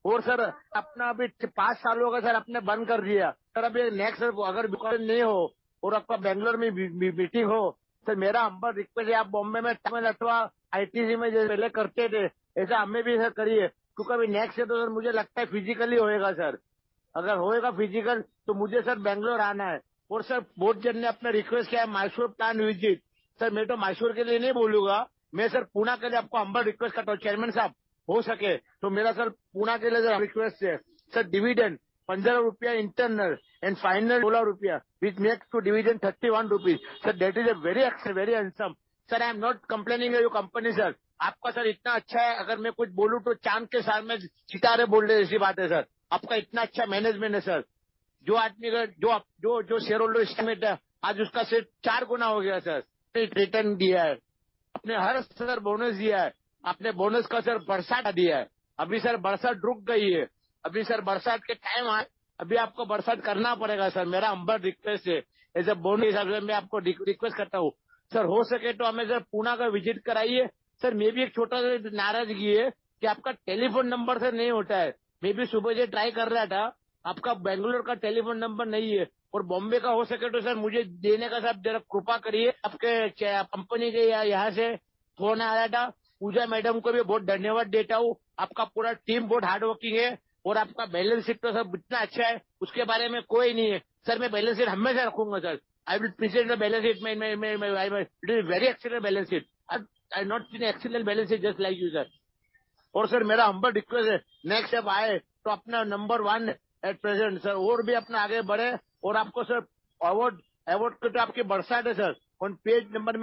Many years passed sir, not given a bonus sir. Sir, आज आपका rate market में current को total losing है, sir। और sir, अपना अभी पांच साल हो गए, sir, आपने बंद कर दिया। Sir, अभी next अगर नहीं हो और आपका Bangalore में meeting हो, sir, मेरा humble request है आप Bombay में अथवा ITZ में जैसे पहले करते थे, ऐसा हमें भी sir करिए। क्योंकि अभी next year तो sir मुझे लगता है physically ही होगा, sir। अगर होगा physical तो मुझे sir Bangalore आना है। और sir, बहुत जन ने अपना request किया Mysore plant visit. Sir, मैं तो Mysore के लिए नहीं बोलूंगा। मैं sir Pune के लिए आपको humble request करता हूं, Chairman साहब। हो सके तो मेरा sir Pune के लिए जरा request है। Sir, dividend ₹15 interim and final ₹16, which makes total dividend ₹31. Sir, that is a very, very handsome. Sir, I am not complaining, your company, sir. आपका sir इतना अच्छा है अगर मैं कुछ बोलूं तो चांद के सामने सितारे बोल दे ऐसी बात है sir। आपका इतना अच्छा management है sir। जो आपने shareholder estimate है आज उसका सिर्फ चार गुना हो गया sir। return दिया है। आपने हर year sir bonus दिया है। आपने bonus का sir बरसात दिया है। अभी sir बरसात रुक गई है। अभी sir बरसात के time आए। अभी आपको बरसात करना पड़ेगा sir। मेरा humble request है। ऐसे board member sir मैं आपको request करता हूं sir हो सके तो हमें जरा Pune का visit कराइए। Sir maybe एक छोटा सा नाराजगी है कि आपका telephone number sir नहीं होता है। मैं भी सुबह से try कर रहा था। आपका Bangalore का telephone number नहीं है और Bombay का हो सके तो sir मुझे देने का जरा कृपा करिए। आपके company से या यहां से phone आ रहा था। Pooja madam को भी बहुत धन्यवाद देता हूं। आपका पूरा team बहुत hard working है और आपका balance sheet तो sir इतना अच्छा है उसके बारे में कोई नहीं है। Sir मैं balance sheet हमेशा रखूंगा sir। I will present the balance sheet, it is very excellent balance sheet. I have not seen an excellent balance sheet just like yours, sir. My humble request is next year be number one at present, sir. Awards bhi apne aage badhein aur aapko sir, award to aapke bas mein hai sir. Page number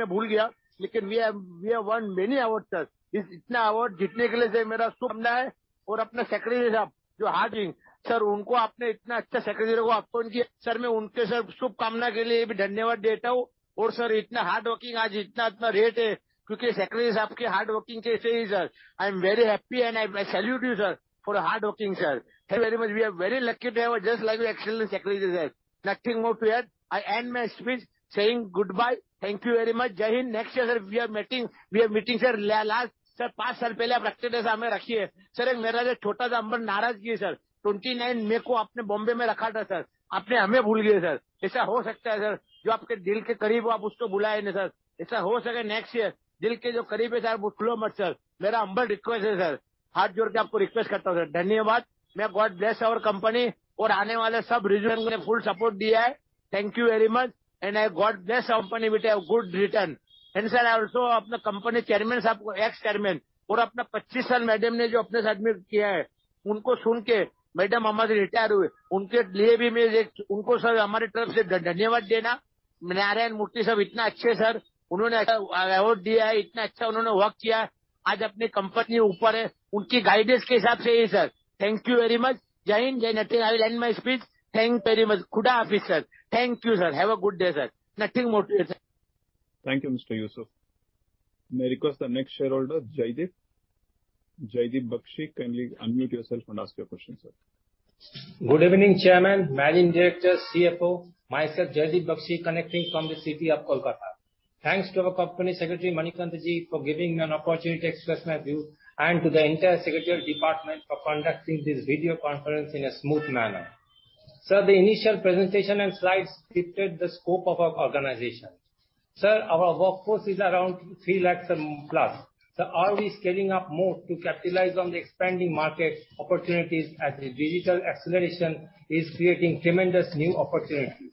mein bhool gaya lekin we have won many awards sir. Is itna award jeetne ke liye sir meri shubhkamnayein aur apna secretary sahab jo hardworking sir unko aapne itna achcha secretary ko appoint kiya sir main unke sir shubhkamna ke liye bhi dhanyawad deta hoon. Sir itna hardworking aaj itna rare hai kyunki secretary sahab ki hard working ke isliye hi sir. I am very happy and I salute you, sir, for your hard working, sir. Thank you very much. We are very lucky to have just like you excellent secretary, sir. Nothing more to add. I end my speech saying goodbye. Thank you very much. Jai Hind. Next year, sir, we are meeting sir. Last sir, paanch saal pehle aap rakhte the sir hume rakhiye. Sir ek mera jo chhota sa amber narazgi hai sir. 29th May ko aapne Bombay mein rakha tha sir. Aapne hume bhool gaye sir. Aisa ho sakta hai sir jo aapke dil ke kareeb ho aap usko bulaye hain sir. Sir ho sake to next year dil ke jo kareeb hai sir, bhulo mat sir. Mera humble request hai sir. Haath jod ke aapko request karta hoon sir. Dhanyavaad. May God bless our company aur aane wale sab region ne full support di hai. Thank you very much and God bless our company with a good return. Sir, I also apna company chairman sahab ko ex-chairman aur apna pachi sal madam ne jo apne saath main kiya hai, unko sunke madam abhi retired huye. Unke liye bhi main unko sir hamari taraf se dhanyavaad dena. N. R. Narayana Murthy sir itna achhe sir. Unhone aisa award diya hai. Itna achcha unhone work kiya hai. Aaj apni company upar hai. Unki guidance ke hisab se hi sir. Thank you very much. Jai Hind. Nothing. I will end my speech. Thank you very much. Khuda hafiz, sir. Thank you, sir. Have a good day, sir. Nothing more to add, sir. Thank you, Mr. Yusuf. May I request the next shareholder, Jaydip Bakshi. Kindly unmute yourself and ask your question, sir. Good evening, Chairman. Managing Director, CFO. Myself, Jaydip Bakshi, connecting from the city of Kolkata. Thanks to our Company Secretary Manikantha ji for giving an opportunity to express my view and to the entire Secretariat department for conducting this video conference in a smooth manner. Sir, the initial presentation and slides depicted the scope of our organization. Sir, our workforce is around three lakh plus. Sir, are we scaling up more to capitalize on the expanding market opportunities as the digital acceleration is creating tremendous new opportunities.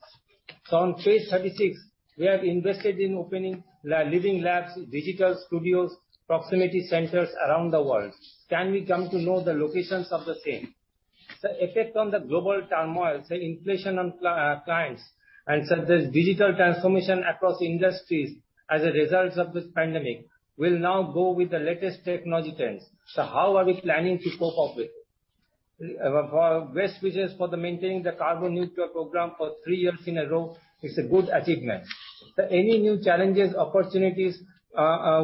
Sir, on page 36, we have invested in opening living labs, digital studios, proximity centers around the world. Can we come to know the locations of the same? Sir, effect on the global turmoil, sir inflation on clients and sir this digital transformation across industries as a result of this pandemic will now go with the latest technology trends. Sir, how are we planning to cope up with it? Our best wishes for maintaining the carbon neutral program for three years in a row. It's a good achievement. Sir, any new challenges, opportunities,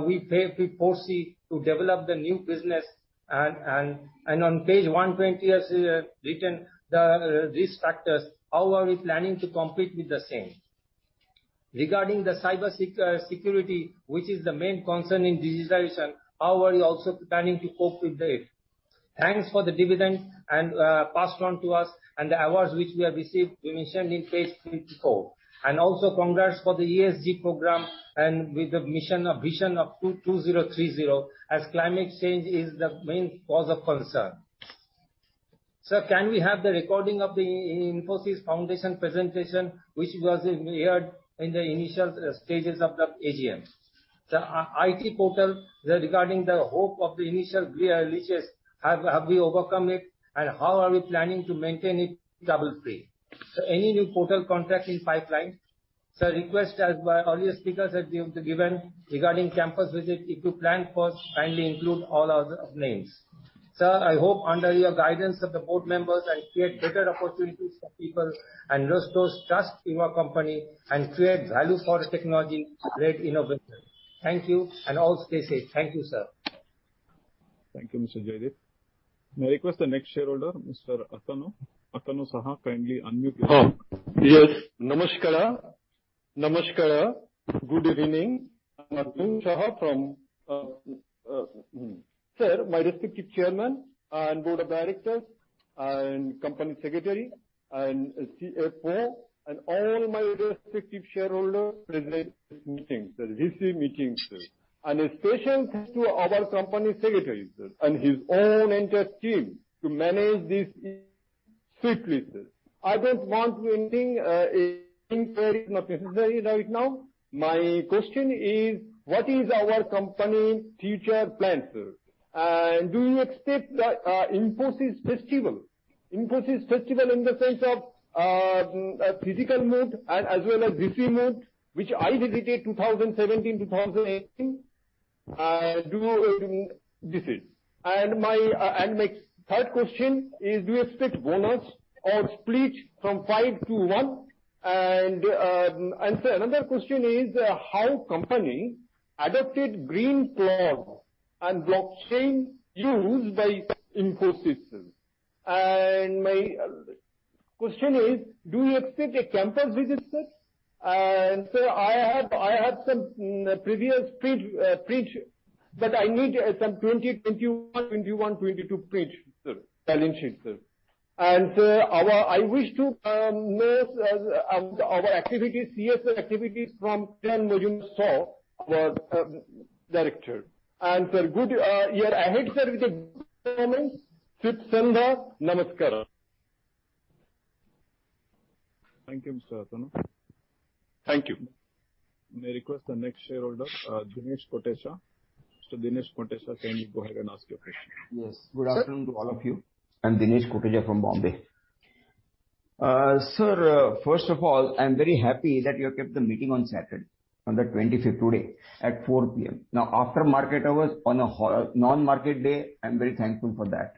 we foresee to develop the new business and on page 120 you have written the risk factors. How are we planning to compete with the same? Regarding the cybersecurity, which is the main concern in digitalization. How are you also planning to cope with it? Thanks for the dividend passed on to us and the awards which we have received you mentioned in page 54. Also congrats for the ESG program and with the mission of vision of 2030 as climate change is the main cause of concern. Sir, can we have the recording of the Infosys Foundation presentation which was heard in the initial stages of the AGM? Sir, our IT portal, sir, regarding the hope of the initial glitches, have we overcome it and how are we planning to maintain it trouble-free? Sir, any new portal contracts in pipeline? Sir, request as by earlier speakers have given regarding campus visit. If you plan for, kindly include all our names. Sir, I hope under your guidance of the board members and create better opportunities for people and restore trust in our company and create value for technology led innovation. Thank you and all stay safe. Thank you, sir. Thank you, Mr. Jaydeep. May I request the next shareholder, Mr. Atanu? Atanu Saha, kindly unmute yourself. Yes. Namaskara. Good evening. I'm Atanu Saha from, sir, my respected chairman and board of directors and company secretary and CFO and all my respected shareholders present meeting sir, VC meeting, sir. Special thanks to our company secretary, sir, and his entire team to manage this seamlessly, sir. I don't want anything is necessary right now. My question is, what is our company future plan, sir? Do you expect Infosys festival? Infosys festival in the sense of physical mode as well as VC mode, which I visited 2017, 2018. And my third question is, do you expect bonus or split from five to one? And sir another question is, how company adopted green cloud and blockchain used by Infosys, sir. My question is, do you expect a campus visit, sir? Sir, I have some previous page, but I need some 2021-2022 page, sir. Balance sheet, sir. Sir, I wish to know our activities, CSR activities from then Murugesh sir our director. Sir, good year ahead sir with a good performance. Shubh sandhya. Namaskara. Thank you, Mr. Atanu. Thank you. May I request the next shareholder, Dinesh Kotecha. Mr. Dinesh Kotecha, can you go ahead and ask your question? Yes. Good afternoon to all of you. I'm Dinesh Kotecha from Bombay. Sir, first of all, I'm very happy that you have kept the meeting on Saturday, on the 25th, today, at 4:00 P.M. Now, after market hours on a non-market day, I'm very thankful for that.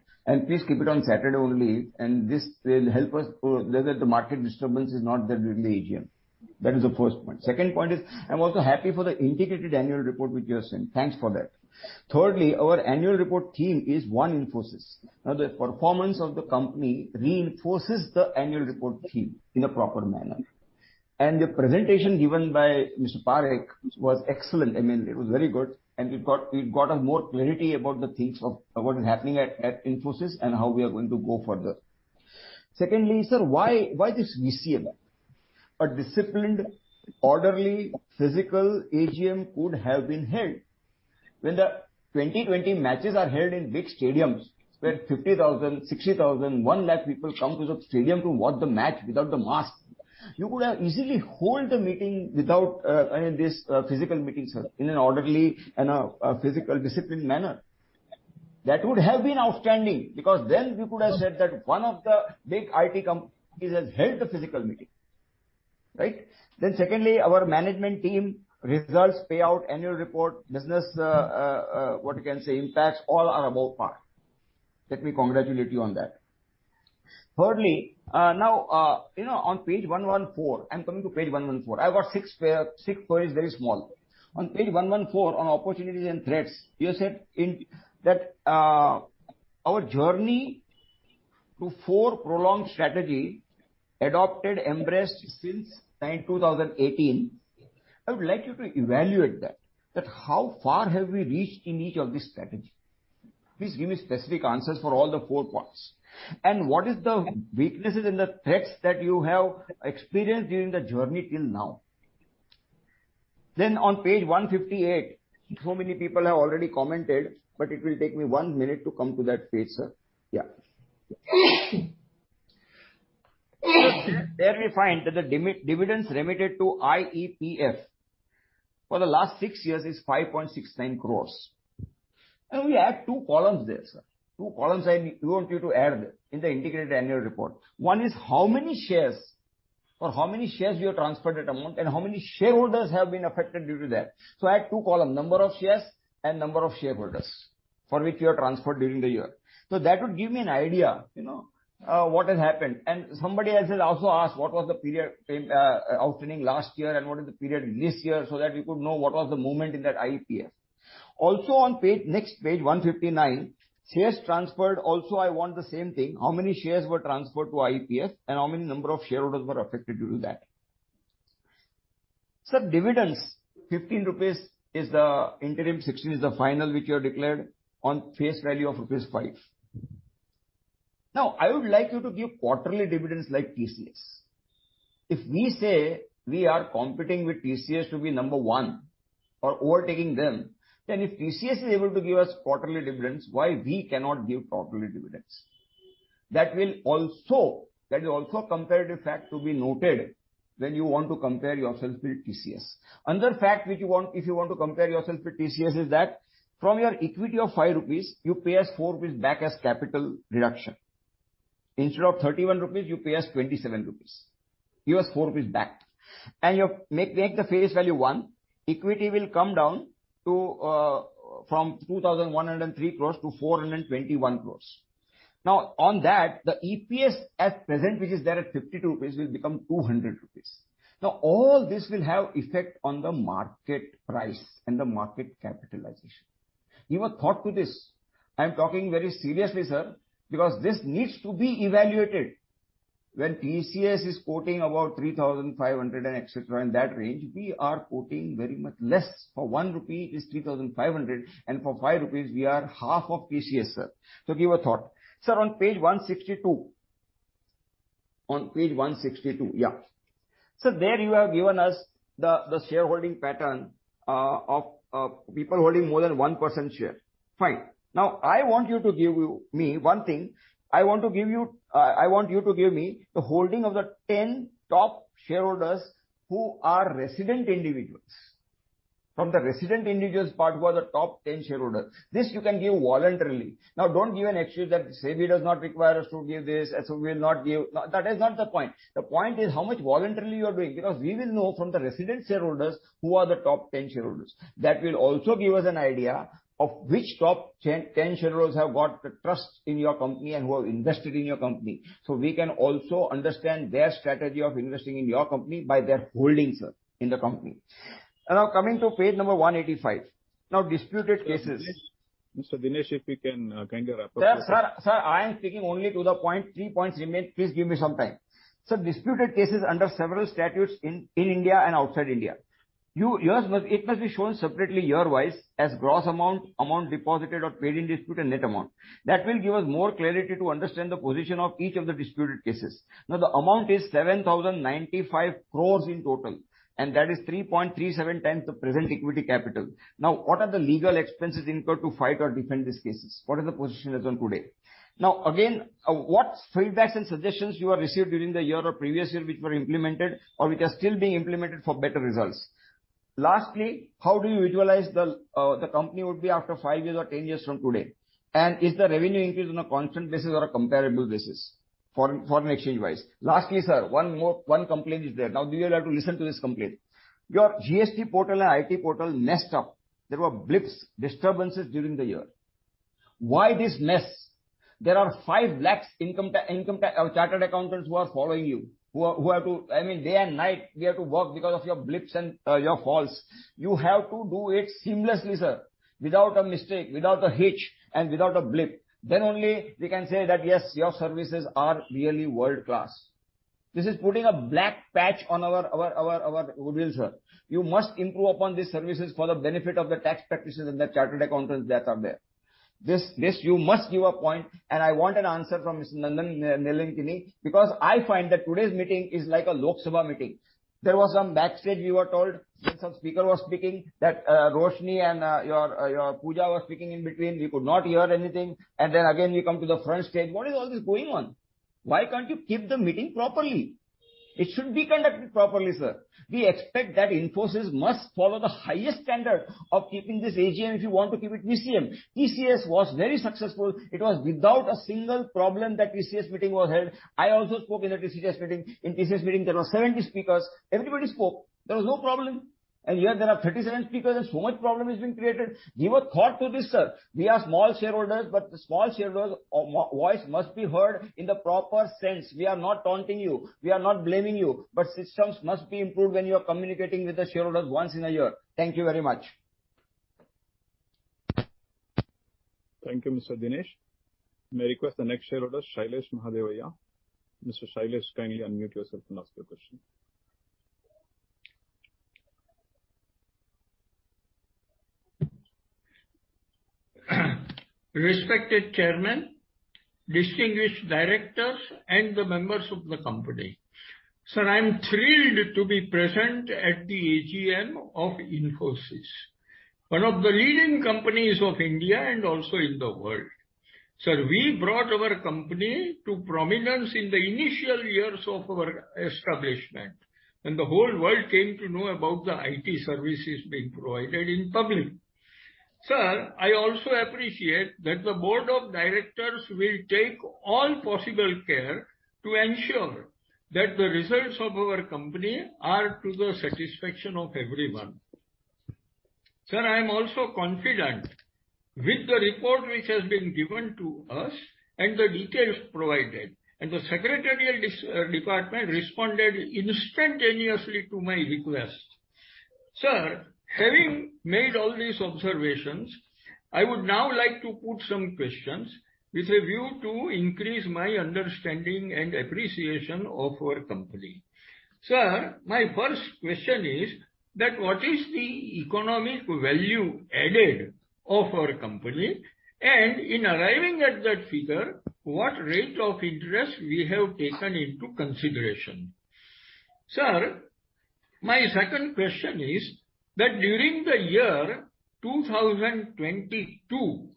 Please keep it on Saturday only, and this will help us, whether the market disturbance is not that really AGM. That is the first point. Second point is, I'm also happy for the integrated annual report which you have sent. Thanks for that. Thirdly, our annual report theme is One Infosys. Now, the performance of the company reinforces the annual report theme in a proper manner. The presentation given by Mr. Parekh was excellent. I mean, it was very good, and we got more clarity about the themes of what is happening at Infosys and how we are going to go further. Secondly, sir, why this VC AGM? A disciplined, orderly, physical AGM could have been held. When the 20-20 matches are held in big stadiums, where 50,000, 60,000, 100,000 people come to the stadium to watch the match without the mask, you could have easily hold the meeting without, I mean, this physical meeting, sir, in an orderly and a physical disciplined manner. That would have been outstanding because then we could have said that one of the big IT companies has held the physical meeting, right? Secondly, our management team results payout annual report business, what you can say, impacts all are above par. Let me congratulate you on that. Thirdly, now, you know, on page 114, I'm coming to page 114. I've got six pages, very small. On page 114 on opportunities and threats, you said that our journey to four-pronged strategy adopted, embraced since 2018. I would like you to evaluate that, how far have we reached in each of these strategy? Please give me specific answers for all the four points. What is the weaknesses in the threats that you have experienced during the journey till now? On page 158, so many people have already commented, but it will take me one minute to come to that page, sir. Yeah. There we find that the unclaimed dividends remitted to IEPF for the last six years is 5.69 crores. Can we add two columns there, sir? Two columns I want you to add there in the integrated annual report. One is how many shares you have transferred that amount and how many shareholders have been affected due to that. Add two columns, number of shares and number of shareholders for which you have transferred during the year. That would give me an idea, you know, what has happened. Somebody else has also asked what was the period outstanding last year and what is the period this year, so that we could know what was the movement in that IEPF. Also on page, next page, 159, shares transferred, also I want the same thing. How many shares were transferred to IEPF and how many number of shareholders were affected due to that? Sir, dividends: 15 rupees is the interim, 16 is the final, which you have declared on face value of rupees 5. Now, I would like you to give quarterly dividends like TCS. If we say we are competing with TCS to be number one or overtaking them, then if TCS is able to give us quarterly dividends, why we cannot give quarterly dividends? That is also a comparative fact to be noted when you want to compare yourself with TCS. Another fact, if you want to compare yourself with TCS is that from your equity of 5 rupees, you pay us 4 rupees back as capital reduction. Instead of 31 rupees, you pay us 27 rupees. You pay us 4 rupees back. You make the face value one, equity will come down to from 2,103 crore to 421 crore. Now, on that, the EPS at present, which is there at 52 rupees, will become 200 rupees. Now, all this will have effect on the market price and the market capitalization. Give a thought to this. I'm talking very seriously, sir, because this needs to be evaluated. When TCS is quoting about 3,500 etcetera, in that range, we are quoting very much less. For one rupee, it's 3,500, and for five rupees we are half of TCS, sir. Give a thought. Sir, on page 162. On page 162. There you have given us the shareholding pattern of people holding more than 1% share. Fine. Now, I want you to give me one thing. I want you to give me the holding of the 10 top shareholders who are resident individuals. From the resident individuals part, who are the top 10 shareholders. This you can give voluntarily. Now, don't give an excuse that SEBI does not require us to give this, and so we'll not give. That is not the point. The point is how much voluntarily you are doing, because we will know from the resident shareholders who are the top 10 shareholders. That will also give us an idea of which top 10 shareholders have got the trust in your company and who have invested in your company. So we can also understand their strategy of investing in your company by their holdings, sir, in the company. Now coming to page number 185. Now disputed cases. Mr. Dinesh, if we can kindly wrap up. Sir, I am speaking only to the point. Three points remain. Please give me some time. Sir, disputed cases under several statutes in India and outside India. It must be shown separately year-wise as gross amount deposited or paid in dispute, and net amount. That will give us more clarity to understand the position of each of the disputed cases. Now, the amount is 7,095 crores in total, and that is 3.37 times the present equity capital. Now, what are the legal expenses incurred to fight or defend these cases? What is the position as of today? What feedback and suggestions have you received during the year or previous year which were implemented or which are still being implemented for better results? Lastly, how do you visualize the company would be after five years or 10 years from today? Is the revenue increase on a constant basis or a comparable basis foreign exchange wise? Lastly, sir, one more complaint is there. Do you have to listen to this complaint? Your GST portal and IT portal messed up. There were blips, disturbances during the year. Why this mess? There are five lakh income tax chartered accountants who are following you, who are to. I mean, day and night we have to work because of your blips and your faults. You have to do it seamlessly, sir, without a mistake, without a hitch, and without a blip. Then only we can say that, yes, your services are really world-class. This is putting a black patch on our image, sir. You must improve upon these services for the benefit of the tax practitioners and the chartered accountants that are there. This you must give a point, and I want an humble narazgi from Miss Nandan Nilekani, because I find that today's meeting is like a Lok Sabha meeting. There was some backstage we were told when some speaker was speaking that, Roshni and your Puja were speaking in between, we could not hear anything. Then again, we come to the front stage. What is all this going on? Why can't you keep the meeting properly? It should be conducted properly, sir. We expect that Infosys must follow the highest standard of keeping this AGM, if you want to keep it VC AGM. TCS was very successful. It was without a single problem that TCS meeting was held. I also spoke in the TCS meeting. In TCS meeting there were 70 speakers. Everybody spoke. There was no problem. Here there are 37 speakers and so much problem is being created. Give a thought to this, sir. We are small shareholders, but the small shareholders' voice must be heard in the proper sense. We are not taunting you. We are not blaming you. Systems must be improved when you are communicating with the shareholders once in a year. Thank you very much. Thank you, Mr. Dinesh. May I request the next shareholder, Shailesh Mahadevia. Mr. Shailesh, kindly unmute yourself and ask your question. Respected Chairman, distinguished directors, and the members of the company. Sir, I'm thrilled to be present at the AGM of Infosys, one of the leading companies of India and also in the world. Sir, we brought our company to prominence in the initial years of our establishment, when the whole world came to know about the IT services being provided in public. Sir, I also appreciate that the board of directors will take all possible care to ensure that the results of our company are to the satisfaction of everyone. Sir, I am also confident with the report which has been given to us and the details provided, and the secretarial department responded instantaneously to my request. Sir, having made all these observations, I would now like to put some questions with a view to increase my understanding and appreciation of our company. Sir, my first question is that what is the economic value added of our company? In arriving at that figure, what rate of interest we have taken into consideration? Sir, my second question is that during the year 2022,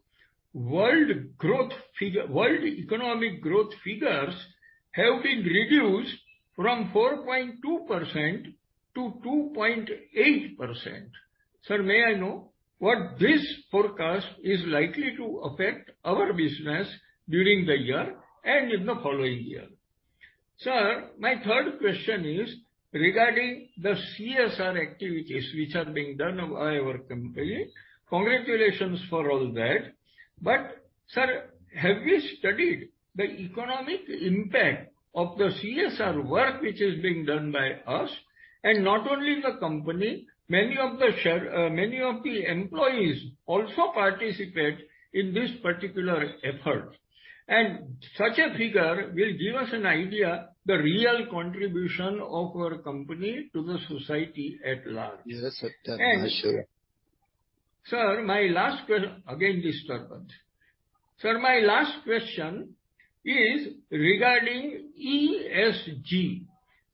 world growth figure, world economic growth figures have been reduced from 4.2% to 2.8%. Sir, may I know what this forecast is likely to affect our business during the year and in the following year? Sir, my third question is regarding the CSR activities which are being done by our company. Congratulations for all that. Sir, have you studied the economic impact of the CSR work which is being done by us? Not only the company, many of the employees also participate in this particular effort, and such a figure will give us an idea the real contribution of our company to the society at large. Yes, Dr. Mahesh. Sir, my last question is regarding ESG.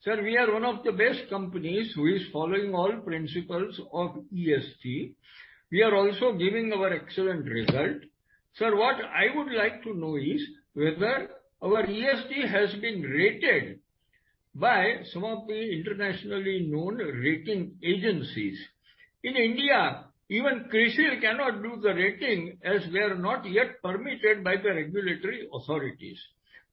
Sir, we are one of the best companies who is following all principles of ESG. We are also giving our excellent result. Sir, what I would like to know is whether our ESG has been rated by some of the internationally known rating agencies. In India, even CRISIL cannot do the rating as we are not yet permitted by the regulatory authorities.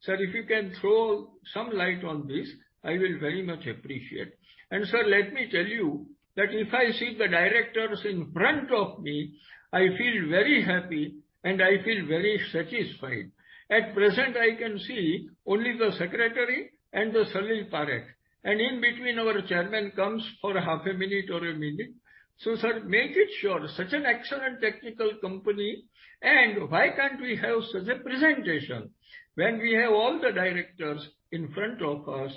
Sir, if you can throw some light on this, I will very much appreciate. Sir, let me tell you that if I see the directors in front of me, I feel very happy and I feel very satisfied. At present, I can see only the secretary and the Salil Parekh, and in between our chairman comes for half a minute or a minute. Sir, make it sure such an excellent technical company. Why can't we have such a presentation when we have all the directors in front of us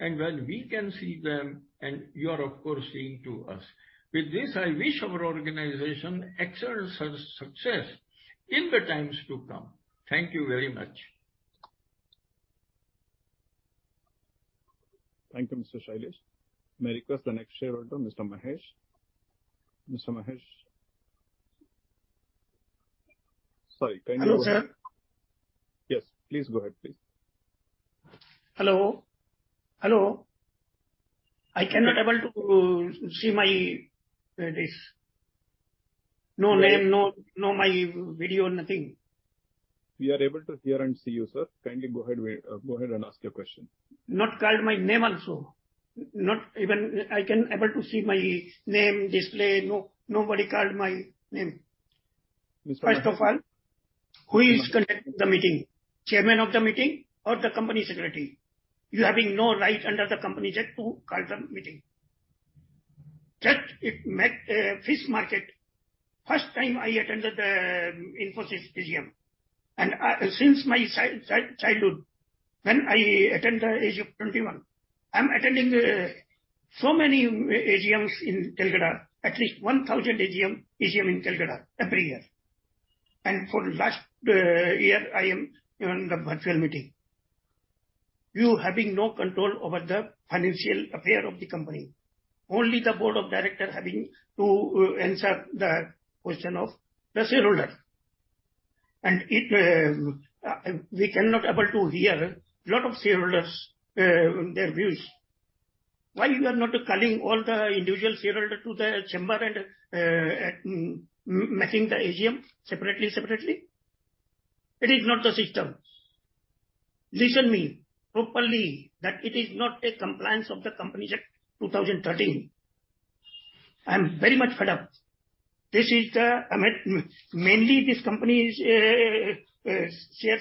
and when we can see them, and you are of course seeing to us. With this, I wish our organization excellent success in the times to come. Thank you very much. Thank you, Mr. Shailesh. May request the next shareholder, Mr. Mahesh. Mr. Mahesh. Sorry, can you- Hello, sir. Yes, please go ahead, please. Hello? I cannot able to see my, this. No name, no my video, nothing. We are able to hear and see you, sir. Kindly go ahead and ask your question. Not called my name also. Not even I can able to see my name displayed. No, nobody called my name. Mr. Mahesh First of all, who is conducting the meeting? Chairman of the meeting or the company secretary? You having no right under the Companies Act to call the meeting. Just it met, fish market. First time I attended the Infosys AGM, and since my childhood, when I attained the age of 21, I'm attending so many AGMs in Kolkata, at least 1,000 AGMs in Kolkata every year. For last year, I am on the virtual meeting. You having no control over the financial affair of the company. Only the board of directors having to answer the question of the shareholder. It, we cannot able to hear a lot of shareholders their views. Why you are not calling all the individual shareholder to the chamber and making the AGM separately? It is not the system. Listen to me properly that it is not a compliance of the Companies Act, 2013. I'm very much fed up. This is the I mean, mainly this company's shares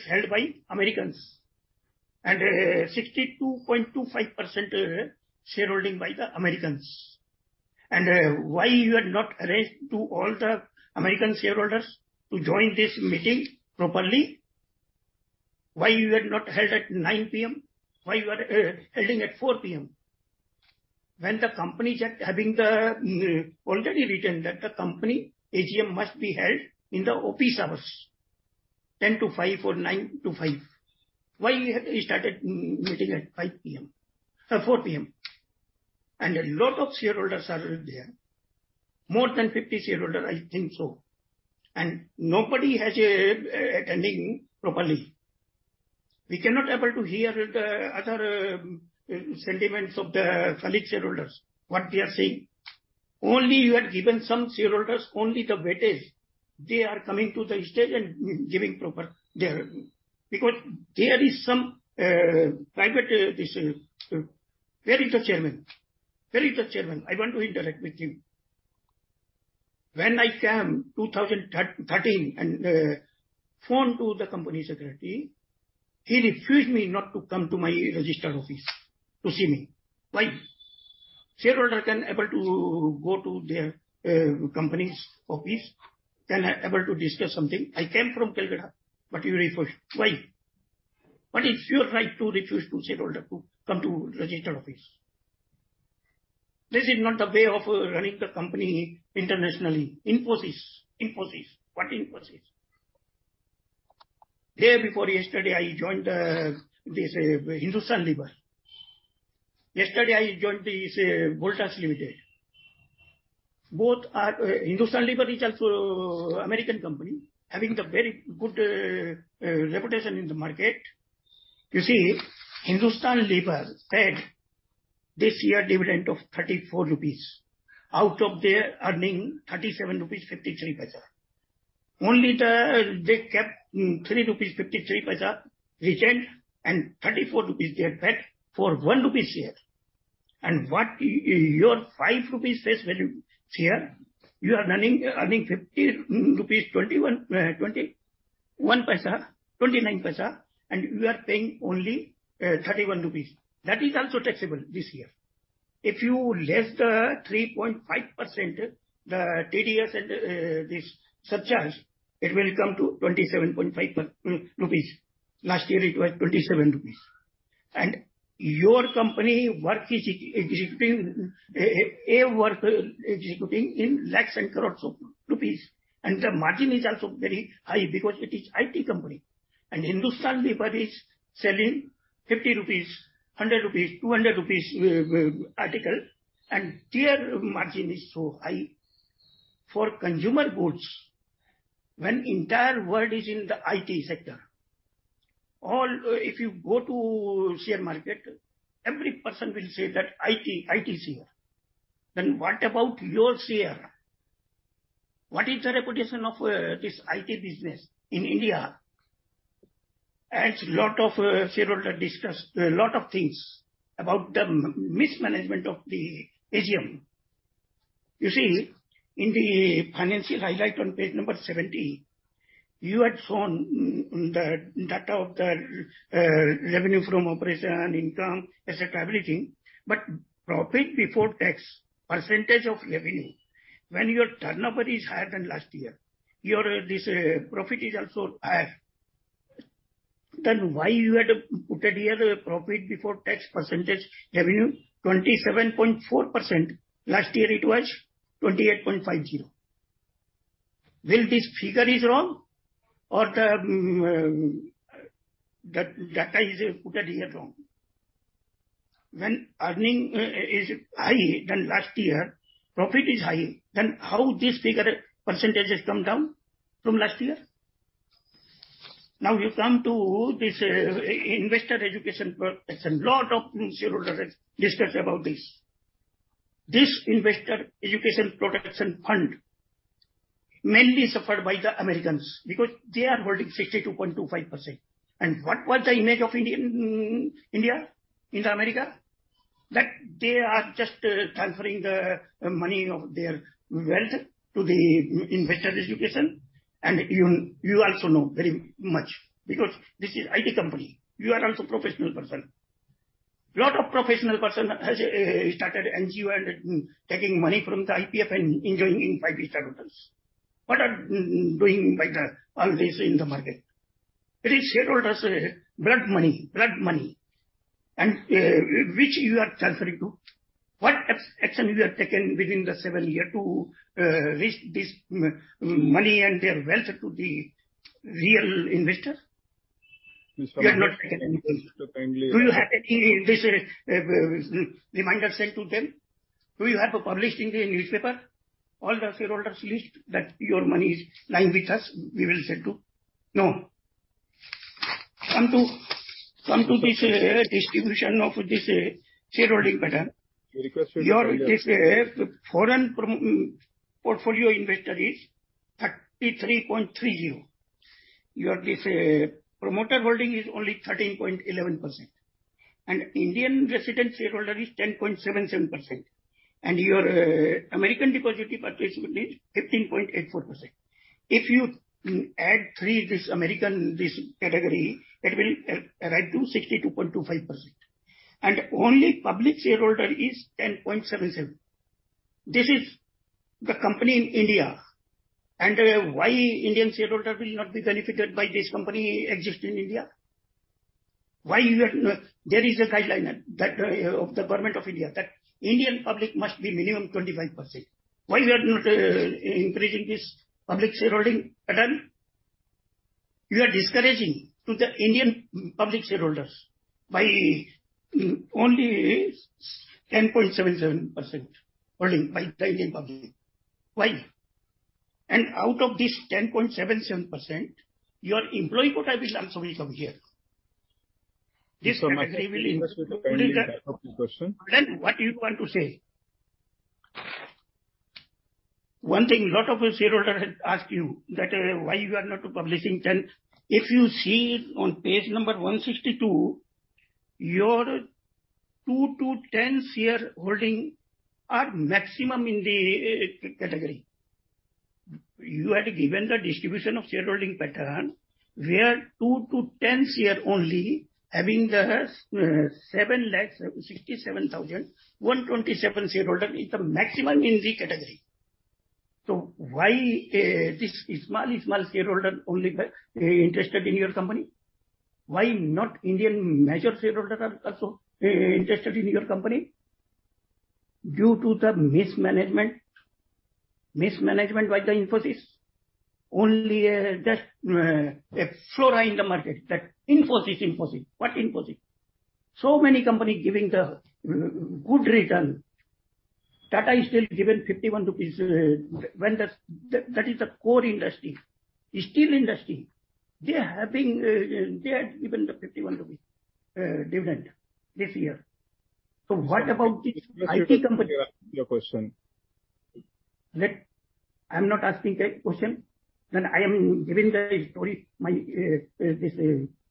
held by Americans and 62.25% shareholding by the Americans. Why you are not arranged to all the American shareholders to join this meeting properly? Why you are not held at 9 P.M.? Why you are holding at 4 P.M.? When the Companies Act having the already written that the company AGM must be held in the office hours, 10 to five or nine to five. Why you have started meeting at 5 P.M. 4 P.M.? A lot of shareholders are there, more than 50 shareholder, I think so, and nobody has attending properly. We cannot able to hear the other, sentiments of the fellow shareholders, what they are saying. Only you have given some shareholders only the weightage. They are coming to the stage and giving proper. Because there is some, private, this, where is the chairman? I want to interact with him. When I came 2013 and, phone to the company secretary, he refused me not to come to my registered office to see me. Why? Shareholder can able to go to their, company's office, then able to discuss something. I came from Kolkata, but you refuse. Why? What is your right to refuse to shareholder to come to registered office? This is not the way of running the company internationally. Infosys. What Infosys? Day before yesterday, I joined, this, Hindustan Lever. Yesterday, I joined this Voltas Limited. Both are Hindustan Lever is also American company, having the very good reputation in the market. You see, Hindustan Lever paid this year dividend of 34 rupees out of their earning 37.53 rupees. They kept 3.53 rupees retained and 34 rupees they have paid for one rupee share. What your five rupees face value share, you are running earning 50.29 rupees, and you are paying only 31 rupees. That is also taxable this year. If you less the 3.5% TDS and this surcharge, it will come to 27.5 rupees. Last year it was 27 rupees. Your company work is executing a work in lakhs and crores of rupees. The margin is also very high because it is IT company. Hindustan Unilever Limited is selling 50 rupees, 100 rupees, 200 rupees article. Their margin is so high for consumer goods when entire world is in the IT sector. If you go to share market, every person will say that IT share. Then what about your share? What is the reputation of this IT business in India? A lot of shareholders discussed a lot of things about the mismanagement of the AGM. You see, in the financial highlights on page number 70, you had shown the data of the revenue from operations and income, etc., everything. Profit before tax percentage of revenue, when your turnover is higher than last year, this profit is also higher. Why you had put here the profit before tax percentage revenue 27.4%? Last year it was 28.50%. Is this figure wrong or the data is put here wrong? When earning is high than last year, profit is high, then how this figure percentage has come down from last year? Now you come to this Investor Education and Protection Fund. A lot of new shareholders discuss about this. This Investor Education and Protection Fund mainly suffered by the Americans because they are holding 62.25%. What was the image of India in America? That they are just transferring the money of their wealth to the Investor Education and Protection Fund, and even you also know very much, because this is IT company. You are also professional person. Lot of professional person has started NGO and taking money from the IEPF and enjoying in five-star hotels. What are doing by all this in the market? It is shareholders' blood money. Blood money. Which you are transferring to? What action you have taken within the seven year to reach this money and their wealth to the real investor? Mr. Mhesh You have not taken anything. Kindly- Do you have any reminder sent to them? Do you have to publish in the newspaper all the shareholders list that your money is lying with us, we will send to? No. Come to this distribution of this shareholding pattern. Request you to. Your foreign portfolio investor is 33.30. Your promoter holding is only 13.11%. Indian resident shareholder is 10.77%. Your American Depository Receipts is 15.84%. If you add these American this category, it will arrive to 62.25%. Only public shareholder is 10.77. This is the company in India. Why Indian shareholder will not be benefited by this company exist in India? Why you are not. There is a guideline of the Government of India that Indian public must be minimum 25%. Why you are not increasing this public shareholding pattern? You are discouraging to the Indian public shareholders by only 10.77% holding by the Indian public. Why? Out of this 10.77%, your employee quota will also come here. This category will include the- Mr. Mahesh kindly as your question. What do you want to say? One thing lot of the shareholder has asked you that why you are not publishing ten. If you see on page number 162, your two to 10 shareholding are maximum in the c-category. You had given the distribution of shareholding pattern, where two to 10 share only having the 767,127 shareholder is the maximum in the category. So why this small shareholder only are interested in your company? Why not Indian major shareholder are also interested in your company? Due to the mismanagement. Mismanagement by the Infosys. Only that flaw in the market, that Infosys. What Infosys? So many company giving the good return. Tata is still giving 51 rupees when the. That is a core industry. Steel industry. They have been. They are given the 51 rupees dividend this year. What about this IT company? Your question. I'm not asking a question, then I am giving the story,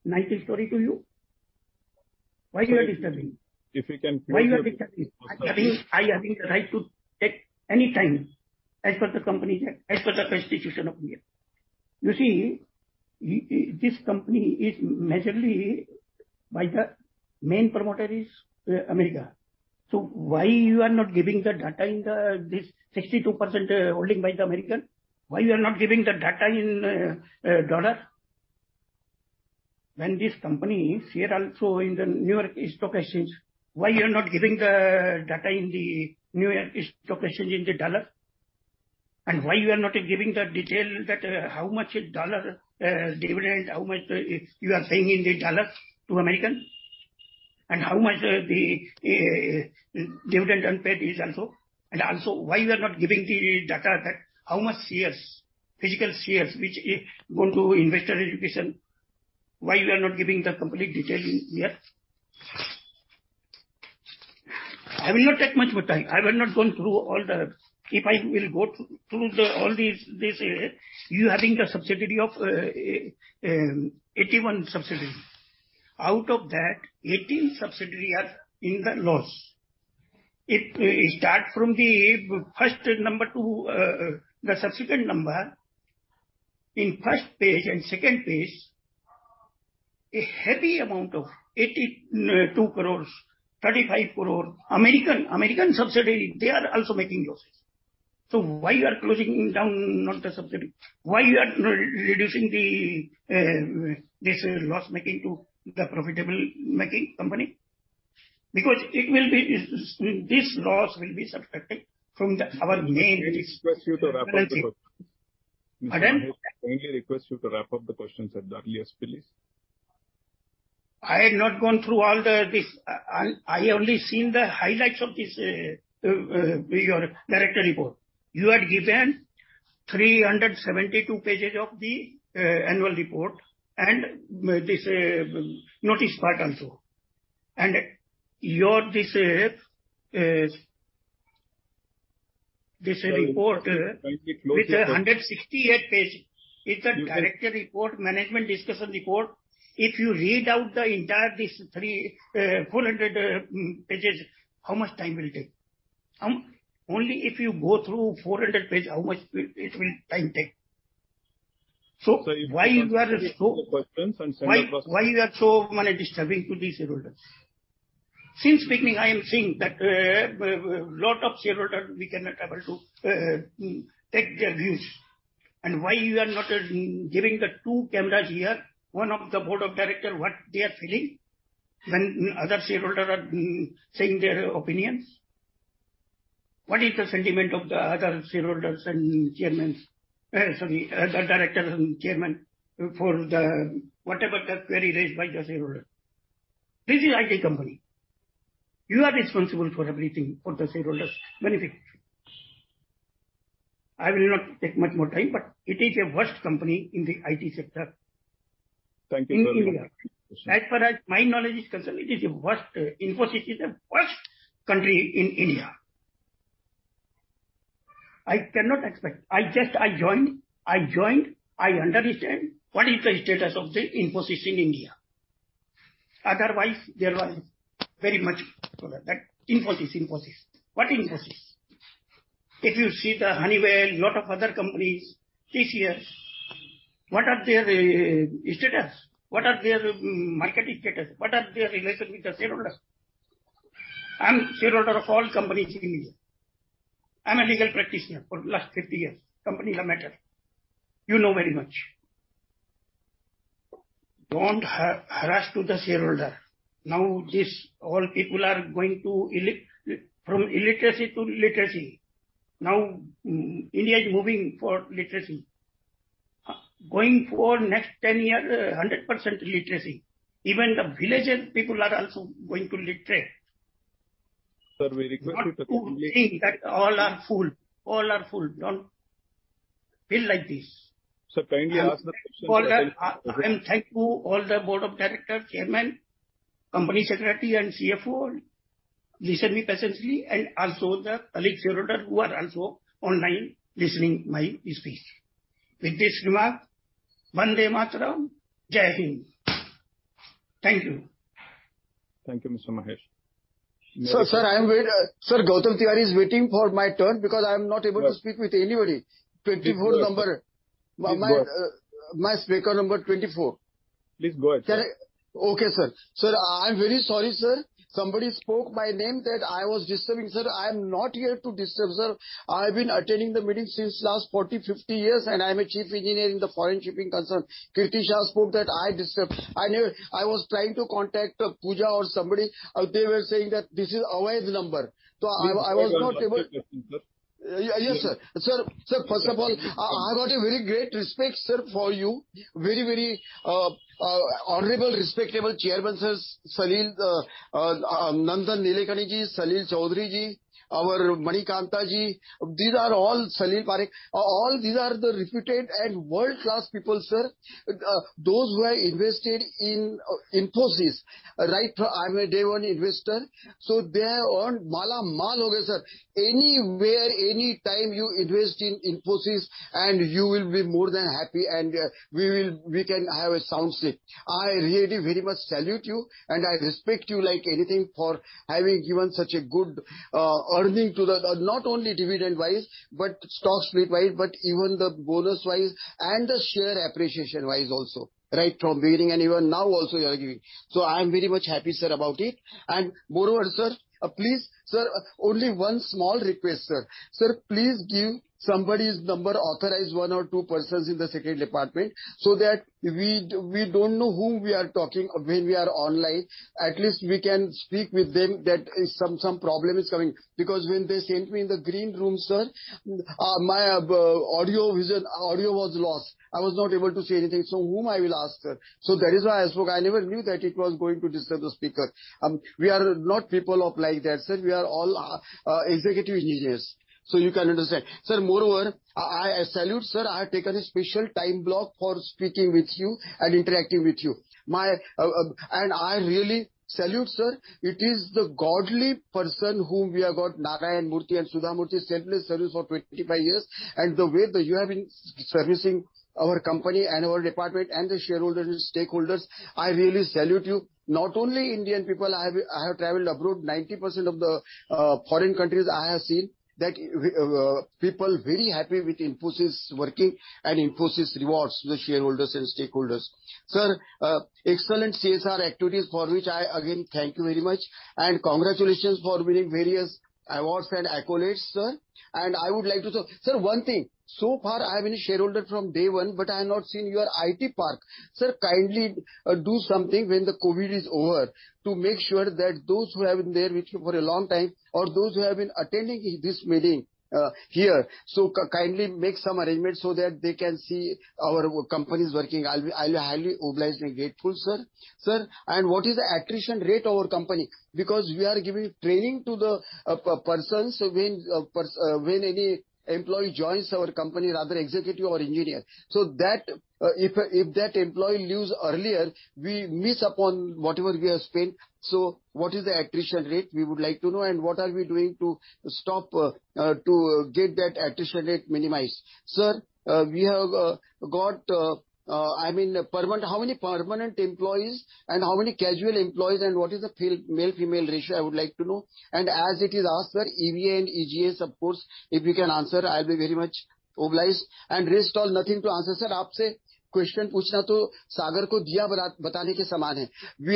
my, this nightly story to you. Why you are disturbing? If we can please Why are you disturbing? I having the right to take any time as per the Companies Act, as per the Constitution of India. You see, this company is majorly by the main promoter is America. So why are you not giving the data in the this 62% holding by the American? Why are you not giving the data in dollar? When this company is here also in the New York Stock Exchange, why are you not giving the data in the New York Stock Exchange in the dollar? Why are you not giving the detail that how much dollar dividend, how much you are paying in the dollar to American? How much the dividend unpaid is also. Why you are not giving the data that how much shares, physical shares, which is going to investor education, why you are not giving the complete detail in here? I will not take much more time. I will not go through all the. If I will go through the, all these, this, you having the subsidiary of 81 subsidiaries. Out of that,18 subsidiary are in the loss. It start from the first number to the subsequent number. In first page and second page, a heavy amount of 82 crore, 35 crore. American subsidiary, they are also making losses. Why you are closing down on the subsidiary? Why you are reducing the this loss making to the profitable making company? Because it will be, this loss will be subtracted from the our main. May we request you to wrap up your question. Mr. Mahesh, kindly request you to wrap up the questions at the earliest, please. I had not gone through all this. I only seen the highlights of this, your Directors' Report. You had given 372 pages of the Annual Report and this report- Sir, kindly close the. With a 168-page. It's a directors report, management discussion report. If you read out the entire this 300-400 pages, how much time will it take? Only if you go through 400-page, how much time will it take? Why you are so- Sir, if you want to ask the questions and send across. Why are you so disturbing to the shareholders? Since beginning, I am seeing that lot of shareholders we cannot able to take their views. Why are you not giving the two cameras here, one of the board of directors, what they are feeling when other shareholders are saying their opinions. What is the sentiment of the other shareholders and chairmen? Sorry, the directors and chairman for whatever the query raised by the shareholder. This is IT company. You are responsible for everything, for the shareholders' benefit. I will not take much more time, perhaps. It is a worst company in the IT sector. Thank you very much. In India. As far as my knowledge is concerned, it is the worst. Infosys is the worst company in India. I cannot expect. I just joined. I understand what is the status of the Infosys in India. Otherwise there was very much for that Infosys. What Infosys? If you see the Honeywell, lot of other companies, TCS, what are their status? What are their marketing status? What are their relation with the shareholders? I'm shareholder of all companies in India. I'm a legal practitioner for the last 50 years. Company law matter. You know very much. Don't harass to the shareholder. Now this all people are going to from illiteracy to literacy. Now, India is moving for literacy. Going for next 10 year, 100% literacy. Even the villager people are also going to literate. Sir, we request you to kindly. Not to think that all are fool. All are fool. Don't feel like this. Sir, kindly ask the question and then. I am thank to all the board of directors, chairman, company secretary, and CFO listen me patiently and also the colleague shareholder who are also online listening my speech. With this remark, Vande Mataram. Jai Hind. Thank you. Thank you, Mr. Mahesh. Sir, I am waiting. Sir, Gautam Tiwari is waiting for my turn because I'm not able to speak with anybody. 24 number. Please go ahead. I'm speaker number 24. Please go ahead, sir. Okay, sir. Sir, I'm very sorry, sir. Somebody spoke my name that I was disturbing, sir. I'm not here to disturb, sir. I've been attending the meeting since last 40, 50 years, and I'm a chief engineer in the foreign shipping concern. Kirti Shah spoke that I disturbed. I never. I was trying to contact Pooja or somebody. They were saying that this is away the number. I was not able- Please go ahead with your question, sir. Yes, sir. Sir, first of all, I got a very great respect, sir, for you. Very honorable, respectable chairman, sir, Salil, Nandan Nilekani Ji, Salil Parekh, our Manikantha Ji. These are all, Salil Parekh. All these are the reputed and world-class people, sir, those who have invested in Infosys, right? I'm a day one investor, so they are all sir. Anywhere, anytime you invest in Infosys and you will be more than happy and, we can have a sound sleep. I really very much salute you, and I respect you like anything for having given such a good earning to the not only dividend-wise, but stock split-wise, but even the bonus-wise and the share appreciation-wise also. Right from beginning and even now also you are giving. I am very much happy, sir, about it. Moreover, sir, please, sir, only one small request, sir. Sir, please give somebody's number, authorized one or two persons in the secret department, so that we don't know whom we are talking when we are online. At least we can speak with them that, some problem is coming. Because when they sent me in the green room, sir, my audio vision, audio was lost. I was not able to see anything, so whom I will ask, sir? That is why I spoke. I never knew that it was going to disturb the speaker. We are not people of like that, sir. We are all executive engineers, so you can understand. Sir, moreover, I salute, sir. I have taken a special time block for speaking with you and interacting with you. I really salute, sir. It is the godly person whom we have got, N. R. Narayana Murthy and Sudha Murty, selfless service for 25 years. The way that you have been servicing our company and our department and the shareholders and stakeholders, I really salute you. Not only Indian people. I have traveled abroad. 90% of the foreign countries, I have seen that people very happy with Infosys working and Infosys rewards the shareholders and stakeholders. Sir, excellent CSR activities for which I again thank you very much and congratulations for winning various awards and accolades, sir. I would like to say, sir, one thing. So far I have been a shareholder from day one, but I have not seen your IT park. Sir, kindly do something when the COVID is over to make sure that those who have been there with you for a long time or those who have been attending this meeting here, so kindly make some arrangements so that they can see our company's working. I'll be highly obliged and grateful, sir. Sir, what is the attrition rate of our company? Because we are giving training to the persons when any employee joins our company, rather executive or engineer. So that, if that employee leaves earlier, we miss upon whatever we have spent. So what is the attrition rate? We would like to know. What are we doing to stop to get that attrition rate minimized. Sir, we have got, I mean, permanent. How many permanent employees and how many casual employees, and what is the male-female ratio, I would like to know. As it is asked, sir, EVA and EGA, of course, if you can answer, I'll be very much obliged. Rest all nothing to answer. We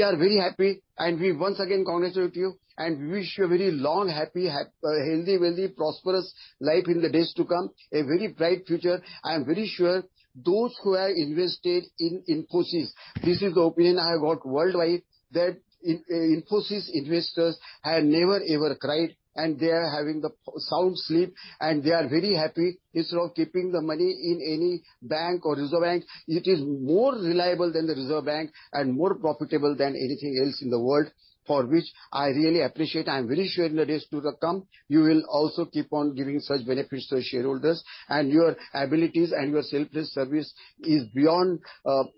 are very happy, and we once again congratulate you and wish you a very long, happy, healthy, wealthy, prosperous life in the days to come. A very bright future. I am very sure those who have invested in Infosys, this is the opinion I have got worldwide, that Infosys investors have never, ever cried, and they are having the sound sleep, and they are very happy. Instead of keeping the money in any bank or reserve bank, it is more reliable than the reserve bank and more profitable than anything else in the world, for which I really appreciate. I'm very sure in the days to come you will also keep on giving such benefits to shareholders. Your abilities and your selfless service is beyond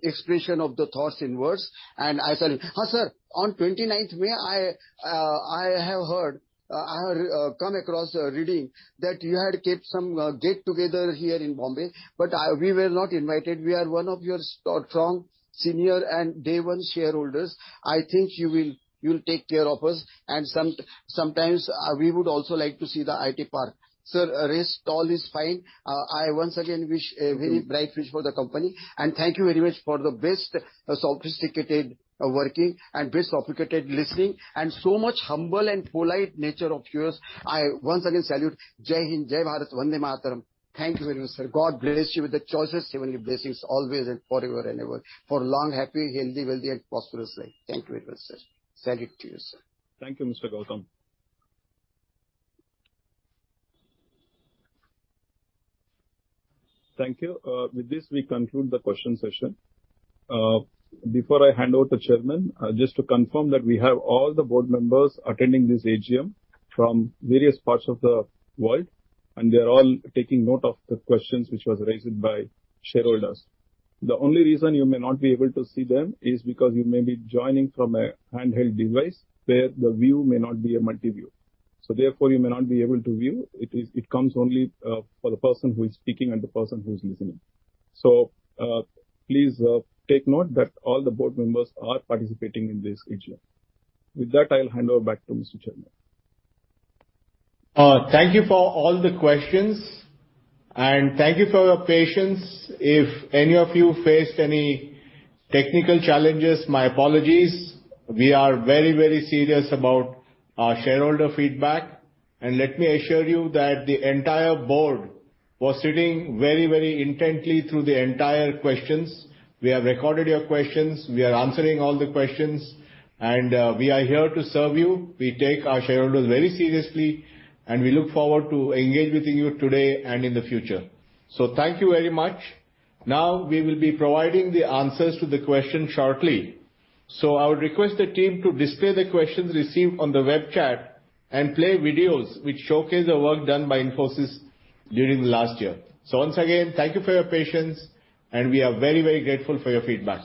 expression of the thoughts and words, and I salute. Sir, on 29th May, I have come across a reading that you had kept some get together here in Bombay, but we were not invited. We are one of your strong senior and day one shareholders. I think you will take care of us and sometimes we would also like to see the IT park. Sir, rest all is fine. I once again wish a very bright wish for the company. Thank you very much for the best sophisticated working and best sophisticated listening and so much humble and polite nature of yours. I once again salute. Thank you very much, sir. God bless you with the choicest heavenly blessings always and forever and ever. For long, happy, healthy, wealthy and prosperous life. Thank you very much, sir. Salute to you, sir. Thank you, Mr. Gautam. Thank you. With this, we conclude the question session. Before I hand over to Chairman, just to confirm that we have all the board members attending this AGM from various parts of the world, and they are all taking note of the questions which was raised by shareholders. The only reason you may not be able to see them is because you may be joining from a handheld device where the view may not be a multi-view. Therefore, you may not be able to view. It comes only for the person who is speaking and the person who is listening. Please take note that all the board members are participating in this AGM. With that, I'll hand over back to Mr. Chairman. Thank you for all the questions, and thank you for your patience. If any of you faced any technical challenges, my apologies. We are very, very serious about our shareholder feedback, and let me assure you that the entire board was sitting very, very intently through the entire questions. We have recorded your questions. We are answering all the questions, and we are here to serve you. We take our shareholders very seriously, and we look forward to engaging with you today and in the future. Thank you very much. Now, we will be providing the answers to the question shortly. I would request the team to display the questions received on the web chat and play videos which showcase the work done by Infosys during the last year. Once again, thank you for your patience, and we are very, very grateful for your feedback.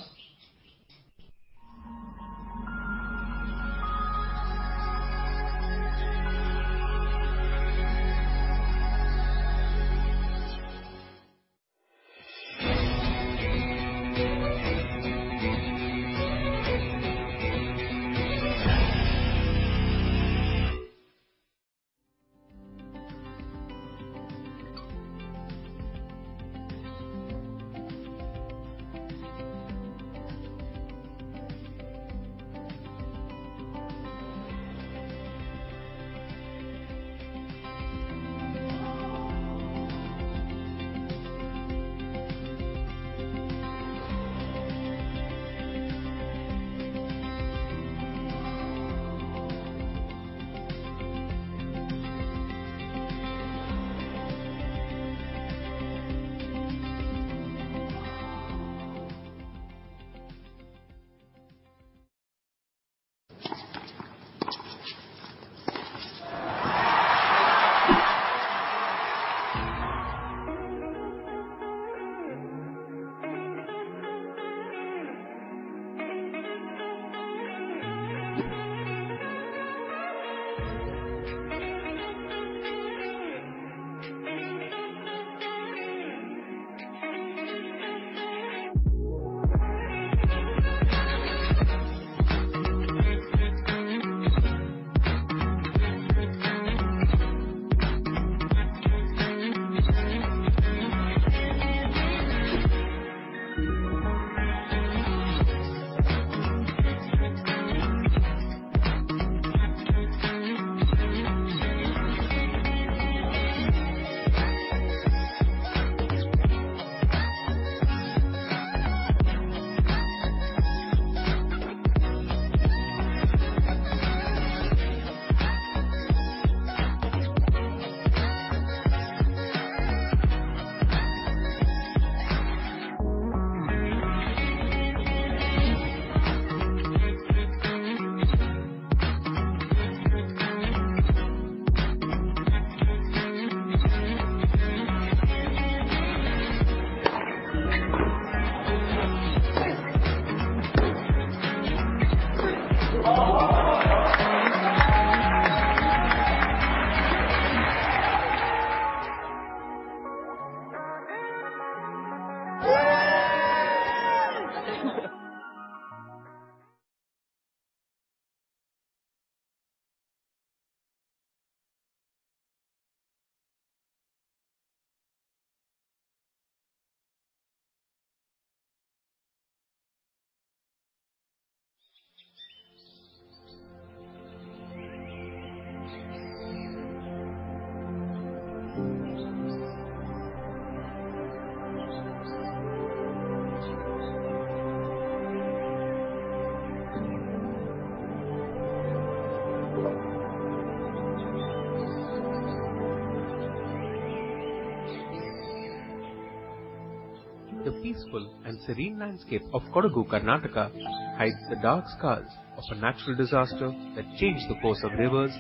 The peaceful and serene landscape of Kodagu, Karnataka hides the dark scars of a natural disaster that changed the course of rivers,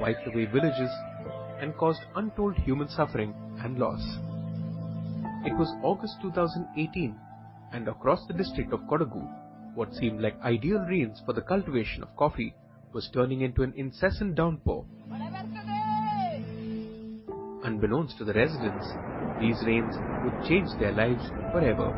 wiped away villages, and caused untold human suffering and loss. It was August 2018, and across the district of Kodagu, what seemed like ideal rains for the cultivation of coffee was turning into an incessant downpour. Unbeknownst to the residents, these rains would change their lives forever.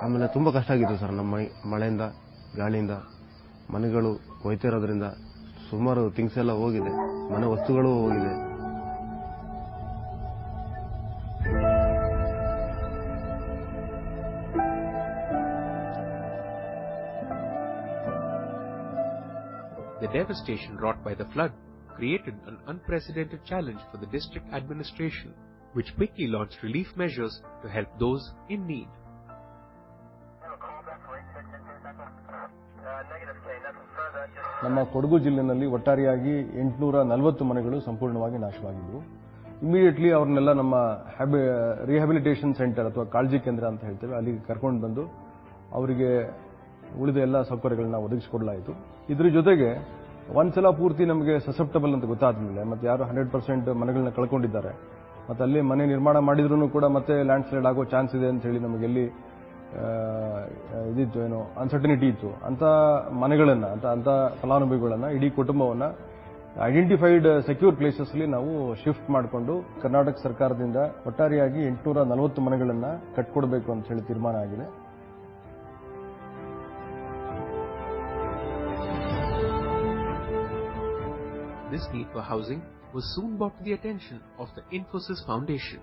The devastation wrought by the flood created an unprecedented challenge for the district administration, which quickly launched relief measures to help those in need. This need for housing was soon brought to the attention of the Infosys Foundation,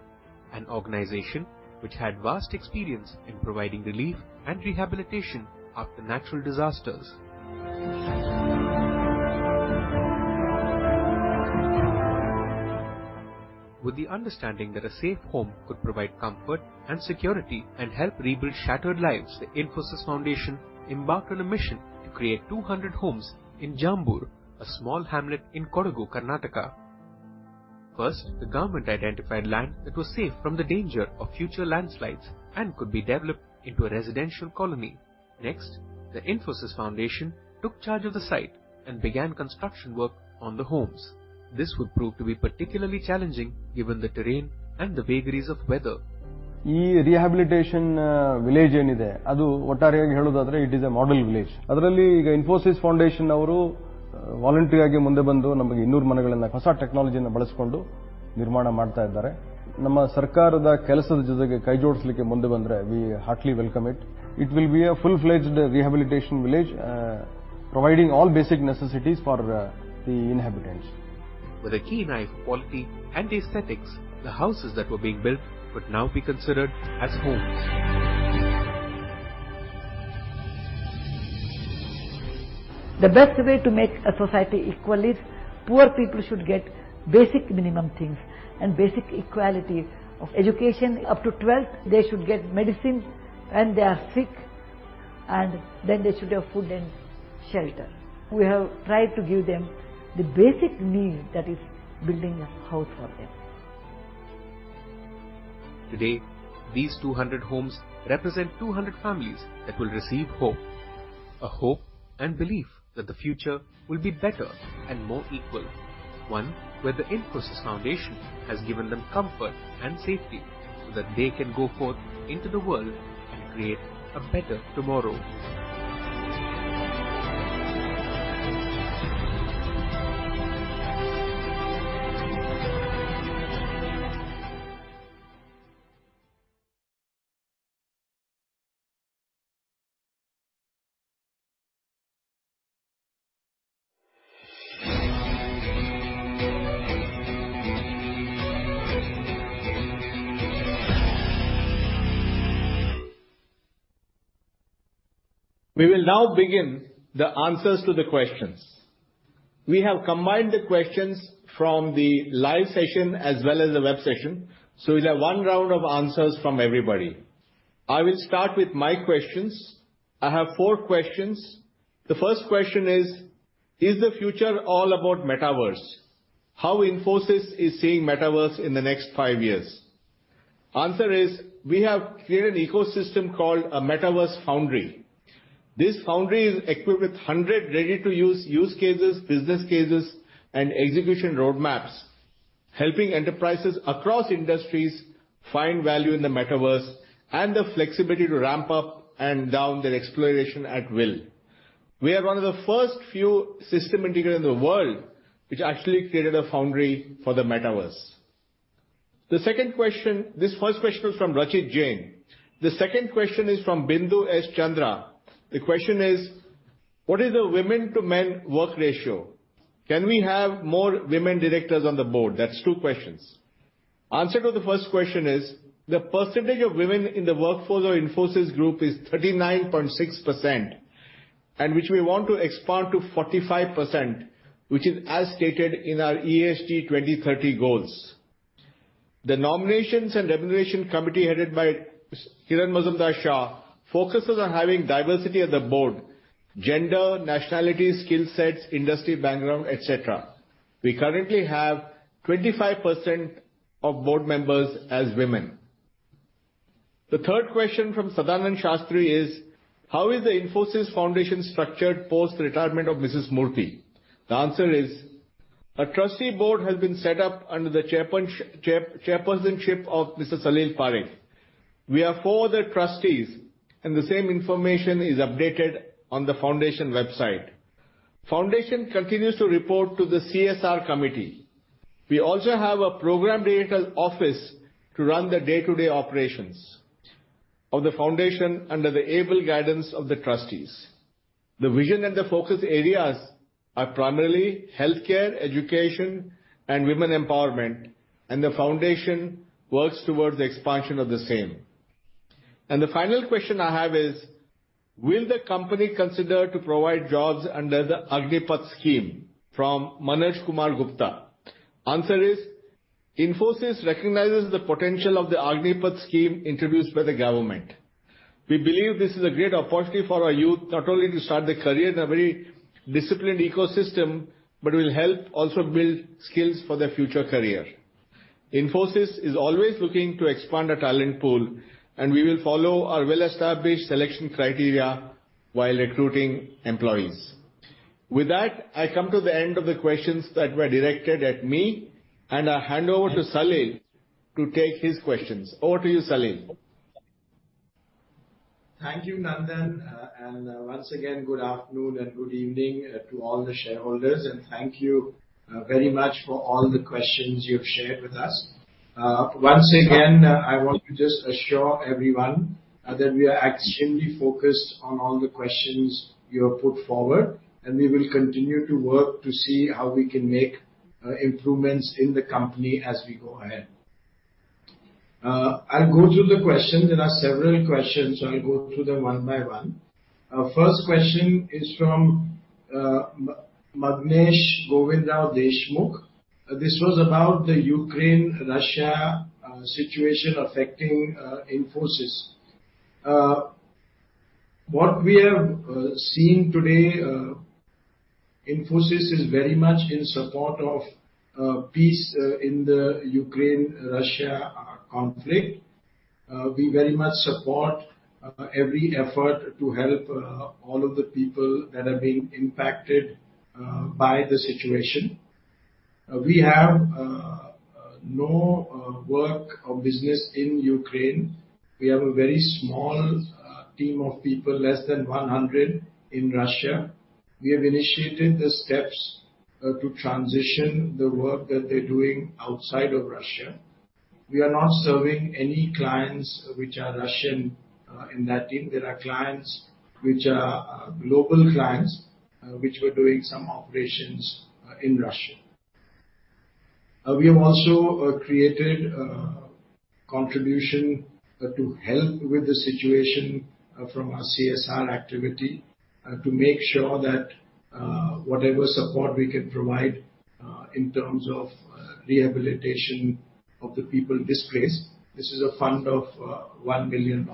an organization which had vast experience in providing relief and rehabilitation after natural disasters. With the understanding that a safe home could provide comfort and security and help rebuild shattered lives, the Infosys Foundation embarked on a mission to create 200 homes in Jambur, a small hamlet in Kodagu, Karnataka. First, the government identified land that was safe from the danger of future landslides and could be developed into a residential colony. Next, the Infosys Foundation took charge of the site and began construction work on the homes. This would prove to be particularly challenging given the terrain and the vagaries of weather. With a keen eye for quality and aesthetics, the houses that were being built could now be considered as homes. They should have food and shelter. We have tried to give them the basic need, that is building a house for them. Today, these 200 homes represent 200 families that will receive hope. A hope and belief that the future will be better and more equal. One where the Infosys Foundation has given them comfort and safety, so that they can go forth into the world and create a better tomorrow. We will now begin the answers to the questions. We have combined the questions from the live session as well as the web session, so we'll have one round of answers from everybody. I will start with my questions. I have four questions. The first question is: Is the future all about Metaverse? How Infosys is seeing Metaverse in the next five years? Answer is, we have created an ecosystem called a Metaverse Foundry. This foundry is equipped with 100 ready-to-use use cases, business cases, and execution roadmaps, helping enterprises across industries find value in the Metaverse and the flexibility to ramp up and down their exploration at will. We are one of the first few system integrator in the world which actually created a foundry for the Metaverse. The second question. This first question was from Rashid Jain. The second question is from Bindu Satish Chandra. The question is: What is the women to men work ratio? Can we have more women directors on the board? That's two questions. Answer to the first question is, the percentage of women in the workforce of Infosys group is 39.6%, and which we want to expand to 45%, which is as stated in our ESG 2030 goals. The nominations and remuneration committee headed by Kiran Mazumdar-Shaw focuses on having diversity on the board, gender, nationalities, skillsets, industry background, et cetera. We currently have 25% of board members as women. The third question from Sadananda Sastry is: How is the Infosys Foundation structured post-retirement of Mrs. Sudha Murty? The answer is, a trustee board has been set up under the chairpersonship of Mr. Salil Parekh. We have four other trustees, and the same information is updated on the foundation website. Foundation continues to report to the CSR committee. We also have a program director's office to run the day-to-day operations of the foundation under the able guidance of the trustees. The vision and the focus areas are primarily healthcare, education, and women empowerment, and the foundation works towards the expansion of the same. The final question I have is: Will the company consider to provide jobs under the Agnipath scheme? From Manoj Kumar Gupta. Answer is, Infosys recognizes the potential of the Agnipath schemeintroduced by the government. We believe this is a great opportunity for our youth, not only to start their career in a very disciplined ecosystem, but will help also build skills for their future career. Infosys is always looking to expand our talent pool, and we will follow our well-established selection criteria while recruiting employees. With that, I come to the end of the questions that were directed at me, and I hand over to Salil to take his questions. Over to you, Salil. Thank you, Nandan. Once again, good afternoon and good evening to all the shareholders. Thank you very much for all the questions you have shared with us. Once again, I want to just assure everyone that we are extremely focused on all the questions you have put forward, and we will continue to work to see how we can make improvements in the company as we go ahead. I'll go through the questions. There are several questions, so I'll go through them one by one. First question is from Mangesh Govindrao Deshmukh. This was about the Ukraine-Russia situation affecting Infosys. What we have seen today, Infosys is very much in support of peace in the Ukraine-Russia conflict. We very much support every effort to help all of the people that are being impacted by the situation. We have no work or business in Ukraine. We have a very small team of people, less than 100, in Russia. We have initiated the steps to transition the work that they're doing outside of Russia. We are not serving any clients which are Russian in that team. There are clients which are global clients which were doing some operations in Russia. We have also created a contribution to help with the situation from our CSR activity to make sure that whatever support we can provide in terms of rehabilitation of the people displaced. This is a fund of $1 billion.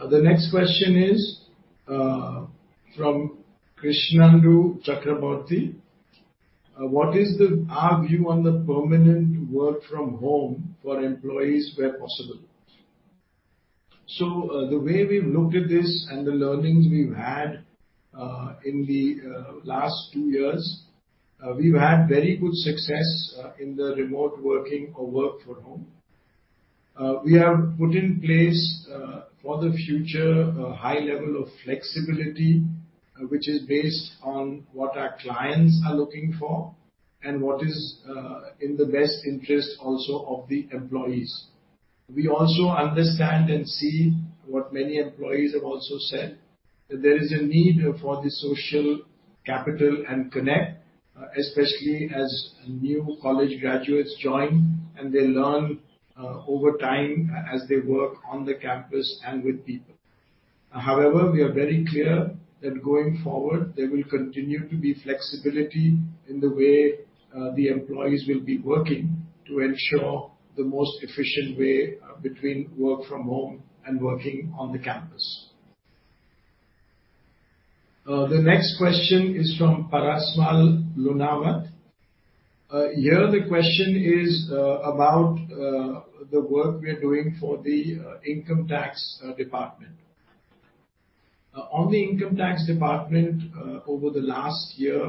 The next question is from Krishnendu Chakraborty. What is our view on the permanent work from home for employees where possible? The way we've looked at this and the learnings we've had in the last two years, we've had very good success in the remote working or work from home. We have put in place for the future a high level of flexibility, which is based on what our clients are looking for and what is in the best interest also of the employees. We also understand and see what many employees have also said, that there is a need for the social capital and connect, especially as new college graduates join and they learn over time as they work on the campus and with people. However, we are very clear that going forward there will continue to be flexibility in the way the employees will be working to ensure the most efficient way between work from home and working on the campus. The next question is from Parasmal Lunawat. Here the question is about the work we are doing for the income tax department. On the income tax department, over the last year,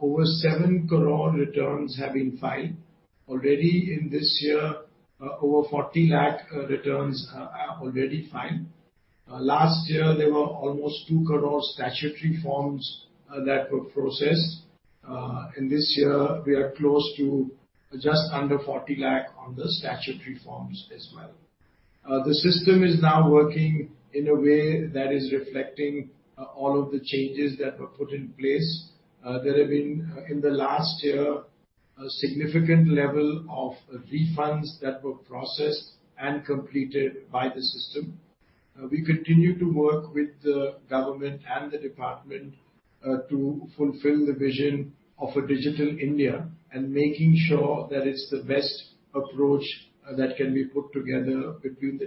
over seven crore returns have been filed. Already in this year, over 40 lakh returns are already filed. Last year there were almost two crore statutory forms that were processed. This year we are close to just under 40 lakh on the statutory forms as well. The system is now working in a way that is reflecting all of the changes that were put in place. There have been in the last year a significant level of refunds that were processed and completed by the system. We continue to work with the government and the department to fulfill the vision of a Digital India and making sure that it's the best approach that can be put together between the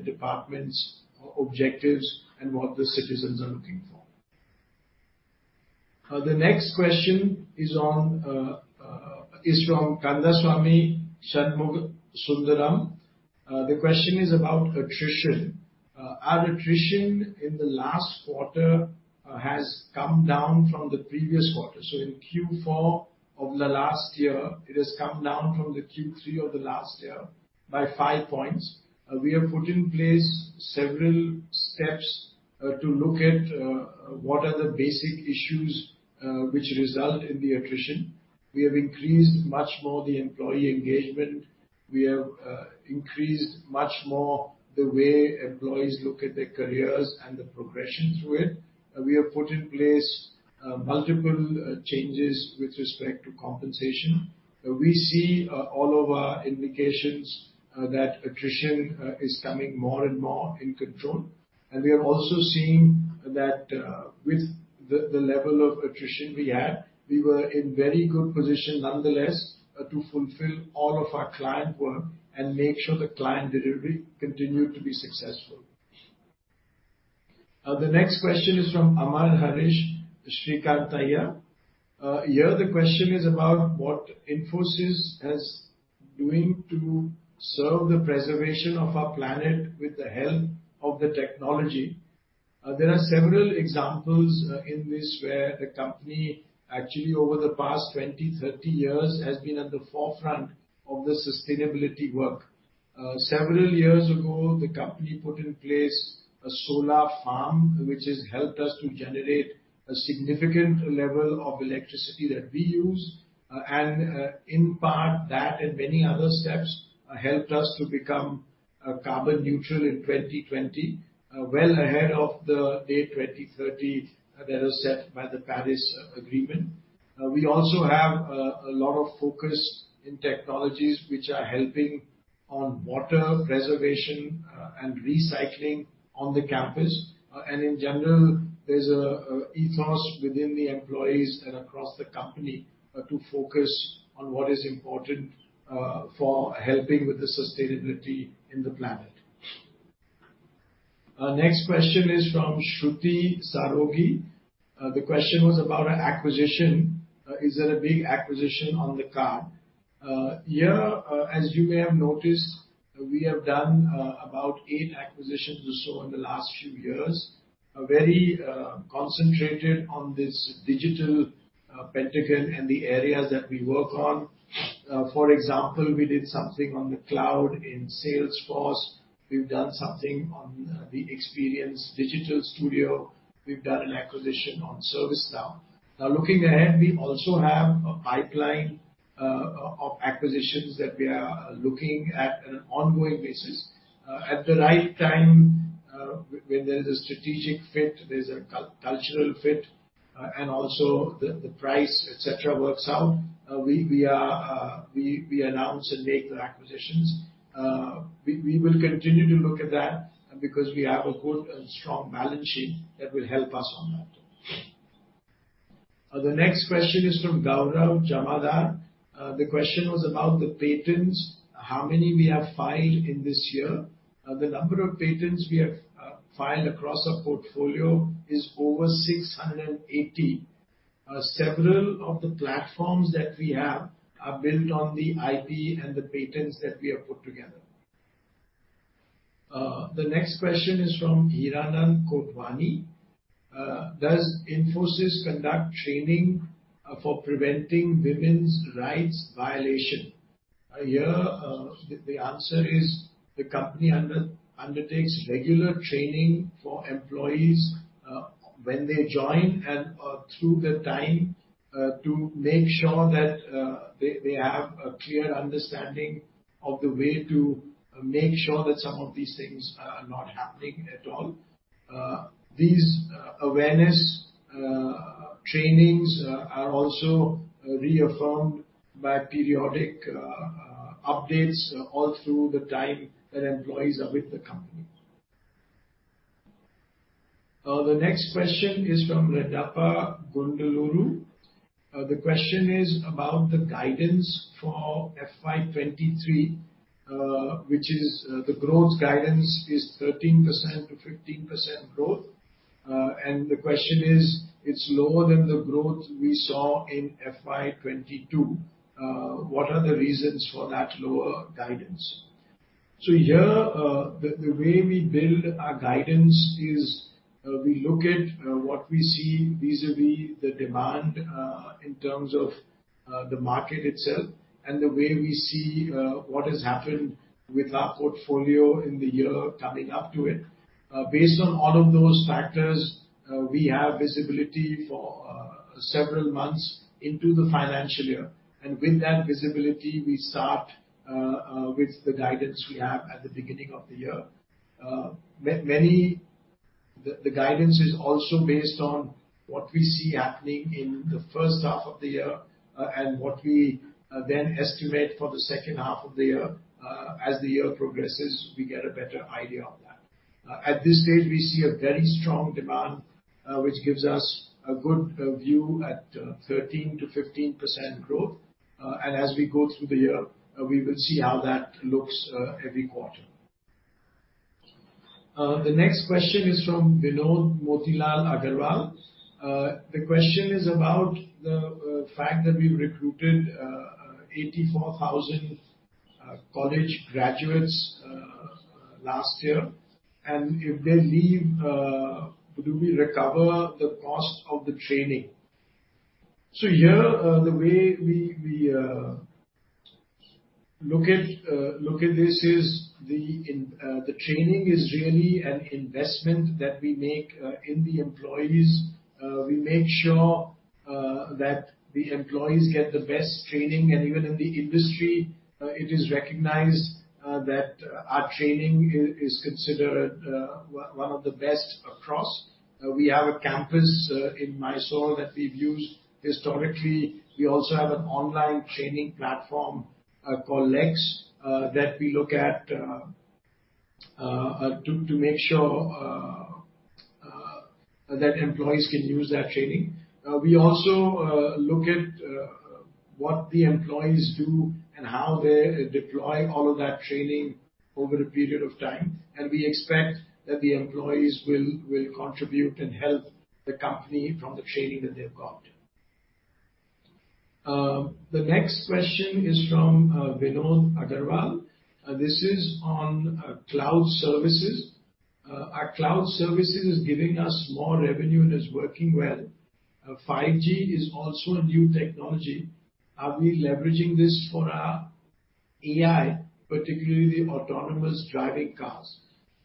department's objectives and what the citizens are looking for. The next question is from Kandaswamy Shanmugasundaram. The question is about attrition. Our attrition in the last quarter has come down from the previous quarter. In Q4 of the last year, it has come down from the Q3 of the last year by five points. We have put in place several steps to look at what are the basic issues which result in the attrition. We have increased much more the employee engagement. We have increased much more the way employees look at their careers and the progression through it. We have put in place multiple changes with respect to compensation. We see all of our indications that attrition is coming more and more in control. We are also seeing that with the level of attrition we had, we were in very good position nonetheless to fulfill all of our client work and make sure the client delivery continued to be successful. The next question is from Amar Harish Srikantaiah. Here the question is about what Infosys is doing to serve the preservation of our planet with the help of the technology. There are several examples in this, where the company actually over the past 20, 30 years has been at the forefront of the sustainability work. Several years ago, the company put in place a solar farm, which has helped us to generate a significant level of electricity that we use. In part that and many other steps helped us to become carbon neutral in 2020, well ahead of the date 2030 that was set by the Paris Agreement. We also have a lot of focus in technologies which are helping on water preservation and recycling on the campus. In general, there's an ethos within the employees and across the company to focus on what is important for helping with the sustainability in the planet. Next question is from Shruti Saraogi. The question was about acquisition. Is there a big acquisition on the card? Here, as you may have noticed, we have done about eight acquisitions or so in the last few years. Very concentrated on this digital pentagon and the areas that we work on. For example, we did something on the cloud in Salesforce. We've done something on the experience digital studio. We've done an acquisition on ServiceNow. Now looking ahead, we also have a pipeline of acquisitions that we are looking at on an ongoing basis. At the right time, when there's a strategic fit, there's a cultural fit, and also the price, et cetera, works out. We announce and make the acquisitions. We will continue to look at that because we have a good and strong balance sheet that will help us on that. The next question is from Gaurav Jamdar. The question was about the patents. How many we have filed in this year? The number of patents we have filed across our portfolio is over 680. Several of the platforms that we have are built on the IP and the patents that we have put together. The next question is from Hiranand Kotwani. Does Infosys conduct training for preventing women's rights violation? Here, the answer is the company undertakes regular training for employees when they join and through the time to make sure that they have a clear understanding of the way to make sure that some of these things are not happening at all. These awareness trainings are also reaffirmed by periodic updates all through the time that employees are with the company. The next question is from Reddeppa Gundluru. The question is about the guidance for FY 2023, which is the growth guidance is 13%-15% growth. The question is, it's lower than the growth we saw in FY 2022. What are the reasons for that lower guidance? Here, the way we build our guidance is, we look at what we see vis-à-vis the demand in terms of the market itself and the way we see what has happened with our portfolio in the year coming up to it. Based on all of those factors, we have visibility for several months into the financial year. With that visibility, we start with the guidance we have at the beginning of the year. The guidance is also based on what we see happening in the first half of the year, and what we then estimate for the second half of the year. As the year progresses, we get a better idea of that. At this stage, we see a very strong demand, which gives us a good view at 13%-15% growth. As we go through the year, we will see how that looks every quarter. The next question is from Vinod Motilal Agarwal. The question is about the fact that we recruited 84,000 college graduates last year, and if they leave, do we recover the cost of the training? Here, the way we look at this is the training is really an investment that we make in the employees. We make sure that the employees get the best training. Even in the industry, it is recognized that our training is considered one of the best across. We have a campus in Mysore that we've used historically. We also have an online training platform called Lex that we look at to make sure that employees can use that training. We also look at what the employees do and how they deploy all of that training over a period of time. We expect that the employees will contribute and help the company from the training that they've got. The next question is from Vinod Agarwal. This is on cloud services. Our cloud services is giving us more revenue and is working well. 5G is also a new technology. Are we leveraging this for our AI, particularly the autonomous driving cars?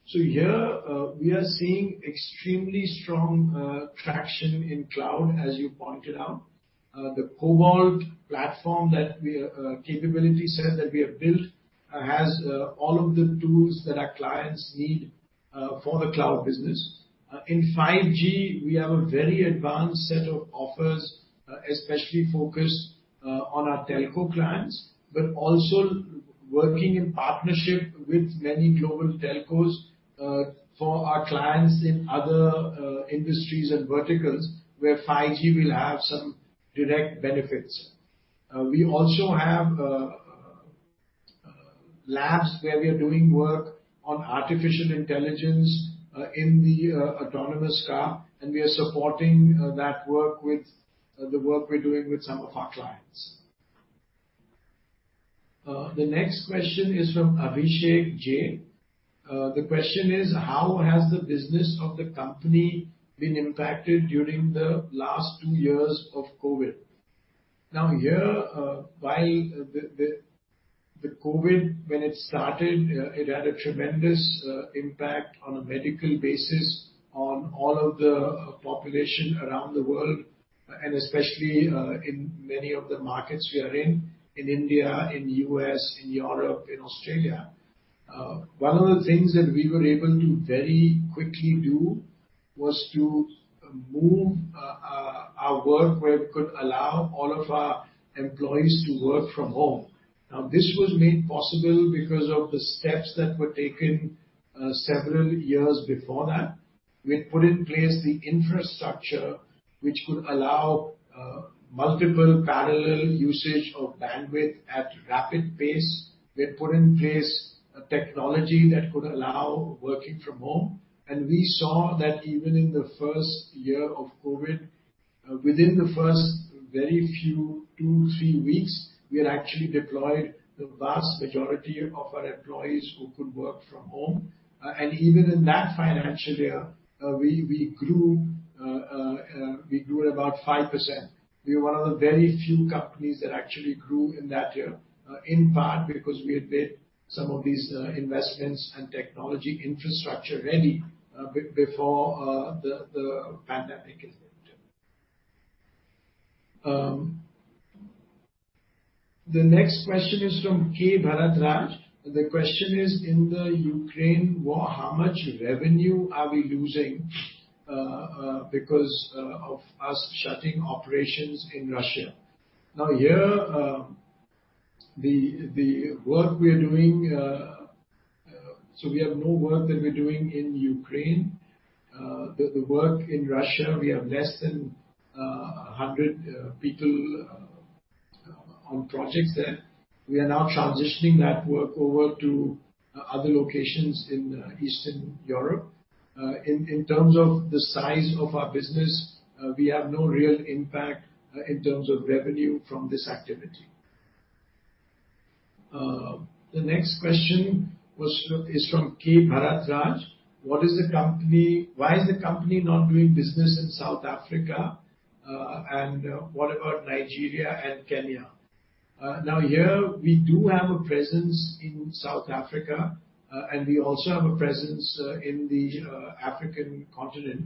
Here we are seeing extremely strong traction in cloud, as you pointed out. The Cobalt platform capability set that we have built has all of the tools that our clients need for the cloud business. In 5G, we have a very advanced set of offers, especially focused on our telco clients, but also working in partnership with many global telcos for our clients in other industries and verticals where 5G will have some direct benefits. We also have labs where we are doing work on artificial intelligence in the autonomous car, and we are supporting that work with the work we're doing with some of our clients. The next question is from Abhishek Jain. The question is: How has the business of the company been impacted during the last two years of COVID? Now, here, while the COVID, when it started, it had a tremendous impact on a medical basis on all of the population around the world, and especially in many of the markets we are in India, in U.S., in Europe, in Australia. One of the things that we were able to very quickly do was to move our work where it could allow all of our employees to work from home. Now this was made possible because of the steps that were taken several years before that. We had put in place the infrastructure which could allow multiple parallel usage of bandwidth at rapid pace. We had put in place a technology that could allow working from home. We saw that even in the first year of COVID, within the first two, three weeks, we had actually deployed the vast majority of our employees who could work from home. Even in that financial year, we grew at about 5%. We were one of the very few companies that actually grew in that year, in part because we had made some of these investments and technology infrastructure ready before the pandemic hit. The next question is from K. Bharat Raj. The question is: In the Ukraine war, how much revenue are we losing because of us shutting operations in Russia? Now here, the work we are doing. So we have no work that we're doing in Ukraine. The work in Russia, we have less than 100 people on projects there. We are now transitioning that work over to other locations in Eastern Europe. In terms of the size of our business, we have no real impact in terms of revenue from this activity. The next question is from K. Bharat Raj. Why is the company not doing business in South Africa? What about Nigeria and Kenya? Now here we do have a presence in South Africa, and we also have a presence in the African continent.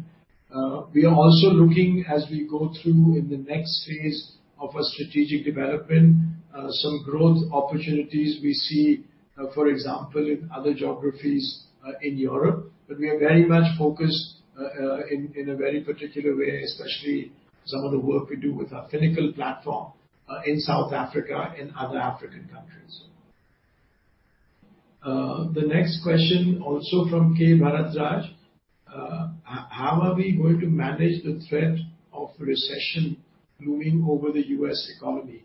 We are also looking as we go through in the next phase of our strategic development, some growth opportunities we see, for example, in other geographies in Europe. We are very much focused in a very particular way, especially some of the work we do with our Finacle platform in South Africa and other African countries. The next question also from K. Bharat Raj. How are we going to manage the threat of recession looming over the U.S. economy?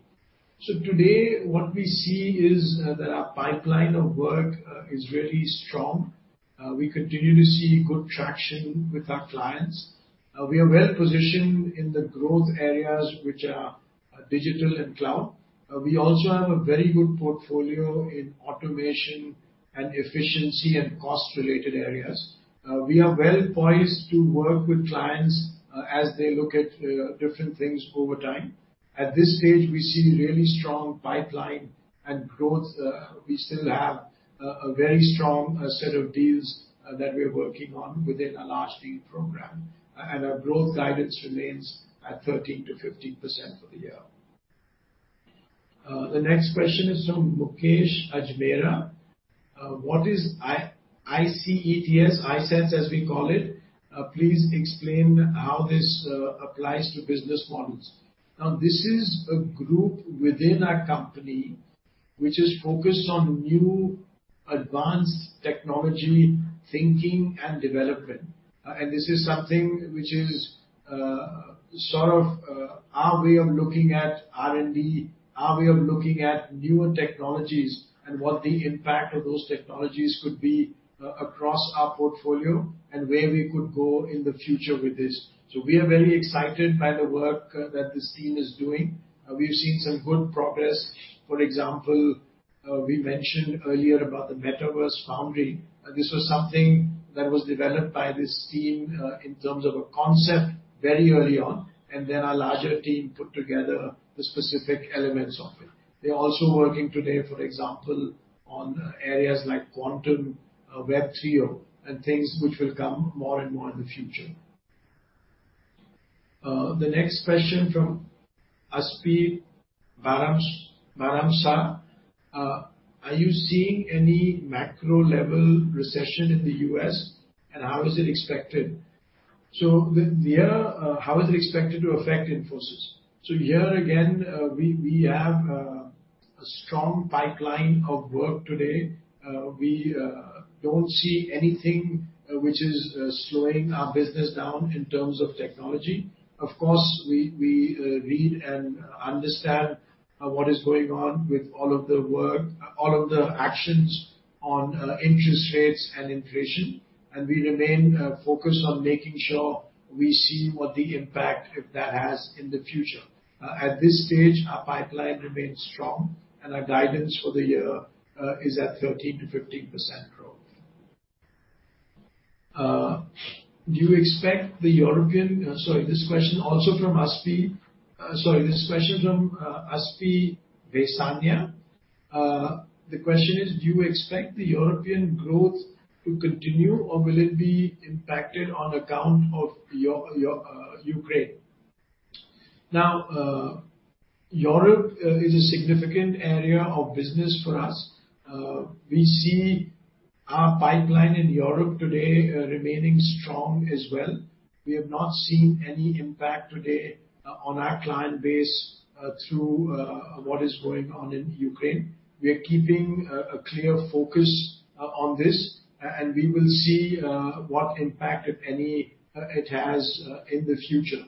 Today, what we see is that our pipeline of work is really strong. We continue to see good traction with our clients. We are well positioned in the growth areas which are digital and cloud. We also have a very good portfolio in automation and efficiency and cost-related areas. We are well poised to work with clients as they look at different things over time. At this stage, we see really strong pipeline and growth. We still have a very strong set of deals that we're working on within our large deal program. Our growth guidance remains at 13%-15% for the year. The next question is from Mukesh Ajmera. What is iCETS as we call it. Please explain how this applies to business models. Now this is a group within our company which is focused on new advanced technology thinking and development. This is something which is sort of our way of looking at R&D, our way of looking at newer technologies, and what the impact of those technologies could be across our portfolio and where we could go in the future with this. We are very excited by the work that this team is doing. We've seen some good progress. For example, we mentioned earlier about the Metaverse Foundry. This was something that was developed by this team in terms of a concept very early on, and then our larger team put together the specific elements of it. They're also working today, for example, on areas like quantum, Web3 and things which will come more and more in the future. The next question from Aspii Baramsa. Are you seeing any macro level recession in the US, and how is it expected to affect Infosys? Here again, we have a strong pipeline of work today. We don't see anything which is slowing our business down in terms of technology. Of course, we read and understand what is going on with all of the work, all of the actions on interest rates and inflation. We remain focused on making sure we see what the impact of that has in the future. At this stage, our pipeline remains strong, and our guidance for the year is at 13%-15% growth. Do you expect the European growth to continue, or will it be impacted on account of Ukraine? Sorry, this question also from Aspi. Sorry, this question from Aspi Baramsa. The question is: Do you expect the European growth to continue, or will it be impacted on account of Ukraine? Now, Europe is a significant area of business for us. We see our pipeline in Europe today remaining strong as well. We have not seen any impact today on our client base through what is going on in Ukraine. We are keeping a clear focus on this, and we will see what impact, if any, it has in the future.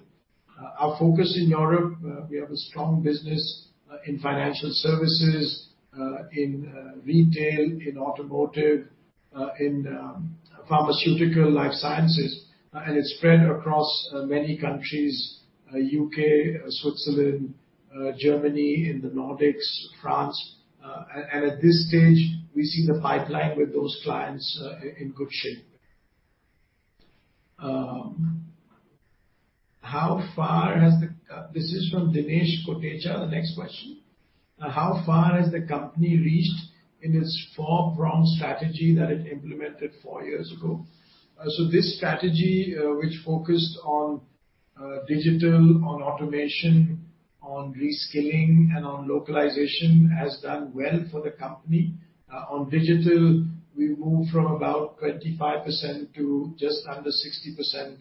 Our focus in Europe, we have a strong business in financial services, in retail, in automotive, in pharmaceutical life sciences. It's spread across many countries, U.K., Switzerland, Germany, in the Nordics, France. At this stage, we see the pipeline with those clients in good shape. This is from Dinesh Kotecha, the next question. How far has the company reached in its four-prong strategy that it implemented four years ago? This strategy, which focused on digital, on automation, on reskilling, and on localization, has done well for the company. On digital, we moved from about 25% to just under 60%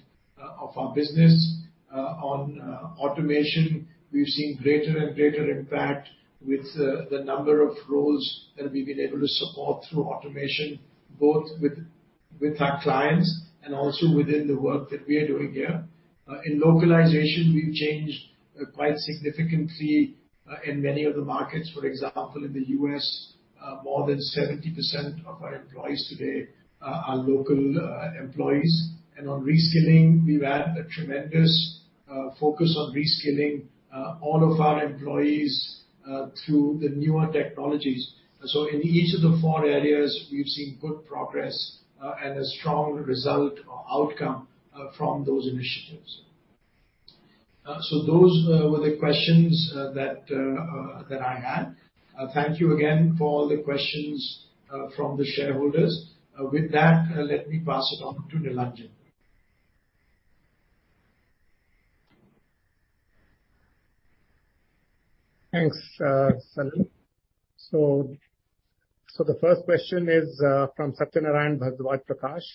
of our business. On automation, we've seen greater and greater impact with the number of roles that we've been able to support through automation, both with our clients and also within the work that we are doing here. In localization, we've changed quite significantly in many of the markets. For example, in the U.S., more than 70% of our employees today are local employees. On reskilling, we've had a tremendous focus on reskilling all of our employees through the newer technologies. In each of the four areas, we've seen good progress, and a strong result or outcome, from those initiatives. Those were the questions that I had. Thank you again for all the questions from the shareholders. With that, let me pass it on to Nilanjan. Thanks, Salil. The first question is from Satyanarayan Bhardwaj Prakash.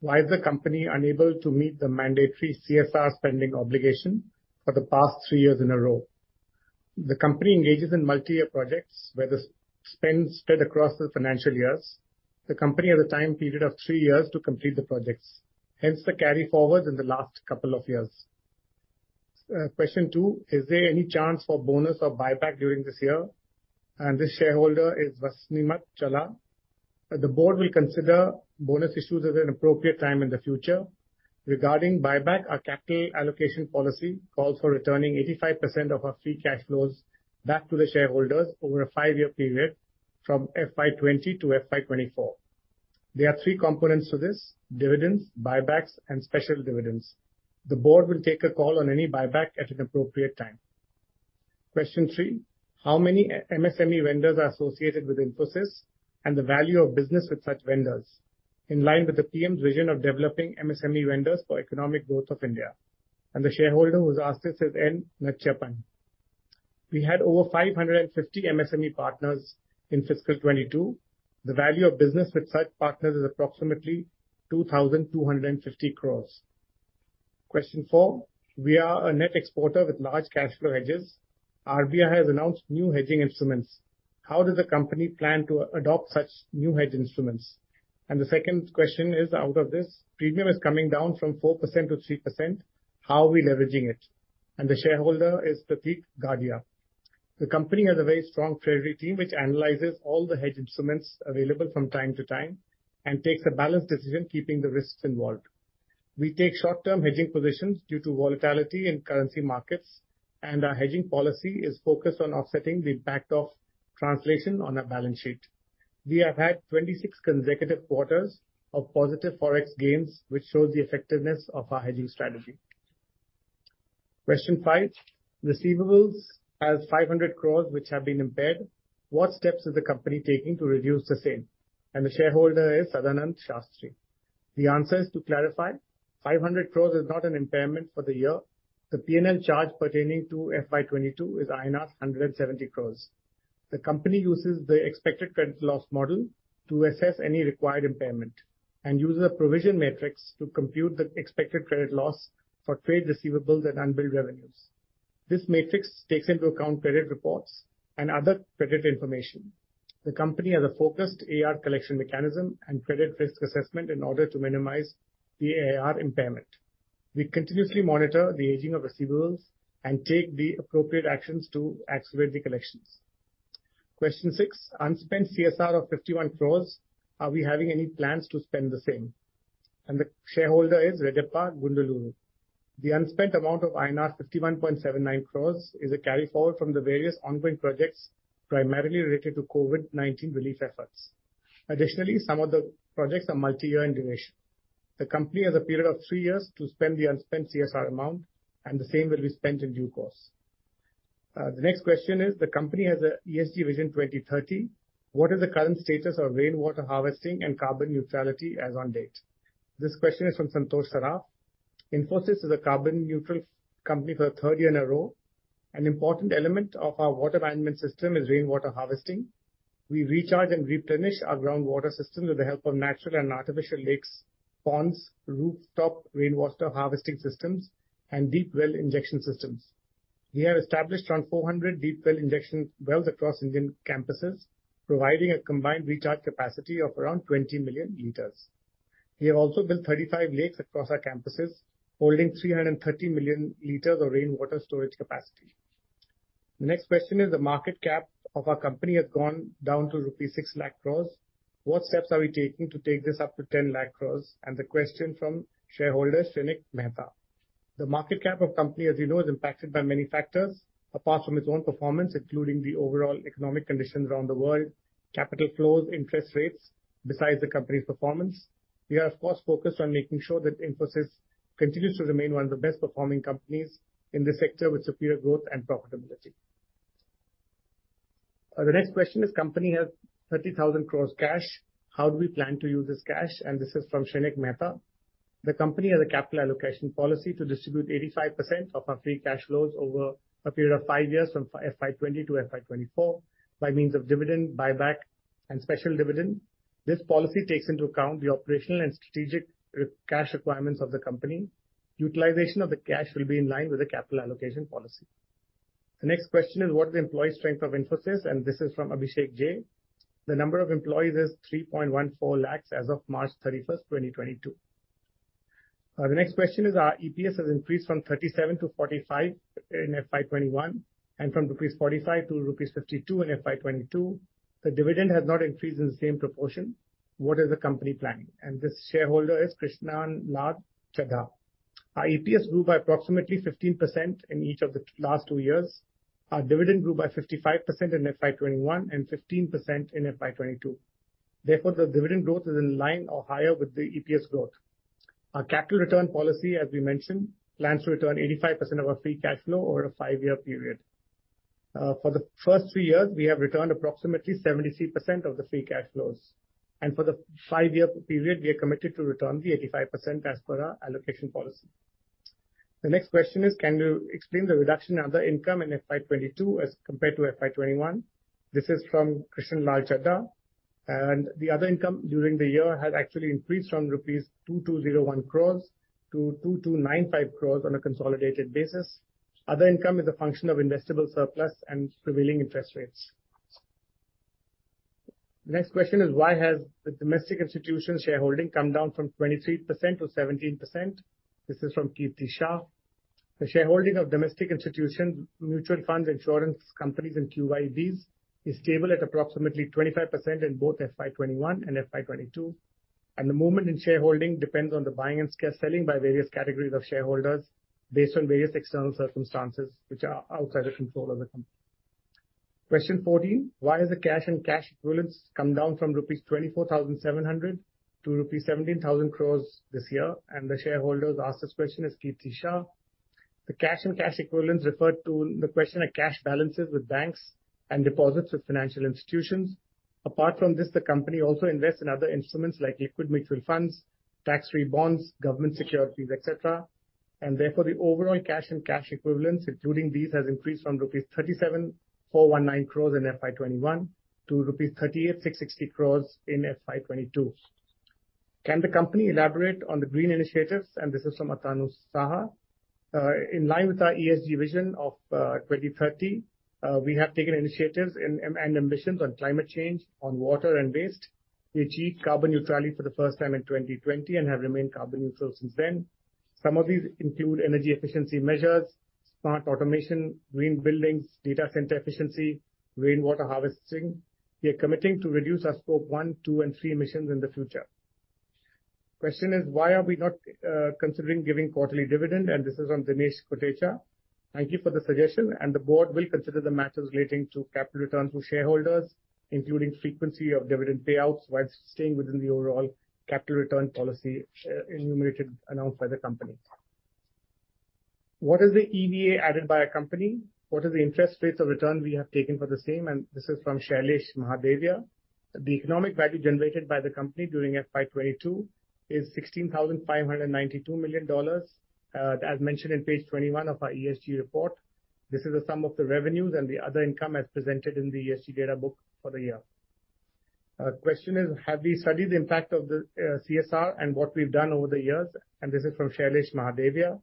Why is the company unable to meet the mandatory CSR spending obligation for the past three years in a row? The company engages in multi-year projects where the spend spread across the financial years. The company has a time period of three years to complete the projects, hence the carry forward in the last couple of years. Question two. Is there any chance for bonus or buyback during this year? This shareholder is Vasimichala. The board will consider bonus issues at an appropriate time in the future. Regarding buyback, our capital allocation policy calls for returning 85% of our free cash flows back to the shareholders over a five-year period from FY 2020 to FY 2024. There are three components to this: dividends, buybacks, and special dividends. The board will take a call on any buyback at an appropriate time. Question three. How many MSME vendors are associated with Infosys and the value of business with such vendors in line with the PM's vision of developing MSME vendors for economic growth of India? And the shareholder who's asked this is N. Nachiappan. We had over 550 MSME partners in fiscal 2022. The value of business with such partners is approximately 2,250 crore. Question four. We are a net exporter with large cash flow hedges. RBI has announced new hedging instruments. How does the company plan to adopt such new hedge instruments? And the second question is, out of this, premium is coming down from 4%-3%. How are we leveraging it? And the shareholder is Pratik Gadhia. The company has a very strong treasury team which analyzes all the hedge instruments available from time to time and takes a balanced decision keeping the risks involved. We take short-term hedging positions due to volatility in currency markets, and our hedging policy is focused on offsetting the impact of translation on our balance sheet. We have had 26 consecutive quarters of positive Forex gains, which shows the effectiveness of our hedging strategy. Question five. Receivables as 500 crore which have been impaired. What steps is the company taking to reduce the same? The shareholder is Sadananda Sastry. The answer is to clarify, 500 crore is not an impairment for the year. The P&L charge pertaining to FY 2022 is INR 170 crore. The company uses the expected credit loss model to assess any required impairment and uses a provision matrix to compute the expected credit loss for trade receivables and unbilled revenues. This matrix takes into account credit reports and other credit information. The company has a focused AR collection mechanism and credit risk assessment in order to minimize the AR impairment. We continuously monitor the aging of receivables and take the appropriate actions to accelerate the collections. Question six. Unspent CSR of 51 crores. Are we having any plans to spend the same? The shareholder is Rajappa Gundalu. The unspent amount of INR 51.79 crores is a carry forward from the various ongoing projects primarily related to COVID-19 relief efforts. Additionally, some of the projects are multi-year in duration. The company has a period of three years to spend the unspent CSR amount, and the same will be spent in due course. The next question is, the company has an ESG vision 2030. What is the current status of rainwater harvesting and carbon neutrality as on date? This question is from Santosh Saraf. Infosys is a carbon neutral company for a third year in a row. An important element of our water management system is rainwater harvesting. We recharge and replenish our groundwater system with the help of natural and artificial lakes, ponds, rooftop rainwater harvesting systems, and deep well injection systems. We have established around 400 deep well injection wells across Indian campuses, providing a combined recharge capacity of around 20 million liters. We have also built 35 lakes across our campuses, holding 330 million liters of rainwater storage capacity. The next question is, the market cap of our company has gone down to rupees 6 lakh crore. What steps are we taking to take this up to 10 lakh crore? The question from shareholder, Shrenik Mehta. The market cap of company, as you know, is impacted by many factors apart from its own performance, including the overall economic conditions around the world, capital flows, interest rates, besides the company's performance. We are of course focused on making sure that Infosys continues to remain one of the best performing companies in this sector with superior growth and profitability. The next question is, company has 30,000 crore cash. How do we plan to use this cash? This is from Shrenik Mehta. The company has a capital allocation policy to distribute 85% of our free cash flows over a period of five years from FY 2020 to FY 2024 by means of dividend, buyback, and special dividend. This policy takes into account the operational and strategic cash requirements of the company. Utilization of the cash will be in line with the capital allocation policy. The next question is what is the employee strength of Infosys? This is from Abhishek J. The number of employees is 3.14 lakhs as of March 31, 2022. The next question is, our EPS has increased from 37 to 45 in FY 2021, and from rupees 45 to rupees 52 in FY 2022. The dividend has not increased in the same proportion. What is the company planning? This shareholder is Krishnan La Chadha. Our EPS grew by approximately 15% in each of the last two years. Our dividend grew by 55% in FY 2021 and 15% in FY 2022. Therefore, the dividend growth is in line or higher with the EPS growth. Our capital return policy, as we mentioned, plans to return 85% of our free cash flow over a five-year period. For the first three years, we have returned approximately 73% of the free cash flows. For the five-year period, we are committed to return the 85% as per our allocation policy. The next question is, can you explain the reduction of the income in FY 2022 as compared to FY 2021? This is from Krishan Lal Chadha. The other income during the year has actually increased from rupees 2,201 crores to 2,295 crores on a consolidated basis. Other income is a function of investable surplus and prevailing interest rates. The next question is, why has the domestic institution shareholding come down from 23% to 17%? This is from Kirti Shah. The shareholding of domestic institutions, mutual funds, insurance companies and QIBs is stable at approximately 25% in both FY 2021 and FY 2022. The movement in shareholding depends on the buying and selling by various categories of shareholders based on various external circumstances which are outside the control of the company. Question 14. Why has the cash and cash equivalents come down from rupees 24,700 crores to rupees 17,000 crores this year? The shareholders who asked this question is Kirti Shah. The cash and cash equivalents referred to in the question are cash balances with banks and deposits with financial institutions. Apart from this, the company also invests in other instruments like liquid mutual funds, tax-free bonds, government securities, et cetera. Therefore, the overall cash and cash equivalents, including these, has increased from rupees 37,419 crores in FY 2021 to rupees 38,660 crores in FY 2022. Can the company elaborate on the green initiatives? This is from Atanu Saha. In line with our ESG vision of 2030, we have taken initiatives and ambitions on climate change, on water and waste. We achieved carbon neutrality for the first time in 2020 and have remained carbon neutral since then. Some of these include energy efficiency measures, smart automation, green buildings, data center efficiency, rainwater harvesting. We are committing to reduce our scope one, two, and three emissions in the future. Question is, why are we not considering giving quarterly dividend? This is from Dinesh Kotecha. Thank you for the suggestion, and the board will consider the matters relating to capital return to shareholders, including frequency of dividend payouts while staying within the overall capital return policy as enumerated, announced by the company. What is the EVA added by our company? What is the internal rate of return we have taken for the same? This is from Shailesh Mahadevia. The economic value generated by the company during FY 2022 is $16,592 million, as mentioned in page 21 of our ESG report. This is the sum of the revenues and the other income as presented in the ESG data book for the year. Question is, have we studied the impact of the CSR and what we've done over the years? This is from Shailesh Mahadevia.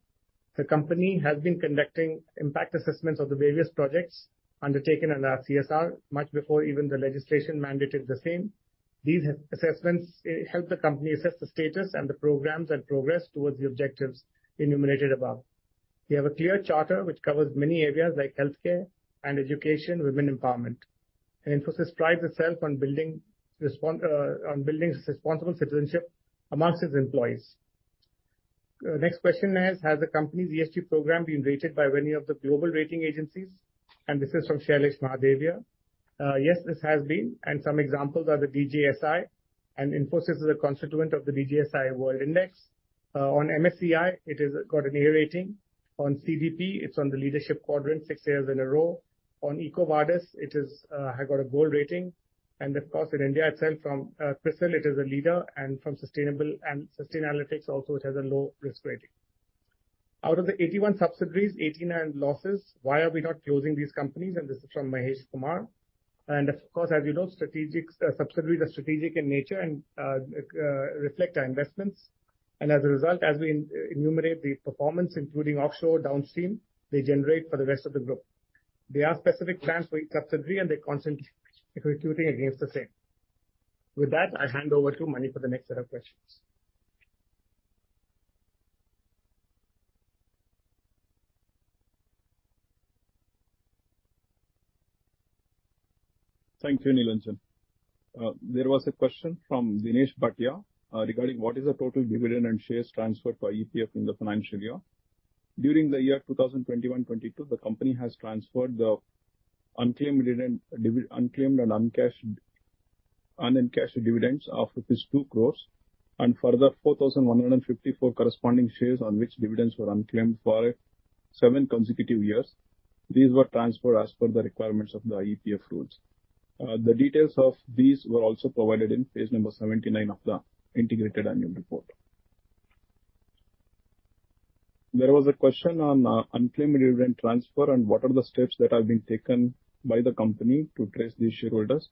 The company has been conducting impact assessments of the various projects undertaken under our CSR much before even the legislation mandated the same. These assessments help the company assess the status and the programs and progress towards the objectives enumerated above. We have a clear charter which covers many areas like healthcare and education, women empowerment. Infosys prides itself on building responsible citizenship amongst its employees. Next question is, has the company's ESG program been rated by any of the global rating agencies? This is from Shailesh Mahadevia. Yes, this has been, and some examples are the DJSI and Infosys is a constituent of the DJSI World Index. On MSCI, it's got an A rating. On CDP, it's on the leadership quadrant six years in a row. On EcoVadis, it has got a gold rating. Of course, in India itself, from CRISIL, it is a leader, and from Sustainalytics also it has a low risk rating. Out of the 81 subsidiaries, 18 had losses. Why are we not closing these companies? This is from Mahesh Kumar. Of course, as you know, subsidiaries are strategic in nature and reflect our investments. As a result, as we enumerate the performance, including offshore, downstream, they generate for the rest of the group. There are specific plans for each subsidiary, and they're constantly recruiting against the same. With that, I hand over to Mani for the next set of questions. Thank you, Nilanjan. There was a question from Dinesh Bhatia regarding what is the total dividend and shares transferred by IEPF in the financial year. During the year 2021-22, the company has transferred the unclaimed and unencashed dividends of rupees 2 crore, and further 4,154 corresponding shares on which dividends were unclaimed for seven consecutive years. These were transferred as per the requirements of the IEPF rules. The details of these were also provided in page 79 of the integrated annual report. There was a question on unclaimed dividend transfer and what are the steps that have been taken by the company to trace these shareholders.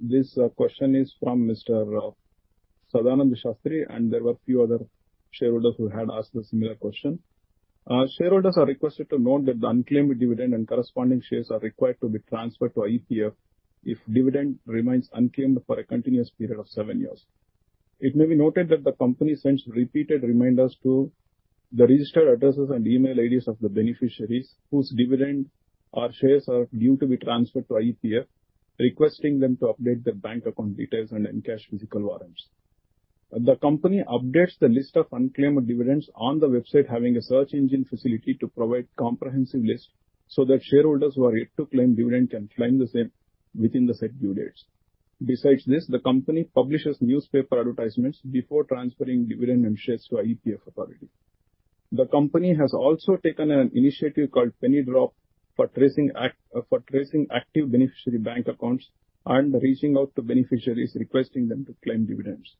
This question is from Mr. Sadananda Sastry, and there were a few other shareholders who had asked a similar question. Shareholders are requested to note that the unclaimed dividend and corresponding shares are required to be transferred to IEPF if dividend remains unclaimed for a continuous period of seven years. It may be noted that the company sends repeated reminders to the registered addresses and email IDs of the beneficiaries whose dividend or shares are due to be transferred to IEPF, requesting them to update their bank account details and uncashed physical warrants. The company updates the list of unclaimed dividends on the website, having a search engine facility to provide comprehensive list so that shareholders who are yet to claim dividend can claim the same within the said due dates. Besides this, the company publishes newspaper advertisements before transferring dividend and shares to IEPF authority. The company has also taken an initiative called Penny Drop for tracing active beneficiary bank accounts and reaching out to beneficiaries, requesting them to claim dividends.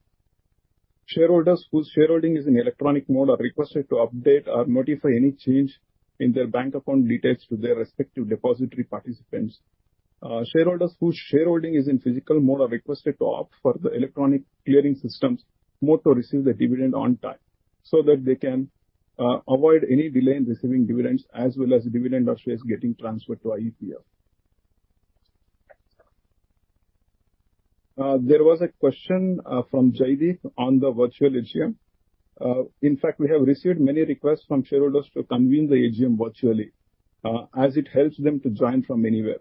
Shareholders whose shareholding is in electronic mode are requested to update or notify any change in their bank account details to their respective depository participants. Shareholders whose shareholding is in physical mode are requested to opt for the electronic clearing systems mode to receive their dividend on time, so that they can avoid any delay in receiving dividends as well as dividend or shares getting transferred to IEPF. There was a question from Jaydip on the virtual AGM. In fact, we have received many requests from shareholders to convene the AGM virtually, as it helps them to join from anywhere.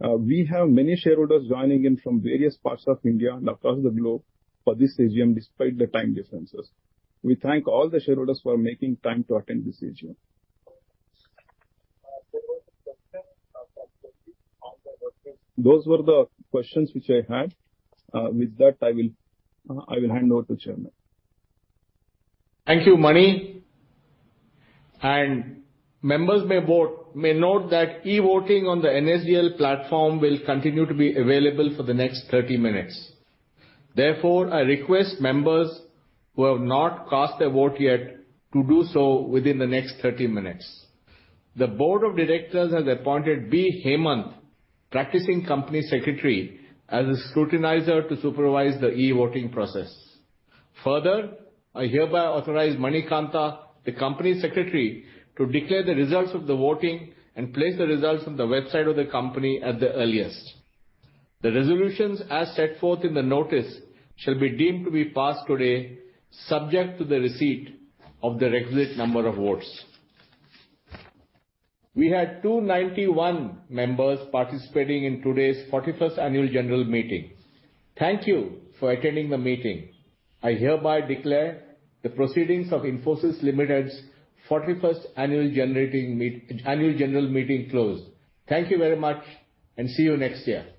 We have many shareholders joining in from various parts of India and across the globe for this AGM, despite the time differences. We thank all the shareholders for making time to attend this AGM. Those were the questions which I had. With that, I will hand over to Chairman. Thank you, Mani. Members may note that e-voting on the NSDL platform will continue to be available for the next 30 minutes. Therefore, I request members who have not cast their vote yet to do so within the next 30 minutes. The board of directors has appointed B. Hemanth, practicing company secretary, as the scrutinizer to supervise the e-voting process. Further, I hereby authorize Manikantha, the company secretary, to declare the results of the voting and place the results on the website of the company at the earliest. The resolutions as set forth in the notice shall be deemed to be passed today, subject to the receipt of the requisite number of votes. We had 291 members participating in today's 41st Annual General Meeting. Thank you for attending the meeting. I hereby declare the proceedings of Infosys Limited's 41st Annual General Meeting closed. Thank you very much, and see you next year.